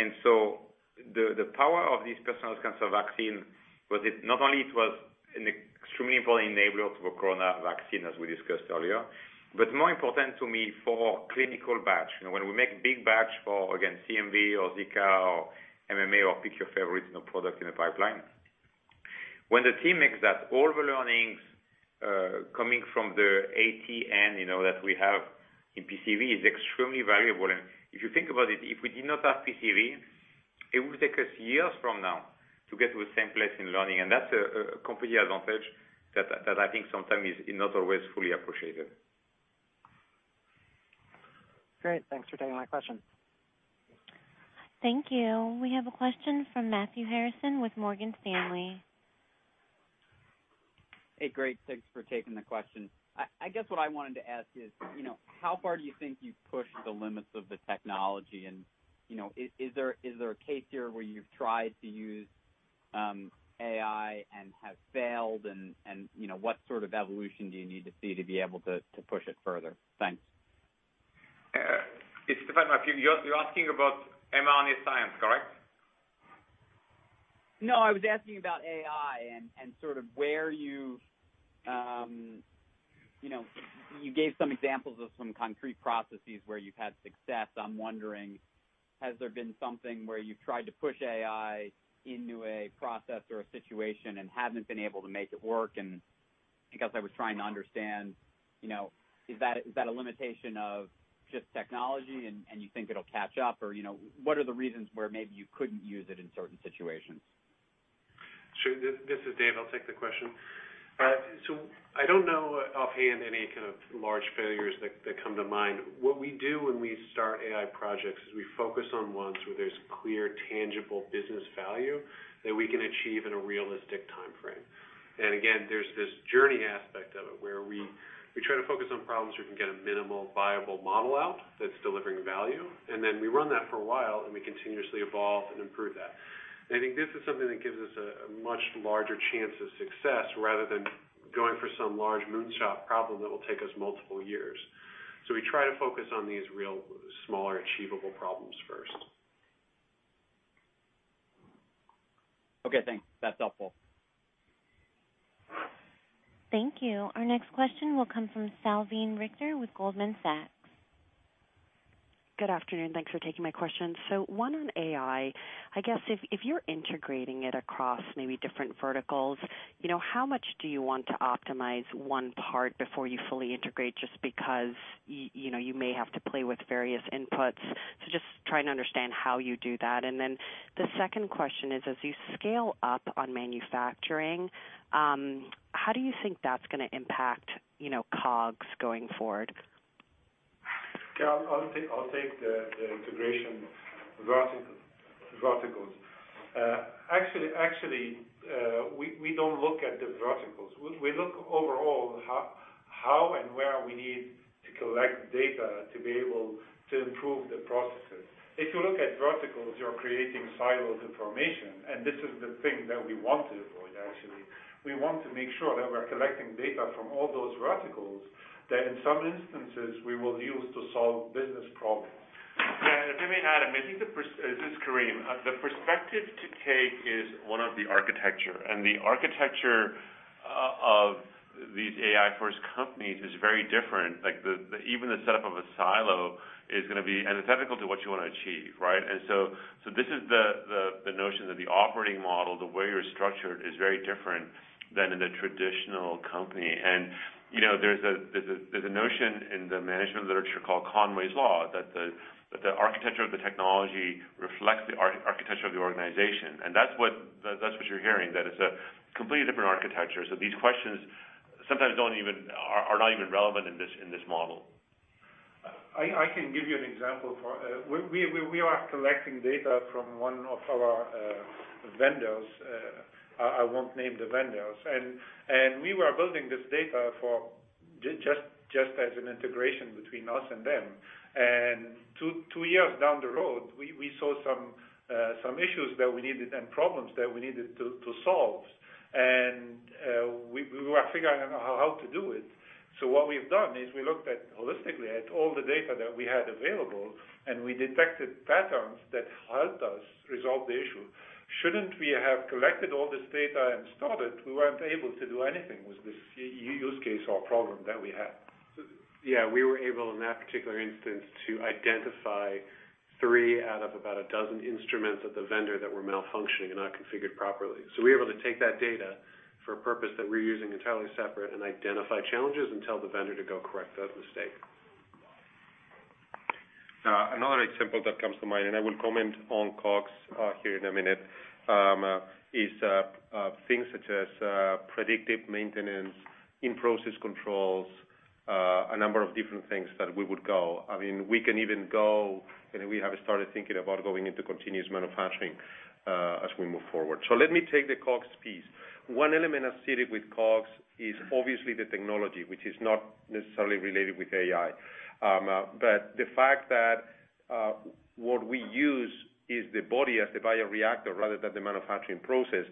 The power of this personalized cancer vaccine was it not only it was an extremely important enabler to the corona vaccine, as we discussed earlier, but more important to me for clinical batch. When we make big batch for, again, CMV or Zika or MMA or pick your favorite product in the pipeline. When the team makes that, all the learnings coming from the ATN that we have in PCV is extremely valuable. If you think about it, if we did not have PCV, it would take us years from now to get to the same place in learning, and that's a company advantage that I think sometimes is not always fully appreciated. Great. Thanks for taking my question. Thank you. We have a question from Matthew Harrison with Morgan Stanley. Hey, great. Thanks for taking the question. I guess what I wanted to ask is, how far do you think you've pushed the limits of the technology and is there a case here where you've tried to use AI and have failed and what sort of evolution do you need to see to be able to push it further? Thanks. It's Stéphane. Matthew, you're asking about mRNA science, correct? I was asking about AI and sort of, you gave some examples of some concrete processes where you've had success. I'm wondering, has there been something where you've tried to push AI into a process or a situation and haven't been able to make it work? I guess I was trying to understand, is that a limitation of just technology and you think it'll catch up? Or what are the reasons where maybe you couldn't use it in certain situations? Sure. This is Dave. I'll take the question. I don't know offhand any kind of large failures that come to mind. What we do when we start AI projects is we focus on ones where there's clear, tangible business value that we can achieve in a realistic timeframe. Again, there's this journey aspect of it where we try to focus on problems we can get a minimal viable model out that's delivering value, and then we run that for a while, and we continuously evolve and improve that. I think this is something that gives us a much larger chance of success rather than going for some large moonshot problem that will take us multiple years. We try to focus on these real smaller achievable problems first. Okay, thanks. That's helpful. Thank you. Our next question will come from Salveen Richter with Goldman Sachs. Good afternoon. Thanks for taking my question. One on AI. I guess if you're integrating it across maybe different verticals, how much do you want to optimize one part before you fully integrate, just because you may have to play with various inputs. Just trying to understand how you do that. The second question is, as you scale up on manufacturing, how do you think that's going to impact COGS going forward? Okay. I'll take the integration verticals. Actually, we don't look at the verticals. We look overall how and where we need to collect data to be able to improve the processes. If you look at verticals, you're creating silos of information, and this is the thing that we want to avoid, actually. We want to make sure that we're collecting data from all those verticals that in some instances we will use to solve business problems. Yeah, if I may add, this is Karim. The perspective to take is one of the architecture, and the architecture of these AI-first companies is very different. Even the setup of a silo is going to be antithetical to what you want to achieve, right? This is the notion that the operating model, the way you're structured, is very different than in a traditional company. There's a notion in the management literature called Conway's Law, that the architecture of the technology reflects the architecture of the organization. That's what you're hearing, that it's a completely different architecture. These questions sometimes are not even relevant in this model. I can give you an example. We are collecting data from one of our vendors, I won't name the vendors. We were building this data just as an integration between us and them. Two years down the road, we saw some issues and problems that we needed to solve. We were figuring out how to do it. What we've done is we looked holistically at all the data that we had available, and we detected patterns that helped us resolve the issue. Shouldn't we have collected all this data and stored it, we weren't able to do anything with this use case or problem that we had. We were able, in that particular instance, to identify three out of about a dozen instruments at the vendor that were malfunctioning and not configured properly. We were able to take that data for a purpose that we're using entirely separate and identify challenges and tell the vendor to go correct that mistake. Another example that comes to mind, and I will comment on COGS here in a minute, is things such as predictive maintenance, in-process controls, a number of different things that we would go. We can even go and we have started thinking about going into continuous manufacturing as we move forward. Let me take the COGS piece. One element associated with COGS is obviously the technology, which is not necessarily related with AI. The fact that what we use is the body as the bioreactor rather than the manufacturing process.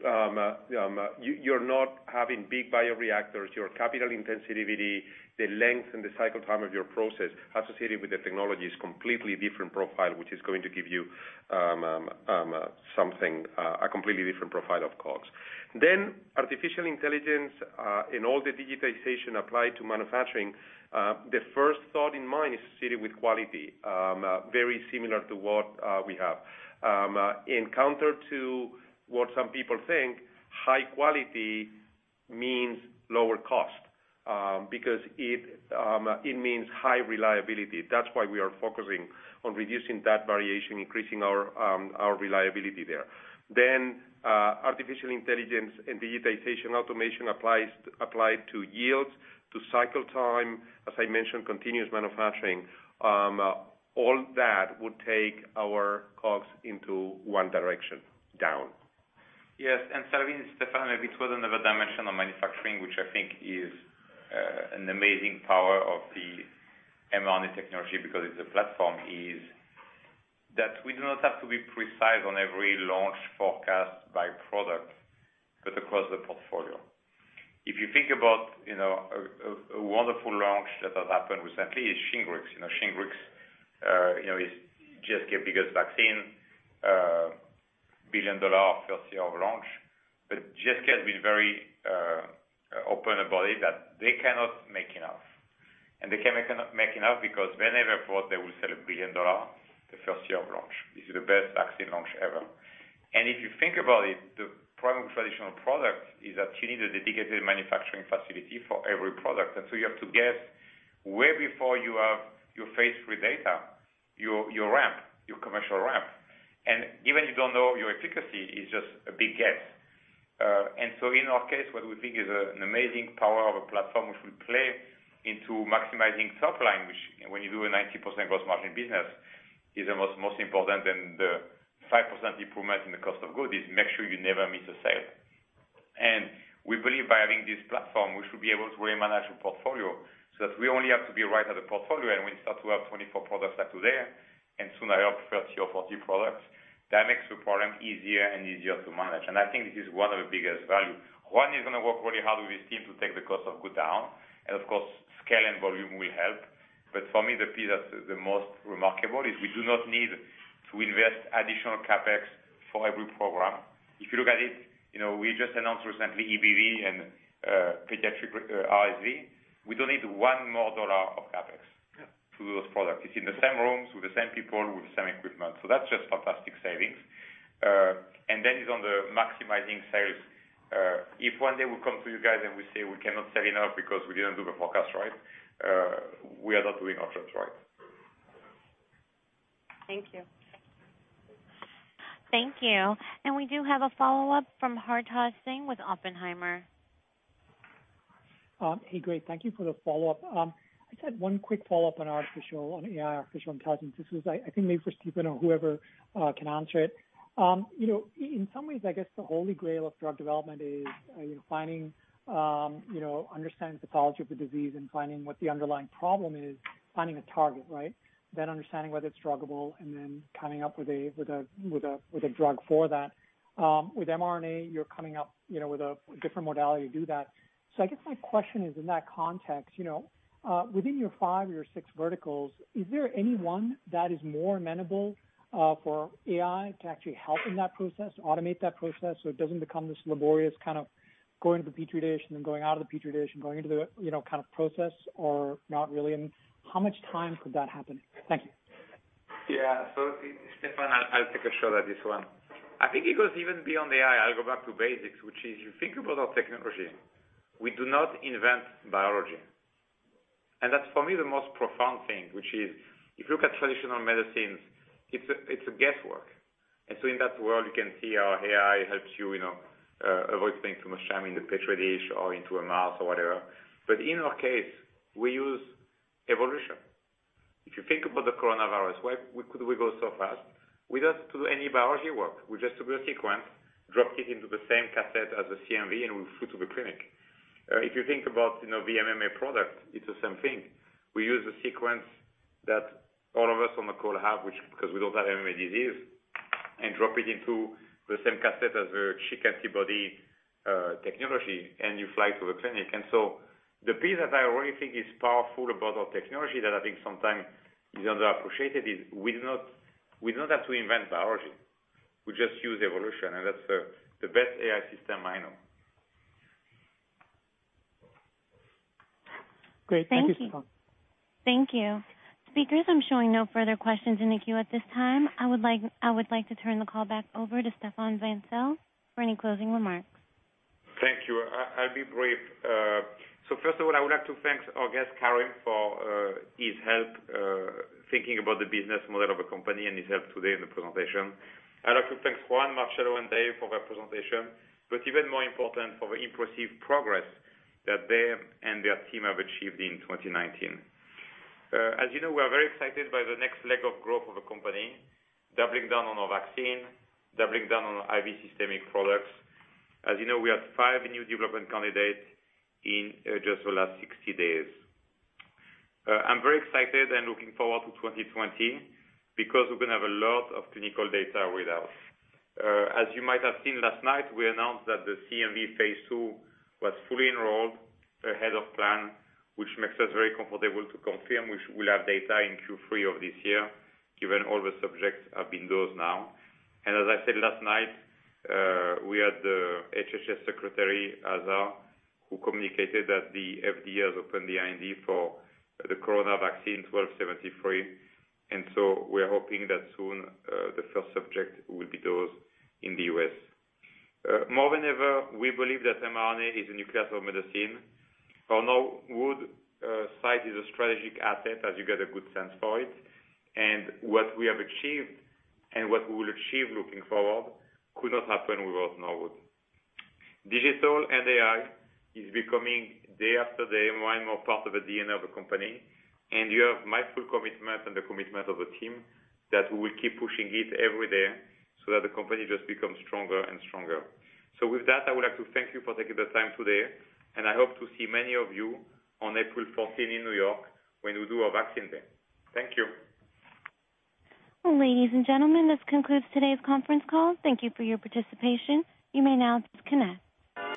You're not having big bioreactors. Your capital intensivity, the length and the cycle time of your process associated with the technology is completely different profile, which is going to give you a completely different profile of COGS. Artificial intelligence and all the digitization applied to manufacturing, the first thought in mind is associated with quality, very similar to what we have. In counter to what some people think, high quality. Means lower cost, because it means high reliability. That's why we are focusing on reducing that variation, increasing our reliability there. Artificial intelligence and digitization automation applied to yields, to cycle time, as I mentioned, continuous manufacturing. All that would take our costs into one direction, down. Yes. Salveen, it's Stéphane, a bit further another dimension of manufacturing, which I think is an amazing power of the mRNA technology because it's a platform, is that we do not have to be precise on every launch forecast by product, but across the portfolio. If you think about a wonderful launch that has happened recently is SHINGRIX. SHINGRIX is GSK biggest vaccine, $1 billion first year of launch. GSK has been very open about it that they cannot make enough. They cannot make enough because they never thought they will sell a $1 billion the first year of launch. This is the best vaccine launch ever. If you think about it, the problem with traditional products is that you need a dedicated manufacturing facility for every product. You have to guess way before you have your phase III data, your ramp, your commercial ramp. Even you don't know your efficacy, it's just a big guess. In our case, what we think is an amazing power of a platform which will play into maximizing supply chain, which when you do a 90% gross margin business, is the most important than the 5% improvement in the cost of goods, is make sure you never miss a sale. We believe by having this platform, we should be able to really manage a portfolio so that we only have to be right at the portfolio and we start to have 24 products like today, and sooner or later, 30 or 40 products. That makes the problem easier and easier to manage. I think this is one of the biggest value. Juan is going to work really hard with his team to take the cost of good down and of course, scale and volume will help. For me, the piece that's the most remarkable is we do not need to invest additional CapEx for every program. If you look at it, we just announced recently EBV and pediatric RSV. We don't need one more dollar of CapEx to those products. It's in the same rooms with the same people with the same equipment. That's just fantastic savings. It's on the maximizing sales. If one day we come to you guys and we say we cannot sell enough because we didn't do the forecast right, we are not doing our jobs right. Thank you. Thank you. We do have a follow-up from Hartaj Singh with Oppenheimer. Hey, great. Thank you for the follow-up. I just had one quick follow-up on AI, artificial intelligence. This was, I think maybe for Stéphane or whoever can answer it. In some ways, I guess the holy grail of drug development is understanding the pathology of the disease and finding what the underlying problem is, finding a target, right? Understanding whether it's druggable, and then coming up with a drug for that. With mRNA, you're coming up with a different modality to do that. I guess my question is in that context, within your five or your six verticals, is there any one that is more amenable for AI to actually help in that process, automate that process so it doesn't become this laborious kind of go into the petri dish and then going out of the petri dish and going into the kind of process or not really? How much time could that happen? Thank you. Yeah. It's Stéphane, I'll take a shot at this one. I think it goes even beyond AI. I'll go back to basics, which is you think about our technology. We do not invent biology. That's, for me, the most profound thing, which is if you look at traditional medicines, it's a guesswork. In that world, you can see how AI helps you avoid spending too much time in the petri dish or into a mouse or whatever. In our case, we use evolution. If you think about the coronavirus, why could we go so fast? We don't do any biology work. We just do a sequence, drop it into the same cassette as the CMV, and we flew to the clinic. If you think about MMA product, it's the same thing. We use a sequence that all of us on the call have, which because we don't have MMA disease, and drop it into the same cassette as a chik antibody technology, and you fly to the clinic. The piece that I already think is powerful about our technology that I think sometimes is underappreciated is we don't have to invent biology. We just use evolution and that's the best AI system I know. Great. Thank you, Stéphane. Thank you. Speakers, I'm showing no further questions in the queue at this time. I would like to turn the call back over to Stéphane Bancel for any closing remarks. Thank you. I'll be brief. First of all, I would like to thank our guest, Karim, for his help thinking about the business model of a company and his help today in the presentation. I'd like to thank Juan, Marcello, and Dave for their presentation, but even more important, for the impressive progress that they and their team have achieved in 2019. As you know, we are very excited by the next leg of growth of a company, doubling down on our vaccine, doubling down on our IV systemic products. As you know, we have five new development candidates in just the last 60 days. I'm very excited and looking forward to 2020 because we're going to have a lot of clinical data with us. As you might have seen last night, we announced that the CMV phase II was fully enrolled ahead of plan, which makes us very comfortable to confirm we'll have data in Q3 of this year, given all the subjects have been dosed now. As I said last night, we had the HHS Secretary Azar, who communicated that the FDA has opened the IND for the corona vaccine 1273, and so we're hoping that soon the first subject will be dosed in the U.S. More than ever, we believe that mRNA is the nucleus of medicine. Our Norwood site is a strategic asset, as you get a good sense for it, and what we have achieved and what we will achieve looking forward could not happen without Norwood. Digital and AI is becoming day after day more and more part of the DNA of a company. You have my full commitment and the commitment of the team that we will keep pushing it every day so that the company just becomes stronger and stronger. With that, I would like to thank you for taking the time today, and I hope to see many of you on April 14 in New York when we do our Vaccine Day. Thank you. Ladies and gentlemen, this concludes today's conference call. Thank you for your participation. You may now disconnect.